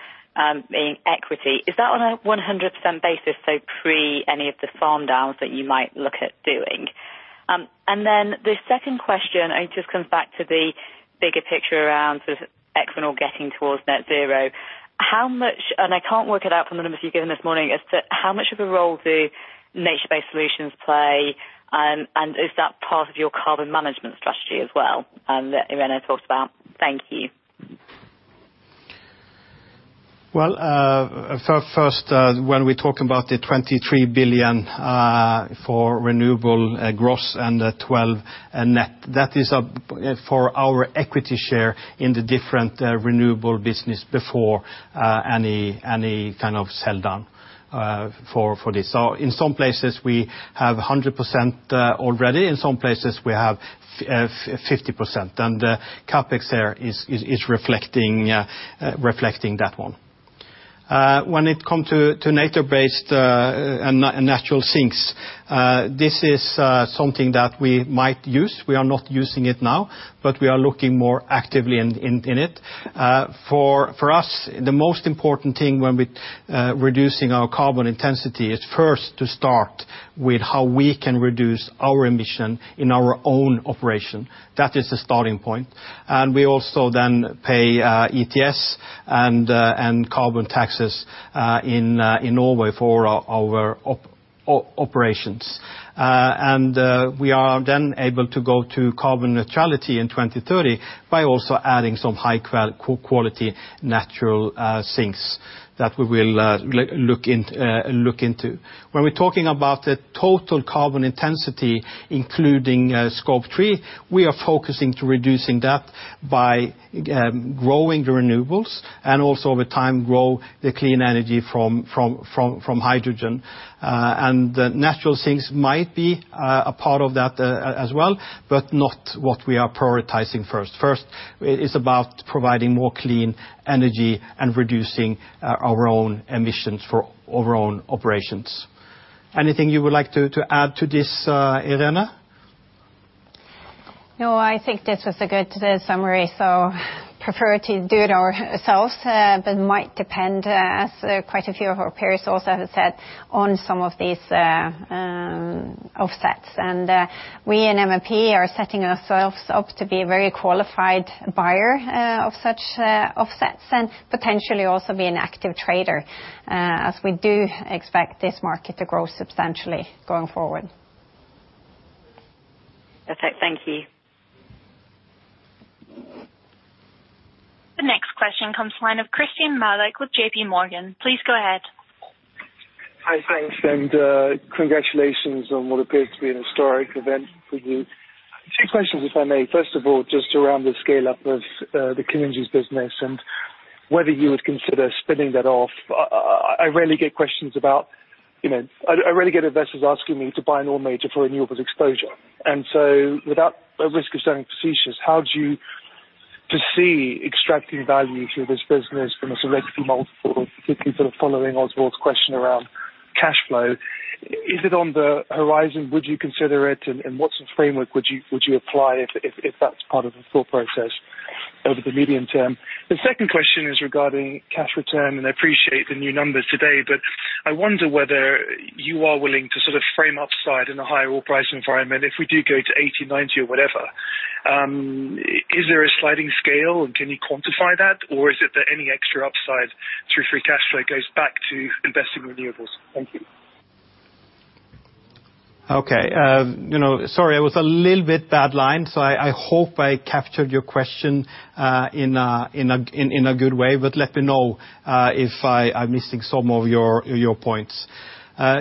in equity. Is that on a 100% basis, so pre any of the farm downs that you might look at doing? The second question, it just comes back to the bigger picture around Equinor getting towards net zero. I can't work it out from the numbers you gave this morning, how much of a role do nature-based solutions play? Is that part of your carbon management strategy as well? Irene talked about. Thank you. Well, first when we talk about the 23 billion for renewable gross and the 12 net, that is for our equity share in the different renewable business before any kind of sell down for this. In some places we have 100% already, in some places we have 50%, and the CapEx there is reflecting that one. When it comes to nature-based natural sinks, this is something that we might use. We are not using it now, but we are looking more actively in it. For us, the most important thing when we're reducing our carbon intensity is first to start with how we can reduce our emission in our own operation. That is the starting point. We also then pay ETS and carbon taxes in Norway for our operations. We are then able to go to carbon neutrality in 2030 by also adding some high-quality natural sinks that we will look into. When we are talking about the total carbon intensity, including Scope 3, we are focusing to reducing that by growing renewables and also over time grow the clean energy from hydrogen. Natural sinks might be a part of that as well, but not what we are prioritizing first. First it's about providing more clean energy and reducing our own emissions for our own operations. Anything you would like to add to this, Irene? I think this was a good summary, prefer to do it ourselves than might depend as quite a few of our peers also have said on some of these offsets. We in MMP are setting ourselves up to be a very qualified buyer of such offsets and potentially also be an active trader as we do expect this market to grow substantially going forward. Perfect. Thank you. The next question comes the line of Christyan Malek with J.P. Morgan. Please go ahead. Hi. Thanks, and congratulations on what appears to be an historic event for you. Two questions, if I may. First of all, just around the scale-up of the clean energies business and whether you would consider spinning that off. I rarely get investors asking me to buy an oil major for renewables exposure. Without a risk of sounding facetious, how do you foresee extracting value through this business from a selected multiple, particularly following Oswald's question around cash flow? Is it on the horizon? Would you consider it, and what sort of framework would you apply if that's part of the thought process over the medium-term? The second question is regarding cash return, and I appreciate the new numbers today, but I wonder whether you are willing to sort of frame upside in a higher oil price environment if we do go to 80, 90, or whatever. Is there a sliding scale and can you quantify that? Is it that any extra upside through free cash flow goes back to investing renewables? Thank you. Sorry, I was a little bit bad line. I hope I captured your question in a good way. Let me know if I'm missing some of your points.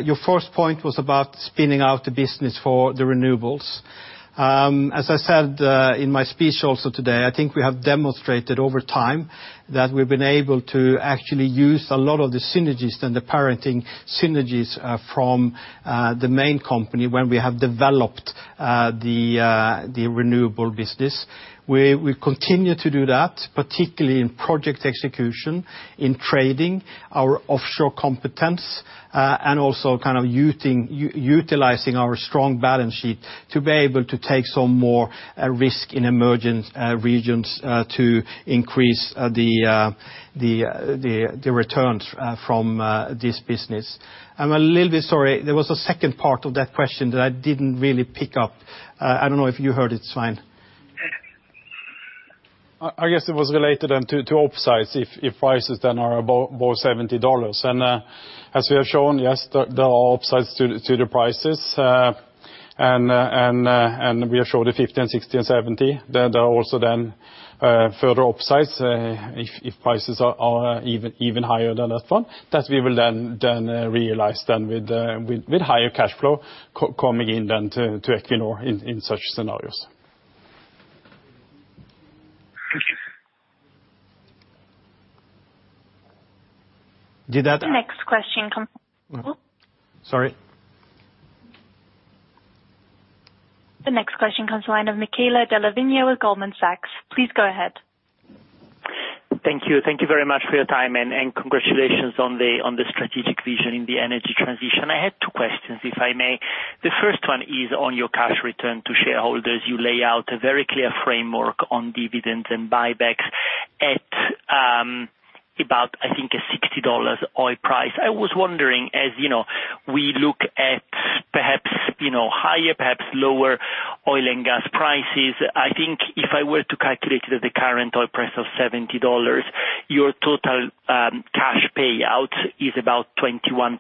Your first point was about spinning out the business for the renewables. As I said in my speech also today, I think we have demonstrated over time that we've been able to actually use a lot of the synergies and the parenting synergies from the main company when we have developed the renewable business. We continue to do that, particularly in project execution, in trading, our offshore competence, and also utilizing our strong balance sheet to be able to take some more risk in emerging regions to increase the returns from this business. I'm a little bit sorry. There was a second part of that question that I didn't really pick up. I don't know if you heard it, Svein? I guess it was related then to upsides if prices then are above $70. As we have shown, yes, there are upsides to the prices. We have showed the $50 and $60 and $70. There are also then further upsides if prices are even higher than that one. That we will then realize then with higher cash flow coming in than to Equinor in such scenarios. Thank you. Did that- The next question comes- Sorry. The next question comes to line of Michele Della Vigna with Goldman Sachs. Please go ahead. Thank you. Thank you very much for your time. Congratulations on the strategic vision in the energy transition. I had two questions, if I may. The first one is on your cash return to shareholders. You lay out a very clear framework on dividends and buybacks at about, I think, a $60 oil price. I was wondering, as we look at perhaps higher, perhaps lower oil and gas prices, I think if I were to calculate it at the current oil price of $70, your total cash payout is about 21%.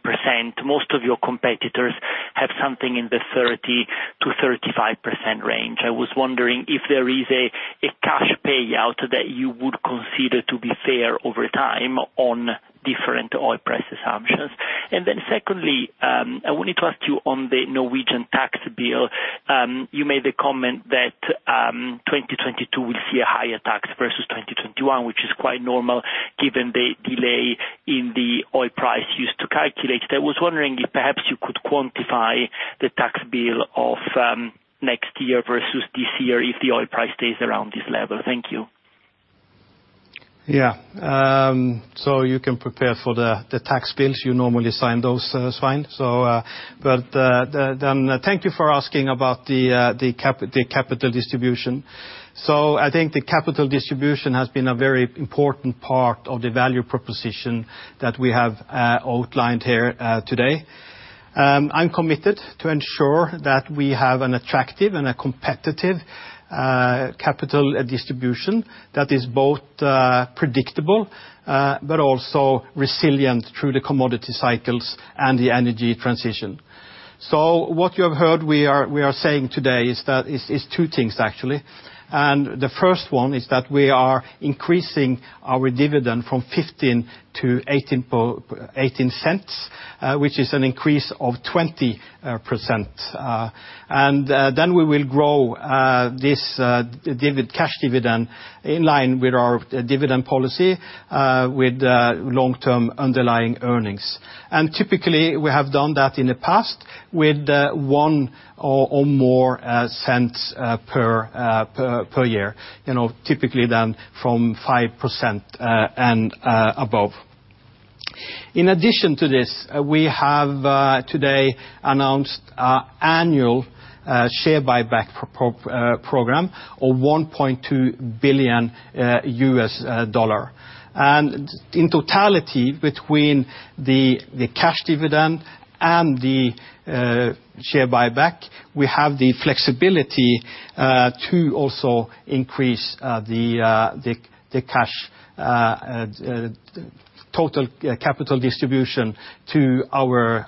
Most of your competitors have something in the 30%-35% range. I was wondering if there is a cash payout that you would consider to be fair over time on different oil price assumptions. Secondly, I wanted to ask you on the Norwegian tax bill. You made the comment that 2022 will see a higher tax versus 2021, which is quite normal given the delay in the oil price used to calculate. I was wondering if perhaps you could quantify the tax bill of next year versus this year if the oil price stays around this level. Thank you. You can prepare for the tax bills. You normally sign those, Svein. Thank you for asking about the capital distribution. I think the capital distribution has been a very important part of the value proposition that we have outlined here today. I'm committed to ensure that we have an attractive and a competitive capital distribution that is both predictable but also resilient through the commodity cycles and the energy transition. What you have heard we are saying today is two things, actually. The first one is that we are increasing our dividend from $0.15-$0.18, which is an increase of 20%. Then we will grow this cash dividend in line with our dividend policy with long-term underlying earnings. Typically, we have done that in the past with one or more cents per year, typically then from 5% and above. In addition to this, we have today announced annual share buyback program of NOK 1.2 billion. In totality, between the cash dividend and the share buyback, we have the flexibility to also increase the total capital distribution to our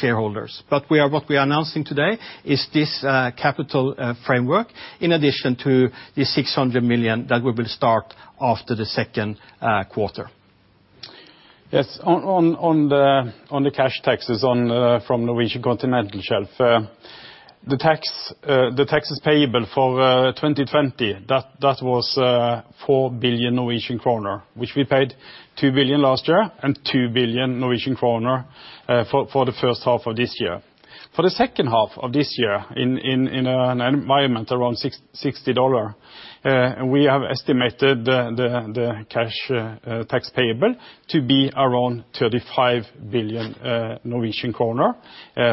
shareholders. What we are announcing today is this capital framework, in addition to the 600 million that we will start after the Q2. Yes. On the cash taxes from Norwegian Continental Shelf. The taxes payable for 2020, that was 4 billion Norwegian kroner, which we paid 2 billion last year and 2 billion Norwegian kroner for the H1 of this year. For the second half of this year, in an environment around $60, we have estimated the cash tax payable to be around 35 billion Norwegian kroner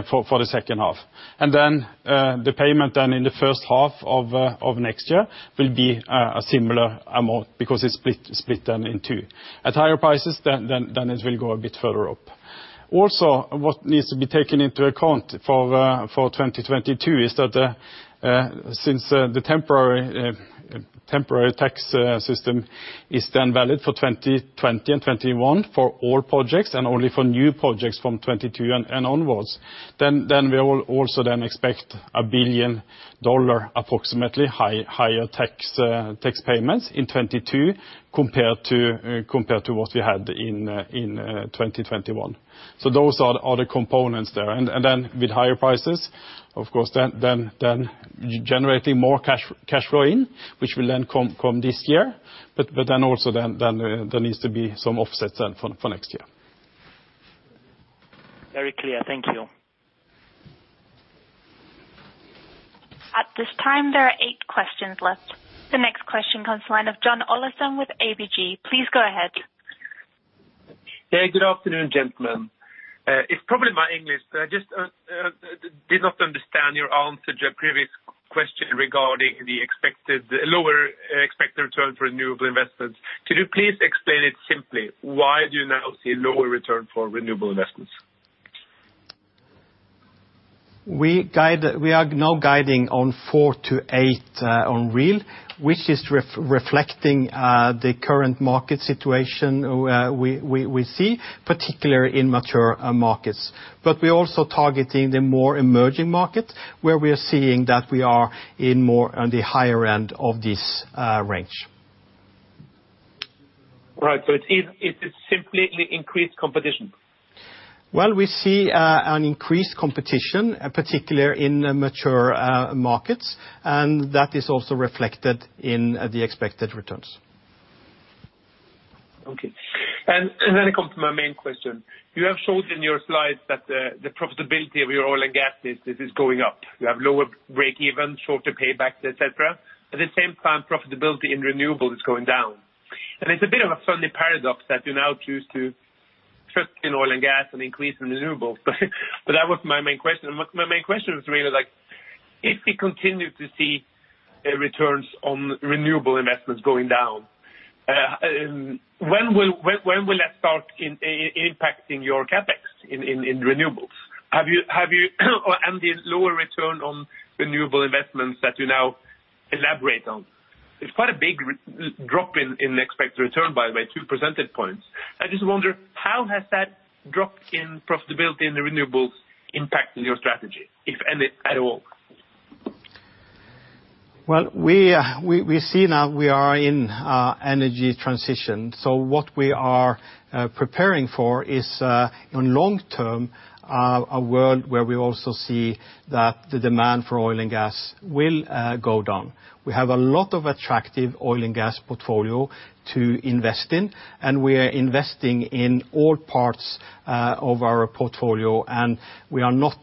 for the H2. The payment then in the H1 of next year will be a similar amount because it's split then in two. At higher prices, it will go a bit further up. Also what needs to be taken into account for 2022 is that since the temporary tax system is valid for 2020 and 2021 for all projects and only for new projects from 2022 and onwards, we will also expect a billion-dollar approximately higher tax payments in 2022 compared to what we had in 2021. Those are the components there. With higher prices, of course, generating more cash flow in which will come from this year. Also there needs to be some offsets for next year. Very clear. Thank you. At this time, there are eight questions left. The next question comes from the line of John Olaisen with ABG. Please go ahead. Hey, good afternoon, gentlemen. It's probably my English. I just did not understand your answer to a previous question regarding the lower expected return for renewable investments. Could you please explain it simply? Why do you now see lower return for renewable investments? We are now guiding on 4%-8% on real, which is reflecting the current market situation we see, particularly in mature markets. We're also targeting the more emerging markets where we are seeing that we are in more on the higher end of this range. Right. Is it simply increased competition? Well, we see an increased competition, particularly in mature markets, and that is also reflected in the expected returns. Okay. I come to my main question. You have shown in your slides that the profitability of your oil and gas is going up. You have lower break-even, shorter paybacks, et cetera, but at the same time, profitability in renewables is going down. It's a bit of a funny paradox that you now choose to shrink in oil and gas and increase in renewables. That was my main question. My main question is really if we continue to see returns on renewable investments going down, when will that start impacting your CapEx in renewables? The lower return on renewable investments that you now elaborate on. It's quite a big drop in expected return, by the way, 2 percentage points. I just wonder how has that dropped in profitability in the renewables impacted your strategy, if at all? We see that we are in energy transition. What we are preparing for is, in the long-term, a world where we also see that the demand for oil and gas will go down. We have a lot of attractive oil and gas portfolio to invest in, and we are investing in all parts of our portfolio, and we are not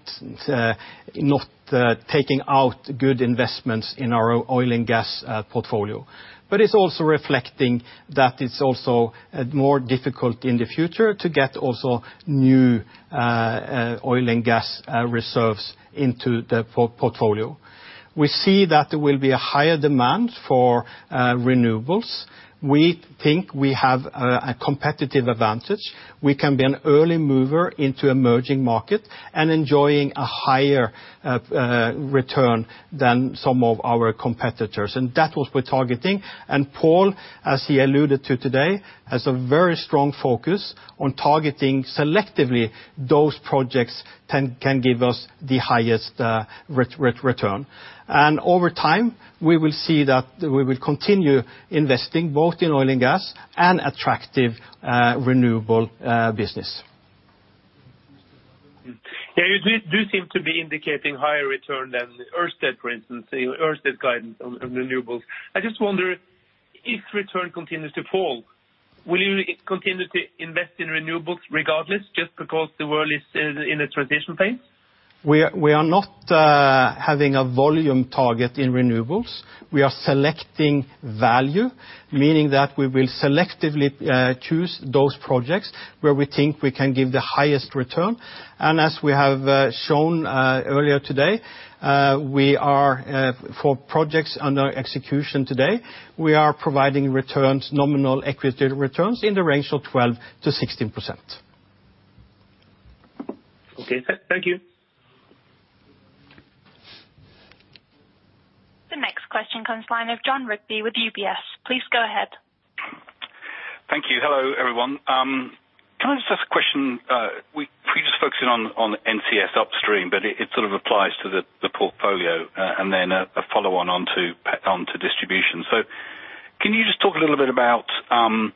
taking out good investments in our oil and gas portfolio. It's also reflecting that it's also more difficult in the future to get also new oil and gas reserves into the portfolio. We see that there will be a higher demand for renewables. We think we have a competitive advantage. We can be an early mover into emerging markets and enjoying a higher return than some of our competitors. That was we're targeting. Paul, as he alluded to today, has a very strong focus on targeting selectively those projects can give us the highest return. Over time, we will see that we will continue investing both in oil and gas and attractive renewable business. You do seem to be indicating higher return than Ørsted, for instance, in Ørsted guidance on renewables. I just wonder if return continues to fall, will you continue to invest in renewables regardless just because the world is in a transition phase? We are not having a volume target in renewables. We are selecting value, meaning that we will selectively choose those projects where we think we can give the highest return. As we have shown earlier today, for projects under execution today, we are providing nominal equity returns in the range of 12%-16%. Okay. Thank you. The next question comes the line of Jon Rigby with UBS. Please go ahead. Thank you. Hello, everyone. Can I just ask a question? We just focused on NCS upstream, but it sort of applies to the portfolio, and then a follow-on onto distribution. Can you just talk a little bit about the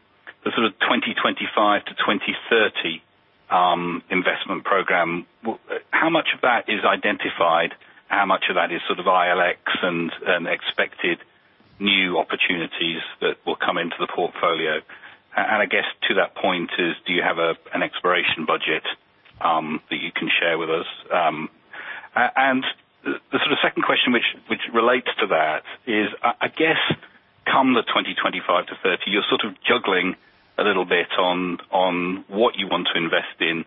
sort of 2025-2030 investment program? How much of that is identified? How much of that is ILX and expected new opportunities that will come into the portfolio? I guess to that point is, do you have an exploration budget that you can share with us? The second question which relates to that is, I guess come the 2025-2030, you're sort of juggling a little bit on what you want to invest in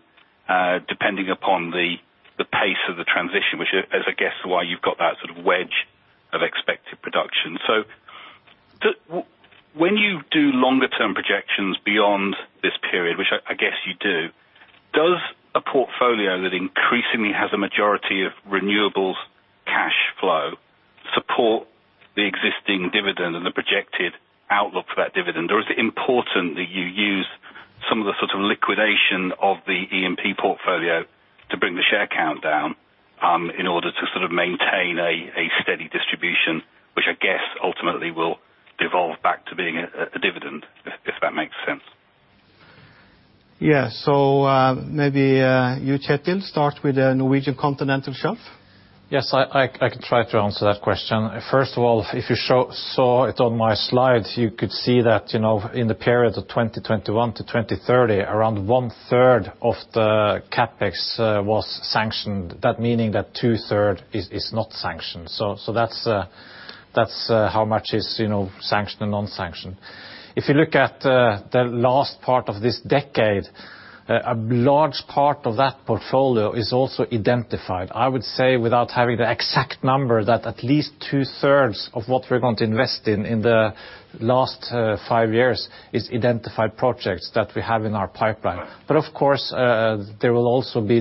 depending upon the pace of the transition, which I guess is why you've got that sort of wedge. When you do longer-term projections beyond this period, which I guess you do, does a portfolio that increasingly has a majority of renewables cash flow support the existing dividend and the projected outlook for that dividend? Is it important that you use some of the sort of liquidation of the E&P portfolio to bring the share count down in order to sort of maintain a steady distribution, which I guess ultimately will devolve back to being a dividend, if that makes sense? Yeah. Maybe you, Kjetil, start with the Norwegian Continental Shelf. Yes, I can try to answer that question. First of all, if you saw it on my slides, you could see that in the period of 2021-2030, around one-third of the CapEx was sanctioned. That meaning that two-third is not sanctioned. That's how much is sanctioned and non-sanctioned. If you look at the last part of this decade, a large part of that portfolio is also identified. I would say, without having the exact number, that at least two-thirds of what we're going to invest in the last five years is identified projects that we have in our pipeline. Of course, there will also be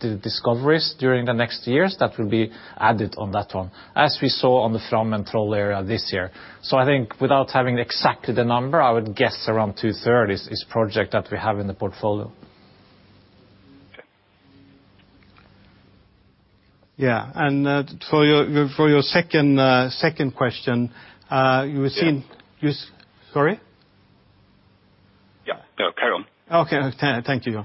discoveries during the next years that will be added on that one, as we saw on the Fram and Troll area this year. I think without having exactly the number, I would guess around two-thirds is project that we have in the portfolio. Yeah. For your second question. Yeah. Sorry? Yeah, no, carry on. Okay. Thank you.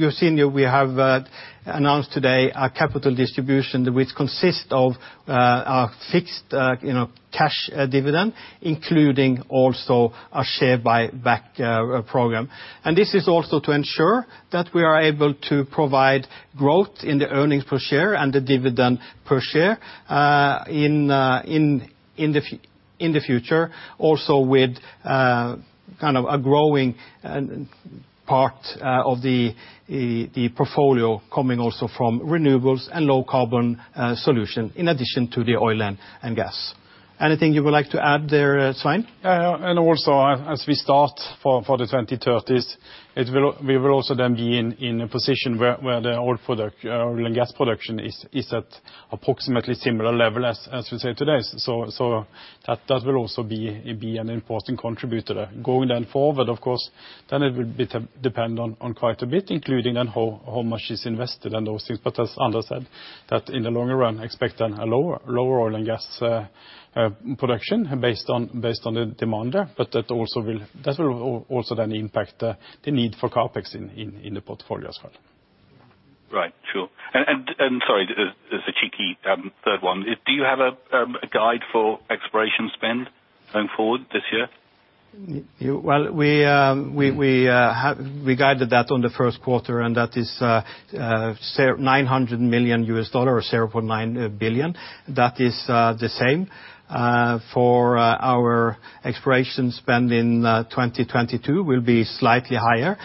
You're seeing here we have announced today a capital distribution which consists of a fixed cash dividend, including also a share buyback program. This is also to ensure that we are able to provide growth in the earnings per share and the dividend per share in the future. With kind of a growing part of the portfolio coming also from renewables and low carbon solution in addition to the oil and gas. Anything you would like to add there, Svein? As we start for the 2030s, we will also then be in a position where the oil and gas production is at approximately similar level as we say today. That will also be an important contributor. Of course, then it will depend on quite a bit, including then how much is invested and those things. As Anders said, that in the longer run, expect then a lower oil and gas production based on the demand there, but that will also then impact the need for CapEx in the portfolio as well. Right. Sure. Sorry, just a cheeky third one. Do you have a guide for exploration spend going forward this year? Well, we guided that on the Q1, that is US$900 million or $0.9 billion. That is the same for our exploration spend in 2022 will be slightly higher.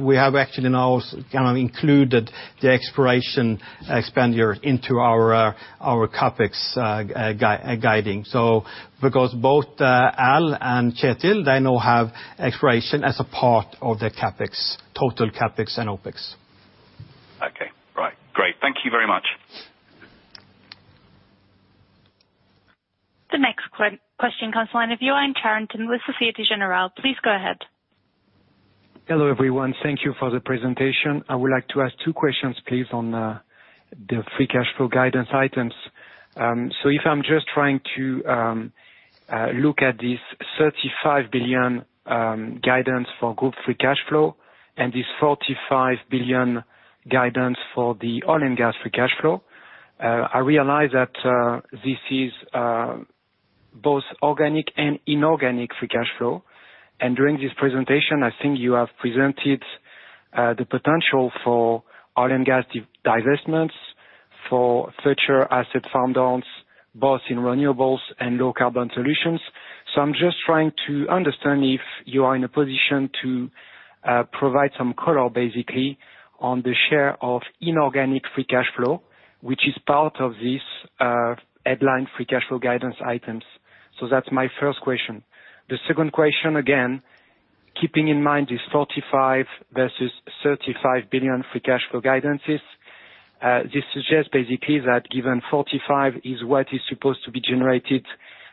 We have actually now kind of included the exploration expenditure into our CapEx guiding. Both Al and Kjetil, they now have exploration as a part of their CapEx, total CapEx and OpEx. Okay. Right. Great. Thank you very much. The next question comes line of Yoann Charenton with Société Générale. Please go ahead. Hello, everyone. Thank you for the presentation. I would like to ask two questions, please, on the free cash flow guidance items. If I'm just trying to look at this 35 billion guidance for group free cash flow and this 45 billion guidance for the oil and gas free cash flow, I realize that this is both organic and inorganic free cash flow. During this presentation, I think you have presented the potential for oil and gas divestments for future asset farm downs, both in renewables and low-carbon solutions. I'm just trying to understand if you are in a position to provide some color, basically, on the share of inorganic free cash flow, which is part of this headline free cash flow guidance items. That's my first question. The second question, again, keeping in mind this 45 billion versus 35 billion free cash flow guidances, this suggests basically that given 45 billion is what is supposed to be generated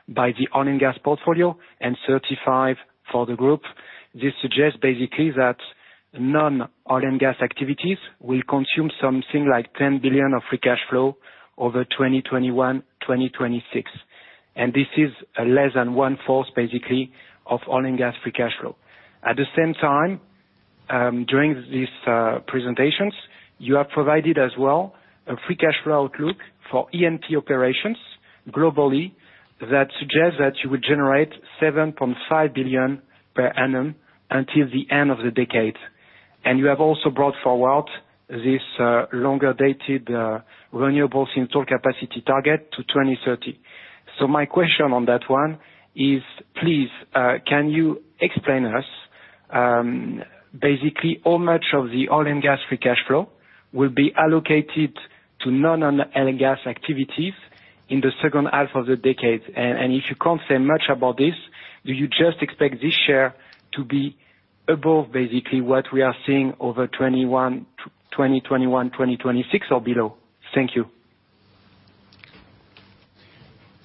by the oil and gas portfolio and 35 billion for the group, this suggests basically that non-oil and gas activities will consume something like 10 billion of free cash flow over 2021-2026. This is less than one-fourth, basically, of oil and gas free cash flow. At the same time, during these presentations, you have provided as well a free cash flow outlook for E&P operations globally that suggests that you would generate 7.5 billion per annum until the end of the decade. You have also brought forward this longer-dated renewables installed capacity target to 2030. My question on that one is, please, can you explain us. Basically, how much of the oil and gas free cash flow will be allocated to non-oil and gas activities in the H2 of the decade? If you can't say much about this, do you just expect this share to be above basically what we are seeing over 2021, 2026 or below? Thank you.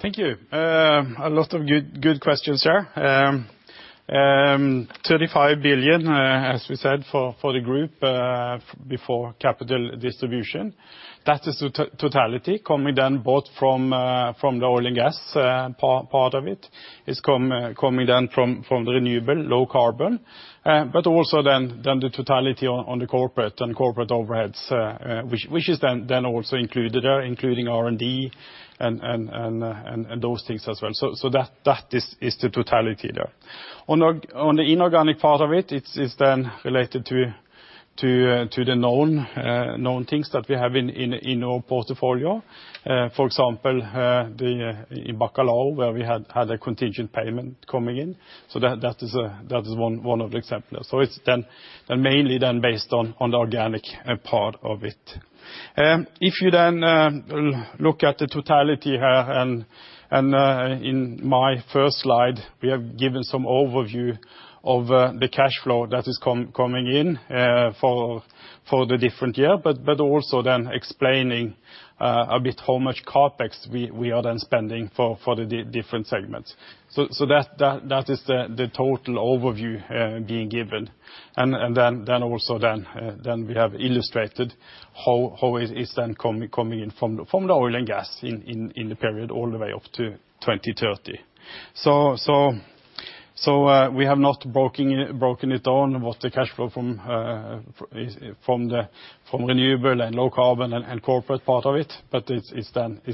Thank you. A lot of good questions there. 35 billion, as we said, for the group before capital distribution. That is the totality coming down both from the oil and gas part of it. It's coming down from renewable low carbon, but also then the totality on the corporate and corporate overheads, which is then also included there, including R&D and those things as well. That is the totality there. On the inorganic part of it's then related to the known things that we have in our portfolio. For example, in Bacalhau, where we had a contingent payment coming in. That is one of the examples. It's then mainly based on the organic part of it. If you then look at the totality here and in my first slide, we have given some overview of the cash flow that is coming in for the different year, but also then explaining a bit how much CapEx we are then spending for the different segments. That is the total overview being given. Then also we have illustrated how it is then coming in from the oil and gas in the period all the way up to 2030. We have not broken it down, what the cash flow from renewable and low carbon and corporate part of it, but it's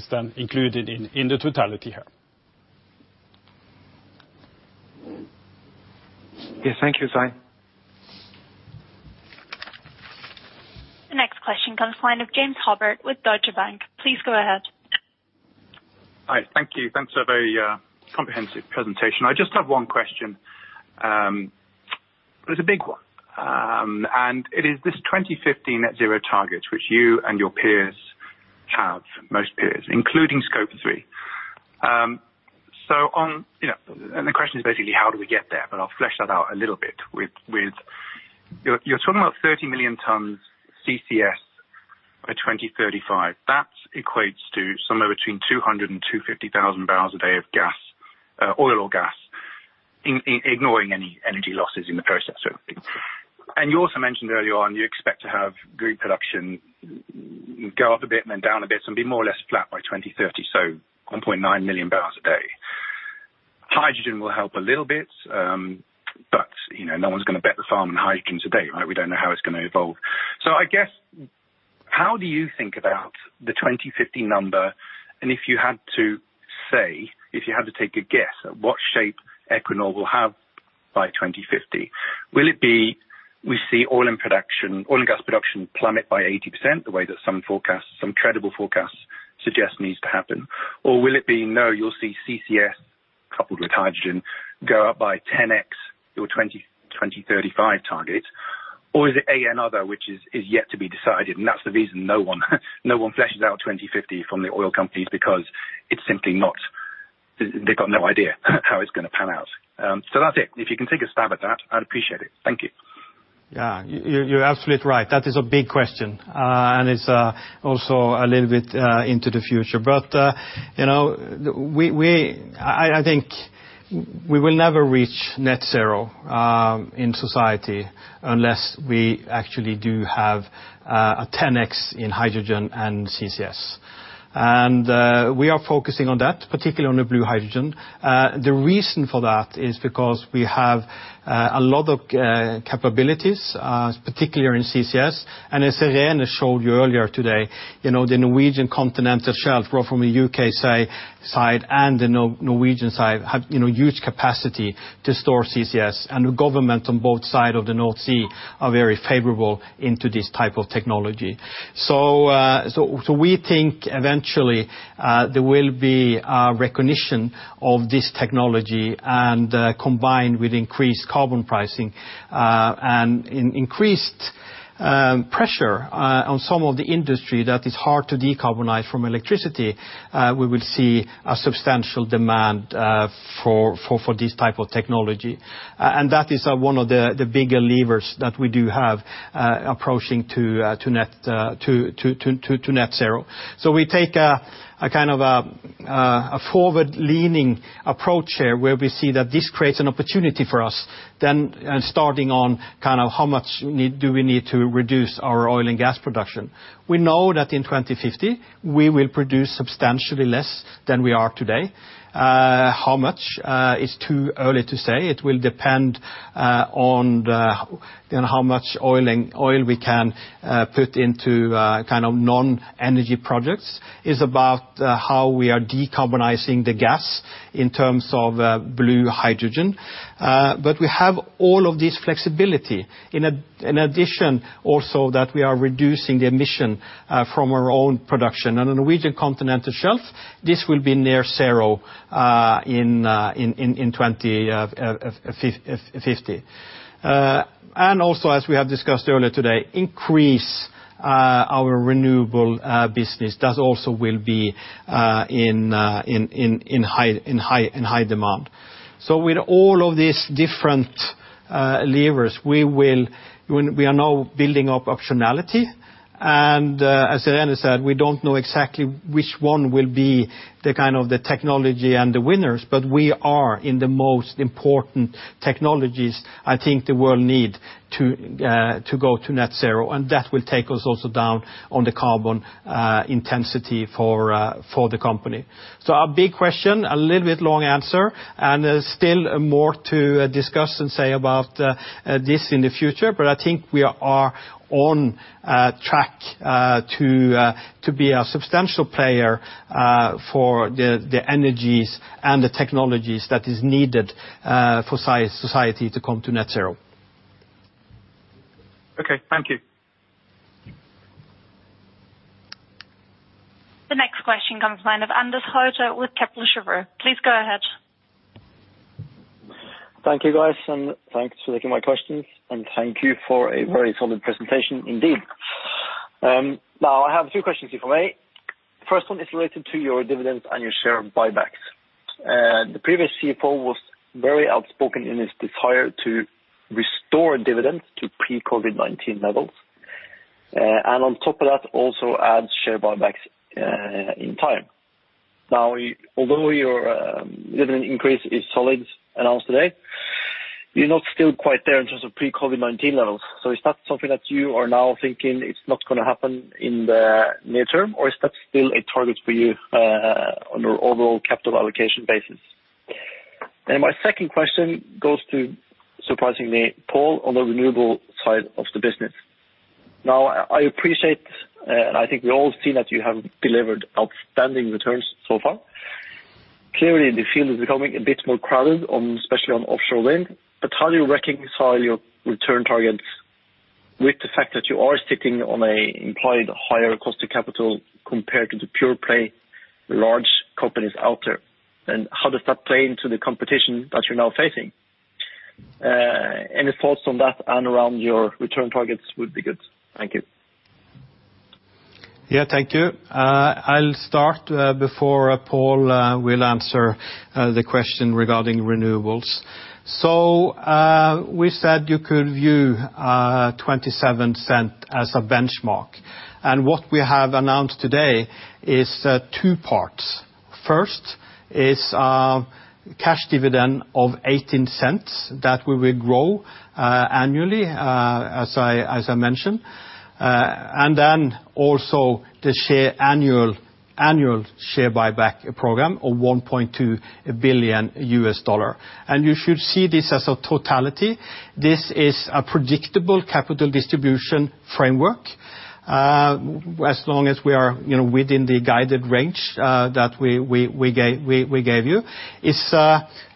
then included in the totality here. Yeah. Thank you, Svein. Next question comes the line of James Hubbard with Deutsche Bank. Please go ahead. All right. Thank you. Thanks for a very comprehensive presentation. I just have one question, but it's a big one. It is the 2050 net zero targets, which you and your peers have, most peers, including Scope 3. The question is basically how do we get there? I'll flesh that out a little bit with, you're talking about 30 million tons of CCS by 2035. That equates to somewhere between 200,000-250,000 barrels a day of oil or gas, ignoring any energy losses in the process sort of thing. You also mentioned earlier on, you expect to have group production go up a bit, then down a bit, so be more or less flat by 2050. 1.9 million barrels a day. Hydrogen will help a little bit, but no one's going to bet the farm on hydrogen today. We don't know how it's going to evolve. I guess how do you think about the 2050 number? If you had to say, if you had to take a guess at what shape Equinor will have by 2050, will it be we see oil and gas production plummet by 80%, the way that some credible forecasts suggest needs to happen, or will it be, no, you'll see CCS coupled with hydrogen go up by 10x your 2035 target, or is it another which is yet to be decided and that's the reason no one fleshes out 2050 from the oil companies because they've got no idea how it's going to pan out? That's it. If you can take a stab at that, I'd appreciate it. Thank you. You're absolutely right. That is a big question, and it's also a little bit into the future. I think we will never reach net zero in society unless we actually do have a 10x in hydrogen and CCS. We are focusing on that, particularly on the blue hydrogen. The reason for that is because we have a lot of capabilities, particularly in CCS. As Irene showed you earlier today, the Norwegian continental shelf, both from the U.K. side and the Norwegian side, have huge capacity to store CCS, and the government on both sides of the North Sea are very favorable into this type of technology. We think eventually there will be recognition of this technology and combined with increased carbon pricing and increased pressure on some of the industry that is hard to decarbonize from electricity, we will see a substantial demand for this type of technology. That is one of the bigger levers that we do have approaching to net zero. We take a kind of a forward-leaning approach here where we see that this creates an opportunity for us then starting on kind of how much do we need to reduce our oil and gas production. We know that in 2050 we will produce substantially less than we are today. How much is too early to say. It will depend on how much oil we can put into non-energy products. It's about how we are decarbonizing the gas in terms of blue hydrogen. We have all of this flexibility. In addition, also that we are reducing emissions from our own production. On the Norwegian continental shelf, this will be near zero in 2050. Also, as we have discussed earlier today, increase Our renewable business, that also will be in high demand. With all of these different levers, we are now building up optionality. As Irene said, we don't know exactly which one will be the kind of the technology and the winners, but we are in the most important technologies I think the world need to go to net zero, and that will take us also down on the carbon intensity for the company. A big question, a little bit long answer, there's still more to discuss and say about this in the future. I think we are on track to be a substantial player for the energies and the technologies that is needed for society to come to net zero. Okay. Thank you. The next question comes from Anders Holte with Kepler Cheuvreux. Please go ahead. Thank you, guys, and thanks for taking my questions, and thank you for a very solid presentation indeed. I have two questions for you, okay? First one is related to your dividends and your share buybacks. The previous CFO was very outspoken in his desire to restore dividends to pre-COVID-19 levels, and on top of that, also add share buybacks in time. Although your dividend increase is solid announced today, you're not still quite there in terms of pre-COVID-19 levels. Is that something that you are now thinking it's not going to happen in the near term, or is that still a target for you on your overall capital allocation basis? My second question goes to, surprisingly, Pål, on the renewable side of the business. I appreciate, I think we all see that you have delivered outstanding returns so far. Clearly, the field is becoming a bit more crowded, especially on offshore wind. How do you reconcile your return targets with the fact that you are sitting on a implied higher cost of capital compared to the pure play large companies out there? How does that play into the competition that you're now facing? Any thoughts on that and around your return targets would be good. Thank you. Yeah, thank you. I'll start before Pål will answer the question regarding renewables. We said you could view $0.27 as a benchmark. What we have announced today is two parts. First is cash dividend of $0.18 that we will grow annually, as I mentioned, then also the annual share buyback program of $1.2 billion US. You should see this as a totality. This is a predictable capital distribution framework, as long as we are within the guided range that we gave you. It's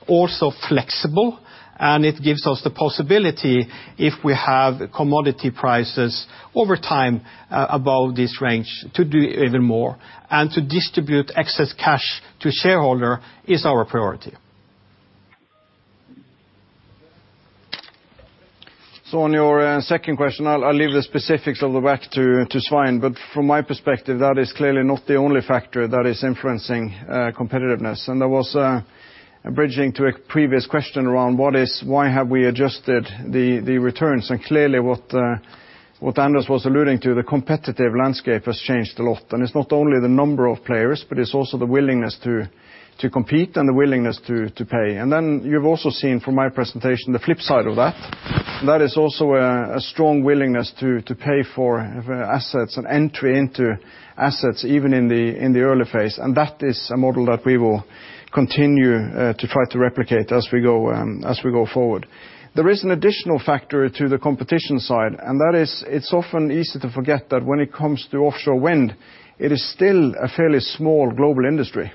also flexible, and it gives us the possibility, if we have commodity prices over time above this range, to do even more, and to distribute excess cash to shareholder is our priority. On your second question, I'll leave the specifics of the WACC to Svein, but from my perspective, that is clearly not the only factor that is influencing competitiveness. There was a bridging to a previous question around why have we adjusted the returns? Clearly what Anders was alluding to, the competitive landscape has changed a lot, and it's not only the number of players, but it's also the willingness to compete and the willingness to pay. Then you've also seen from my presentation the flip side of that. That is also a strong willingness to pay for assets and entry into assets even in the early phase. That is a model that we will continue to try to replicate as we go forward. There is an additional factor to the competition side, and that is, it is often easy to forget that when it comes to offshore wind, it is still a fairly small global industry.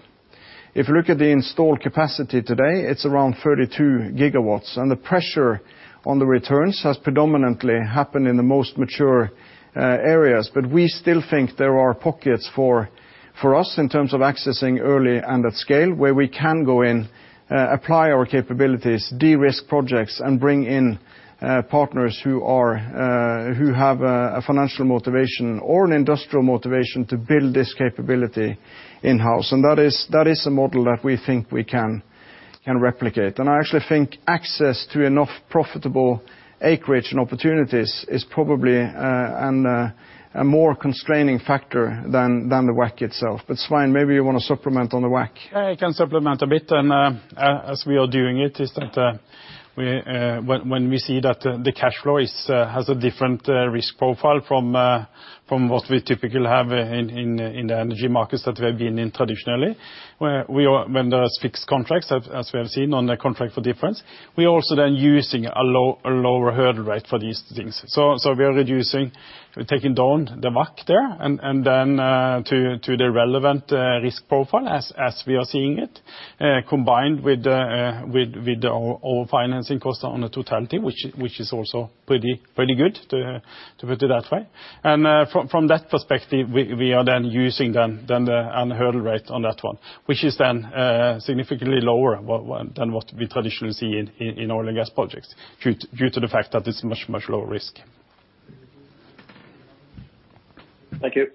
If you look at the installed capacity today, it is around 32 GW, and the pressure on the returns has predominantly happened in the most mature areas. We still think there are pockets for us in terms of accessing early and at scale, where we can go in, apply our capabilities, de-risk projects, and bring in partners who have a financial motivation or an industrial motivation to build this capability in-house. That is a model that we think we can replicate. I actually think access to enough profitable acreage and opportunities is probably a more constraining factor than the WACC itself. Svein, maybe you want to supplement on the WACC. I can supplement a bit. As we are doing it, is that when we see that the cash flow has a different risk profile from what we typically have in the energy markets that we have been in traditionally, when there's fixed contracts, as we have seen on the contracts for difference, we are also then using a lower hurdle rate for these things. We are reducing, we're taking down the WACC there and then to the relevant risk profile as we are seeing it, combined with our financing cost on the totality, which is also pretty good, to put it that way. From that perspective, we are then using then a hurdle rate on that one, which is then significantly lower than what we traditionally see in oil and gas projects due to the fact that it's much, much lower risk. Thank you.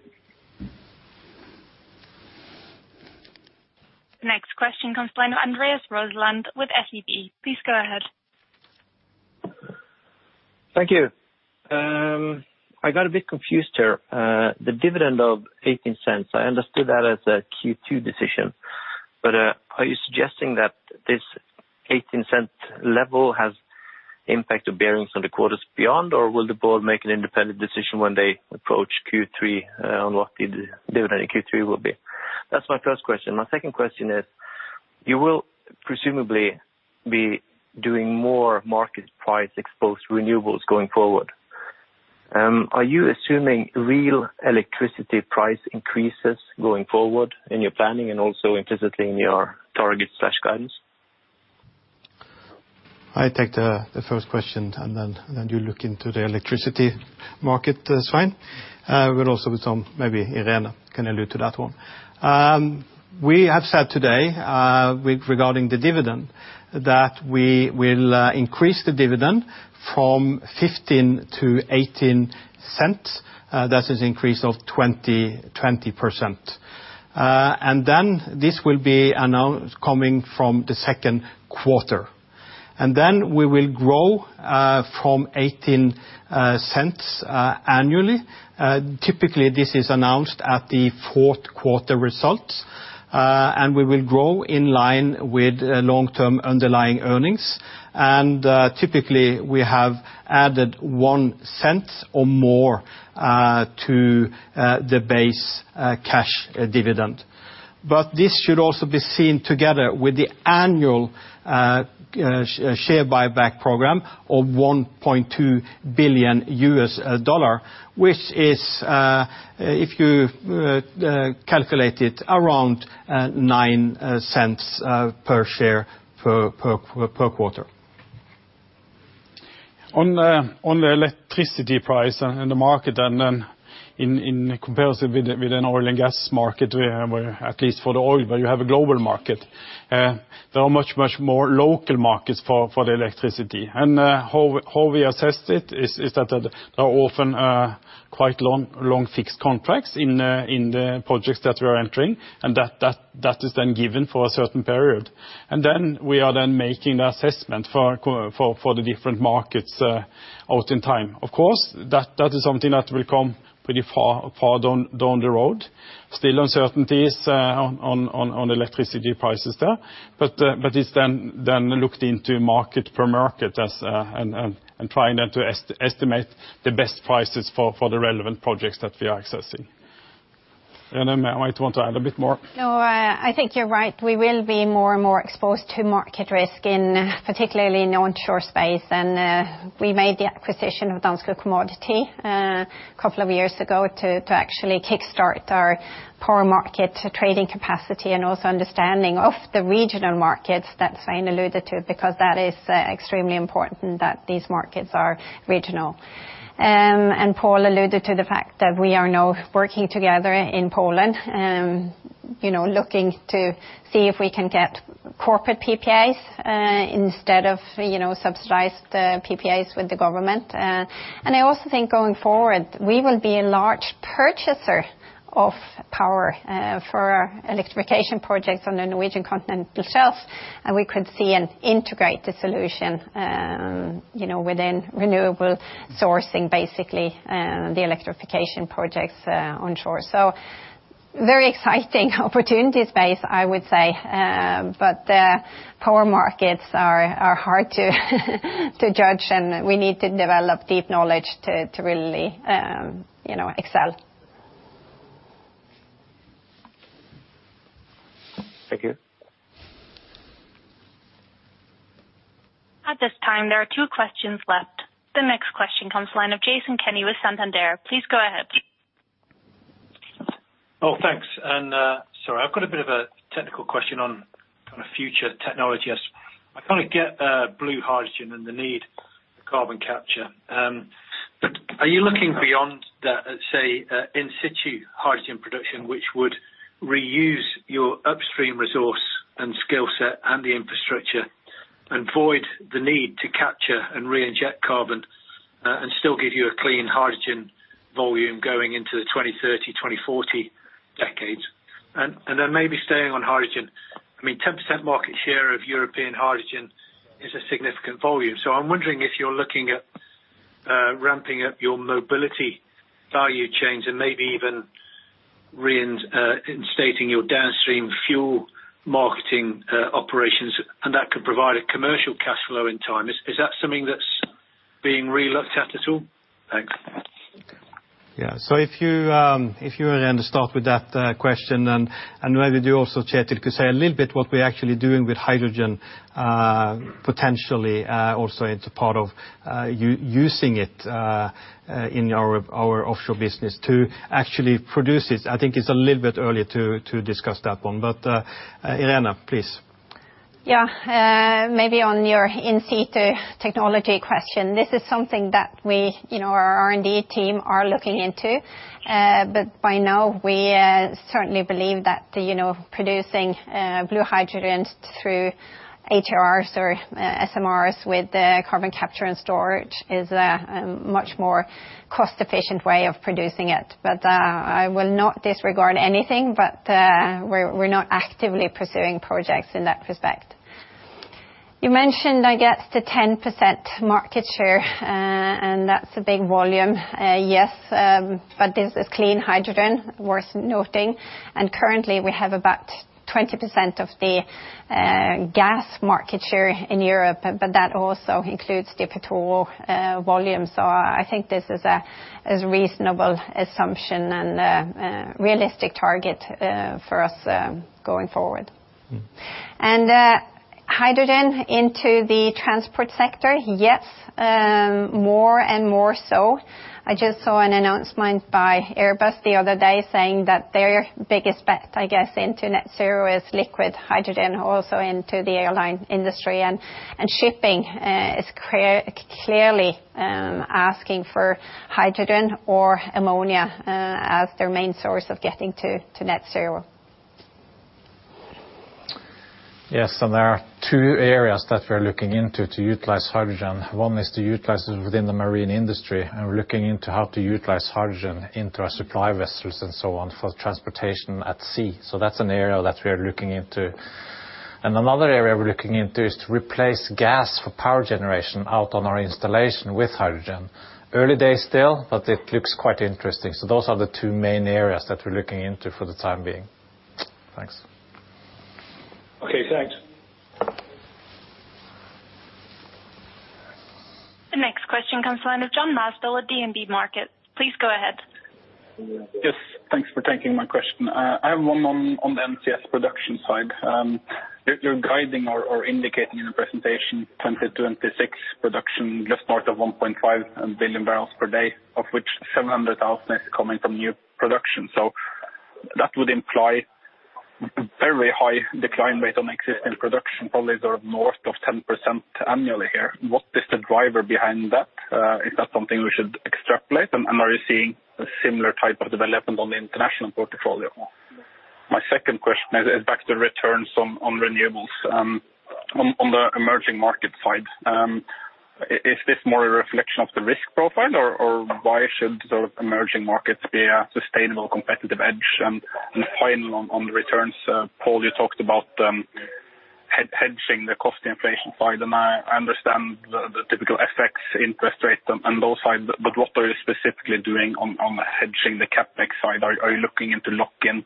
Next question comes from line of Anders Rosenlund with SEB. Please go ahead. Thank you. I got a bit confused here. The dividend of 0.18, I understood that as a Q2 decision, are you suggesting that this 0.18 level has impact or bearings on the quarters beyond, or will the board make an independent decision when they approach Q3 on what the dividend in Q3 will be? That's my first question. My second question is, you will presumably be doing more market price exposed renewables going forward. Are you assuming real electricity price increases going forward in your planning and also implicitly in your target/guidance? I take the first question and then you look into the electricity market, Svein. Also with some maybe Irene can allude to that one. We have said today, regarding the dividend, that we will increase the dividend from $0.15-$0.18. That is increase of 20%. This will be announced coming from the Q2. We will grow from $0.18 annually. Typically, this is announced at the Q4 results. We will grow in line with long-term underlying earnings. Typically, we have added $0.01 or more to the base cash dividend. This should also be seen together with the annual share buyback program of $1.2 billion, which is if you calculate it, around $0.09 per share per quarter. On the electricity price and the market and then in comparison with an oil and gas market, at least for the oil, where you have a global market. There are much more local markets for the electricity. How we assess it is that there are often quite long fixed contracts in the projects that we are entering, and that is then given for a certain period. Then we are then making the assessment for the different markets out in time. Of course, that is something that will come pretty far down the road. Still uncertainties on electricity prices there. It's then looked into market per market and trying then to estimate the best prices for the relevant projects that we are assessing. Irene might want to add a bit more. No, I think you're right. We will be more and more exposed to market risk in particularly in onshore space. We made the acquisition of Danske Commodities a couple of years ago to actually kickstart our power market trading capacity and also understanding of the regional markets that Svein alluded to, because that is extremely important that these markets are regional. Pål alluded to the fact that we are now working together in Poland, looking to see if we can get corporate PPAs instead of subsidized PPAs with the government. I also think going forward, we will be a large purchaser of power for our electrification projects on the Norwegian continental shelf. We could see and integrate the solution within renewable sourcing, basically the electrification projects onshore. Very exciting opportunity space, I would say, but the power markets are hard to judge, and we need to develop deep knowledge to really excel. Thank you. At this time, there are two questions left. The next question comes the line of Jason Gammel with Santander. Please go ahead. Oh, thanks, sorry. I've got a bit of a technical question on future technology. I kind of get blue hydrogen and the need for carbon capture. Are you looking beyond the, let's say, in situ hydrogen production, which would reuse your upstream resource and skill set and the infrastructure and void the need to capture and reinject carbon and still give you a clean hydrogen volume going into the 2030, 2040 decades? Maybe staying on hydrogen, 10% market share of European hydrogen is a significant volume. I'm wondering if you're looking at ramping up your mobility value chains and maybe even reinstating your downstream fuel marketing operations, and that could provide a commercial cash flow in time. Is that something that's being re-looked at at all? Thanks. Yeah. If you were then to start with that question and maybe you also, Kjetil, could say a little bit what we're actually doing with hydrogen potentially also into part of using it in our offshore business to actually produce it. I think it's a little bit early to discuss that one. Irene, please. Yeah. Maybe on your in situ technology question, this is something that our R&D team are looking into. By now we certainly believe that producing blue hydrogen through ATRs or SMRs with the carbon capture and storage is a much more cost-efficient way of producing it. I will not disregard anything, but we're not actively pursuing projects in that respect. You mentioned, I guess, the 10% market share, and that's a big volume. Yes, this is clean hydrogen, worth noting. Currently, we have about 20% of the gas market share in Europe, but that also includes the petrol volume. I think this is a reasonable assumption and a realistic target for us going forward. Hydrogen into the transport sector. Yes, more and more so. I just saw an announcement by Airbus the other day saying that their biggest bet, I guess, into net zero is liquid hydrogen, also into the airline industry. Shipping is clearly asking for hydrogen or ammonia as their main source of getting to net zero. Yes, there are two areas that we're looking into to utilize hydrogen. One is to utilize it within the marine industry, and we're looking into how to utilize hydrogen into our supply vessels and so on for transportation at sea. That's an area that we are looking into. Another area we're looking into is to replace gas for power generation out on our installation with hydrogen. Early days still, but it looks quite interesting. Those are the two main areas that we're looking into for the time being. Thanks. Okay, thanks. The next question comes the line of Jon Masdal at DNB Markets. Please go ahead. Yes, thanks for taking my question. I have one on the NCS production side. You're guiding or indicating in your presentation 2026 production just north of 1.5 billion barrels per day, of which 700,000 is coming from new production. That would imply very high decline rate on existing production, probably north of 10% annually here. What is the driver behind that? Is that something we should extrapolate, and are you seeing a similar type of development on the international portfolio? My second question is back to the returns on renewables. On the emerging market side, is this more a reflection of the risk profile, or why should emerging markets be a sustainable competitive edge? Finally, on the returns, Pål, you talked about hedging the cost inflation side, and I understand the typical effects, interest rates and those sides, but what are you specifically doing on the hedging the CapEx side? Are you looking into lock-in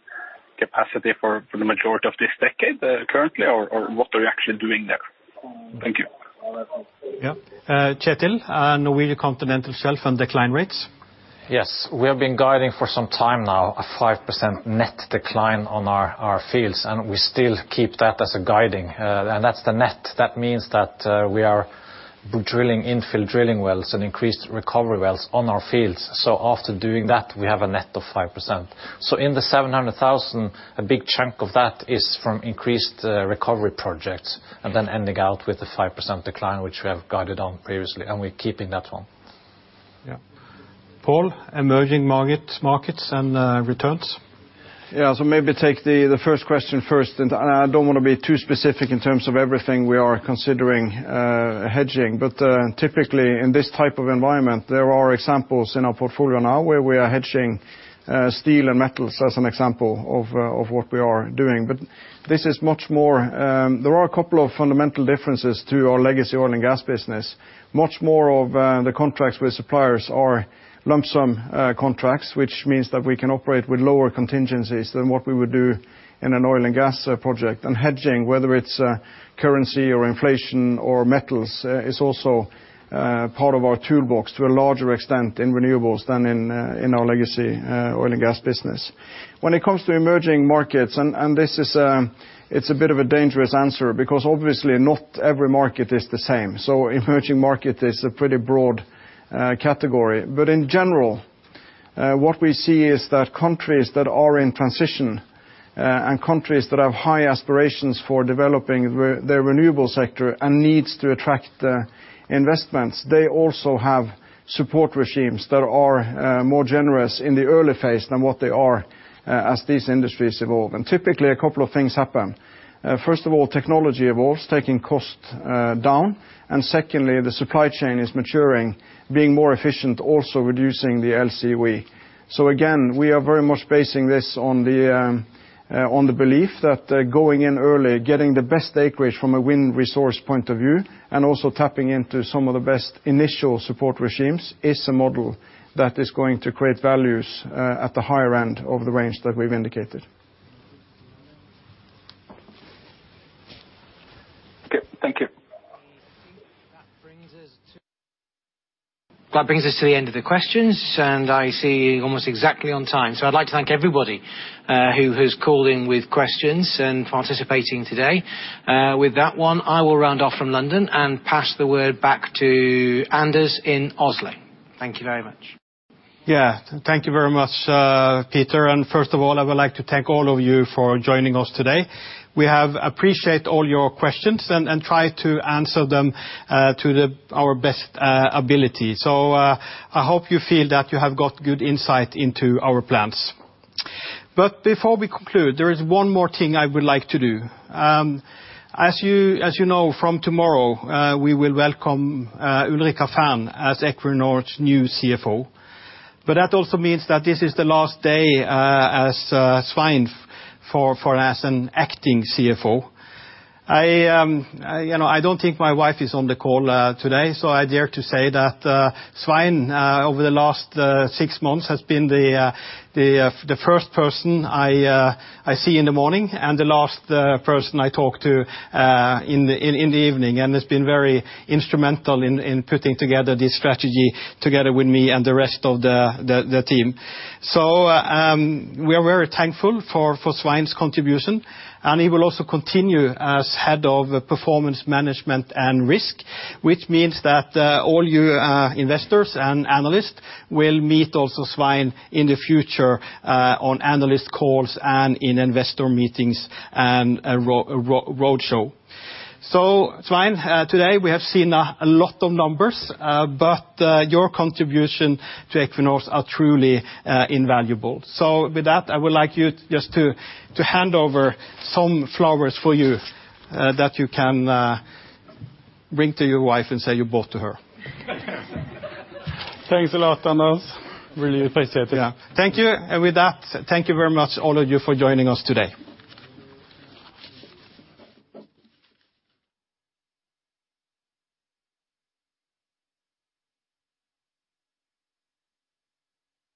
capacity for the majority of this decade currently, or what are you actually doing there? Thank you. Yeah. Kjetil, Norwegian Continental Shelf and decline rates. Yes. We have been guiding for some time now a 5% net decline on our fields, we still keep that as a guiding. That's the net. That means that we are drilling infill drilling wells and increased recovery wells on our fields. After doing that, we have a net of 5%. In the 700,000, a big chunk of that is from increased recovery projects and then ending out with the 5% decline, which we have guided on previously, and we're keeping that one. Yeah. Pål, emerging markets and returns. Yeah. Maybe take the first question first, I don't want to be too specific in terms of everything we are considering hedging. Typically, in this type of environment, there are examples in our portfolio now where we are hedging steel and metals as an example of what we are doing. There are two fundamental differences to our legacy oil and gas business. Much more of the contracts with suppliers are lump sum contracts, which means that we can operate with lower contingencies than what we would do in an oil and gas project. Hedging, whether it's currency or inflation or metals, is also part of our toolbox to a larger extent in renewables than in our legacy oil and gas business. When it comes to emerging markets, it's a bit of a dangerous answer because obviously not every market is the same. Emerging market is a pretty broad category. In general, what we see is that countries that are in transition and countries that have high aspirations for developing their renewable sector and needs to attract investments, they also have support regimes that are more generous in the early phase than what they are as these industries evolve. Typically, two things happen. First of all, technology evolves, taking cost down. Secondly, the supply chain is maturing, being more efficient, also reducing the LCE. Again, we are very much basing this on the belief that going in early, getting the best acreage from a wind resource point of view, and also tapping into some of the best initial support regimes is a model that is going to create values at the higher end of the range that we've indicated. Okay. Thank you. That brings us to the end of the questions, and I see almost exactly on time. I'd like to thank everybody who has called in with questions and participating today. With that one, I will round off from London and pass the word back to Anders in Oslo. Thank you very much. Thank you very much, Peter. First of all, I would like to thank all of you for joining us today. We have appreciate all your questions and try to answer them to our best ability. I hope you feel that you have got good insight into our plans. Before we conclude, there is one more thing I would like to do. As you know, from tomorrow, we will welcome Ulrica Fearn as Equinor's new CFO. That also means that this is the last day as Svein Skeie as an acting CFO. I don't think my wife is on the call today, so I dare to say that Svein, over the last six months, has been the first person I see in the morning and the last person I talk to in the evening, and he's been very instrumental in putting together this strategy together with me and the rest of the team. We are very thankful for Svein's contribution, and he will also continue as head of performance management and risk, which means that all you investors and analysts will meet also Svein in the future on analyst calls and in investor meetings and roadshow. Svein, today we have seen a lot of numbers, but your contribution to Equinor are truly invaluable. With that, I would like just to hand over some flowers for you that you can bring to your wife and say you bought to her. Thanks a lot, Anders. Really appreciate it. Yeah. Thank you. With that, thank you very much, all of you, for joining us today.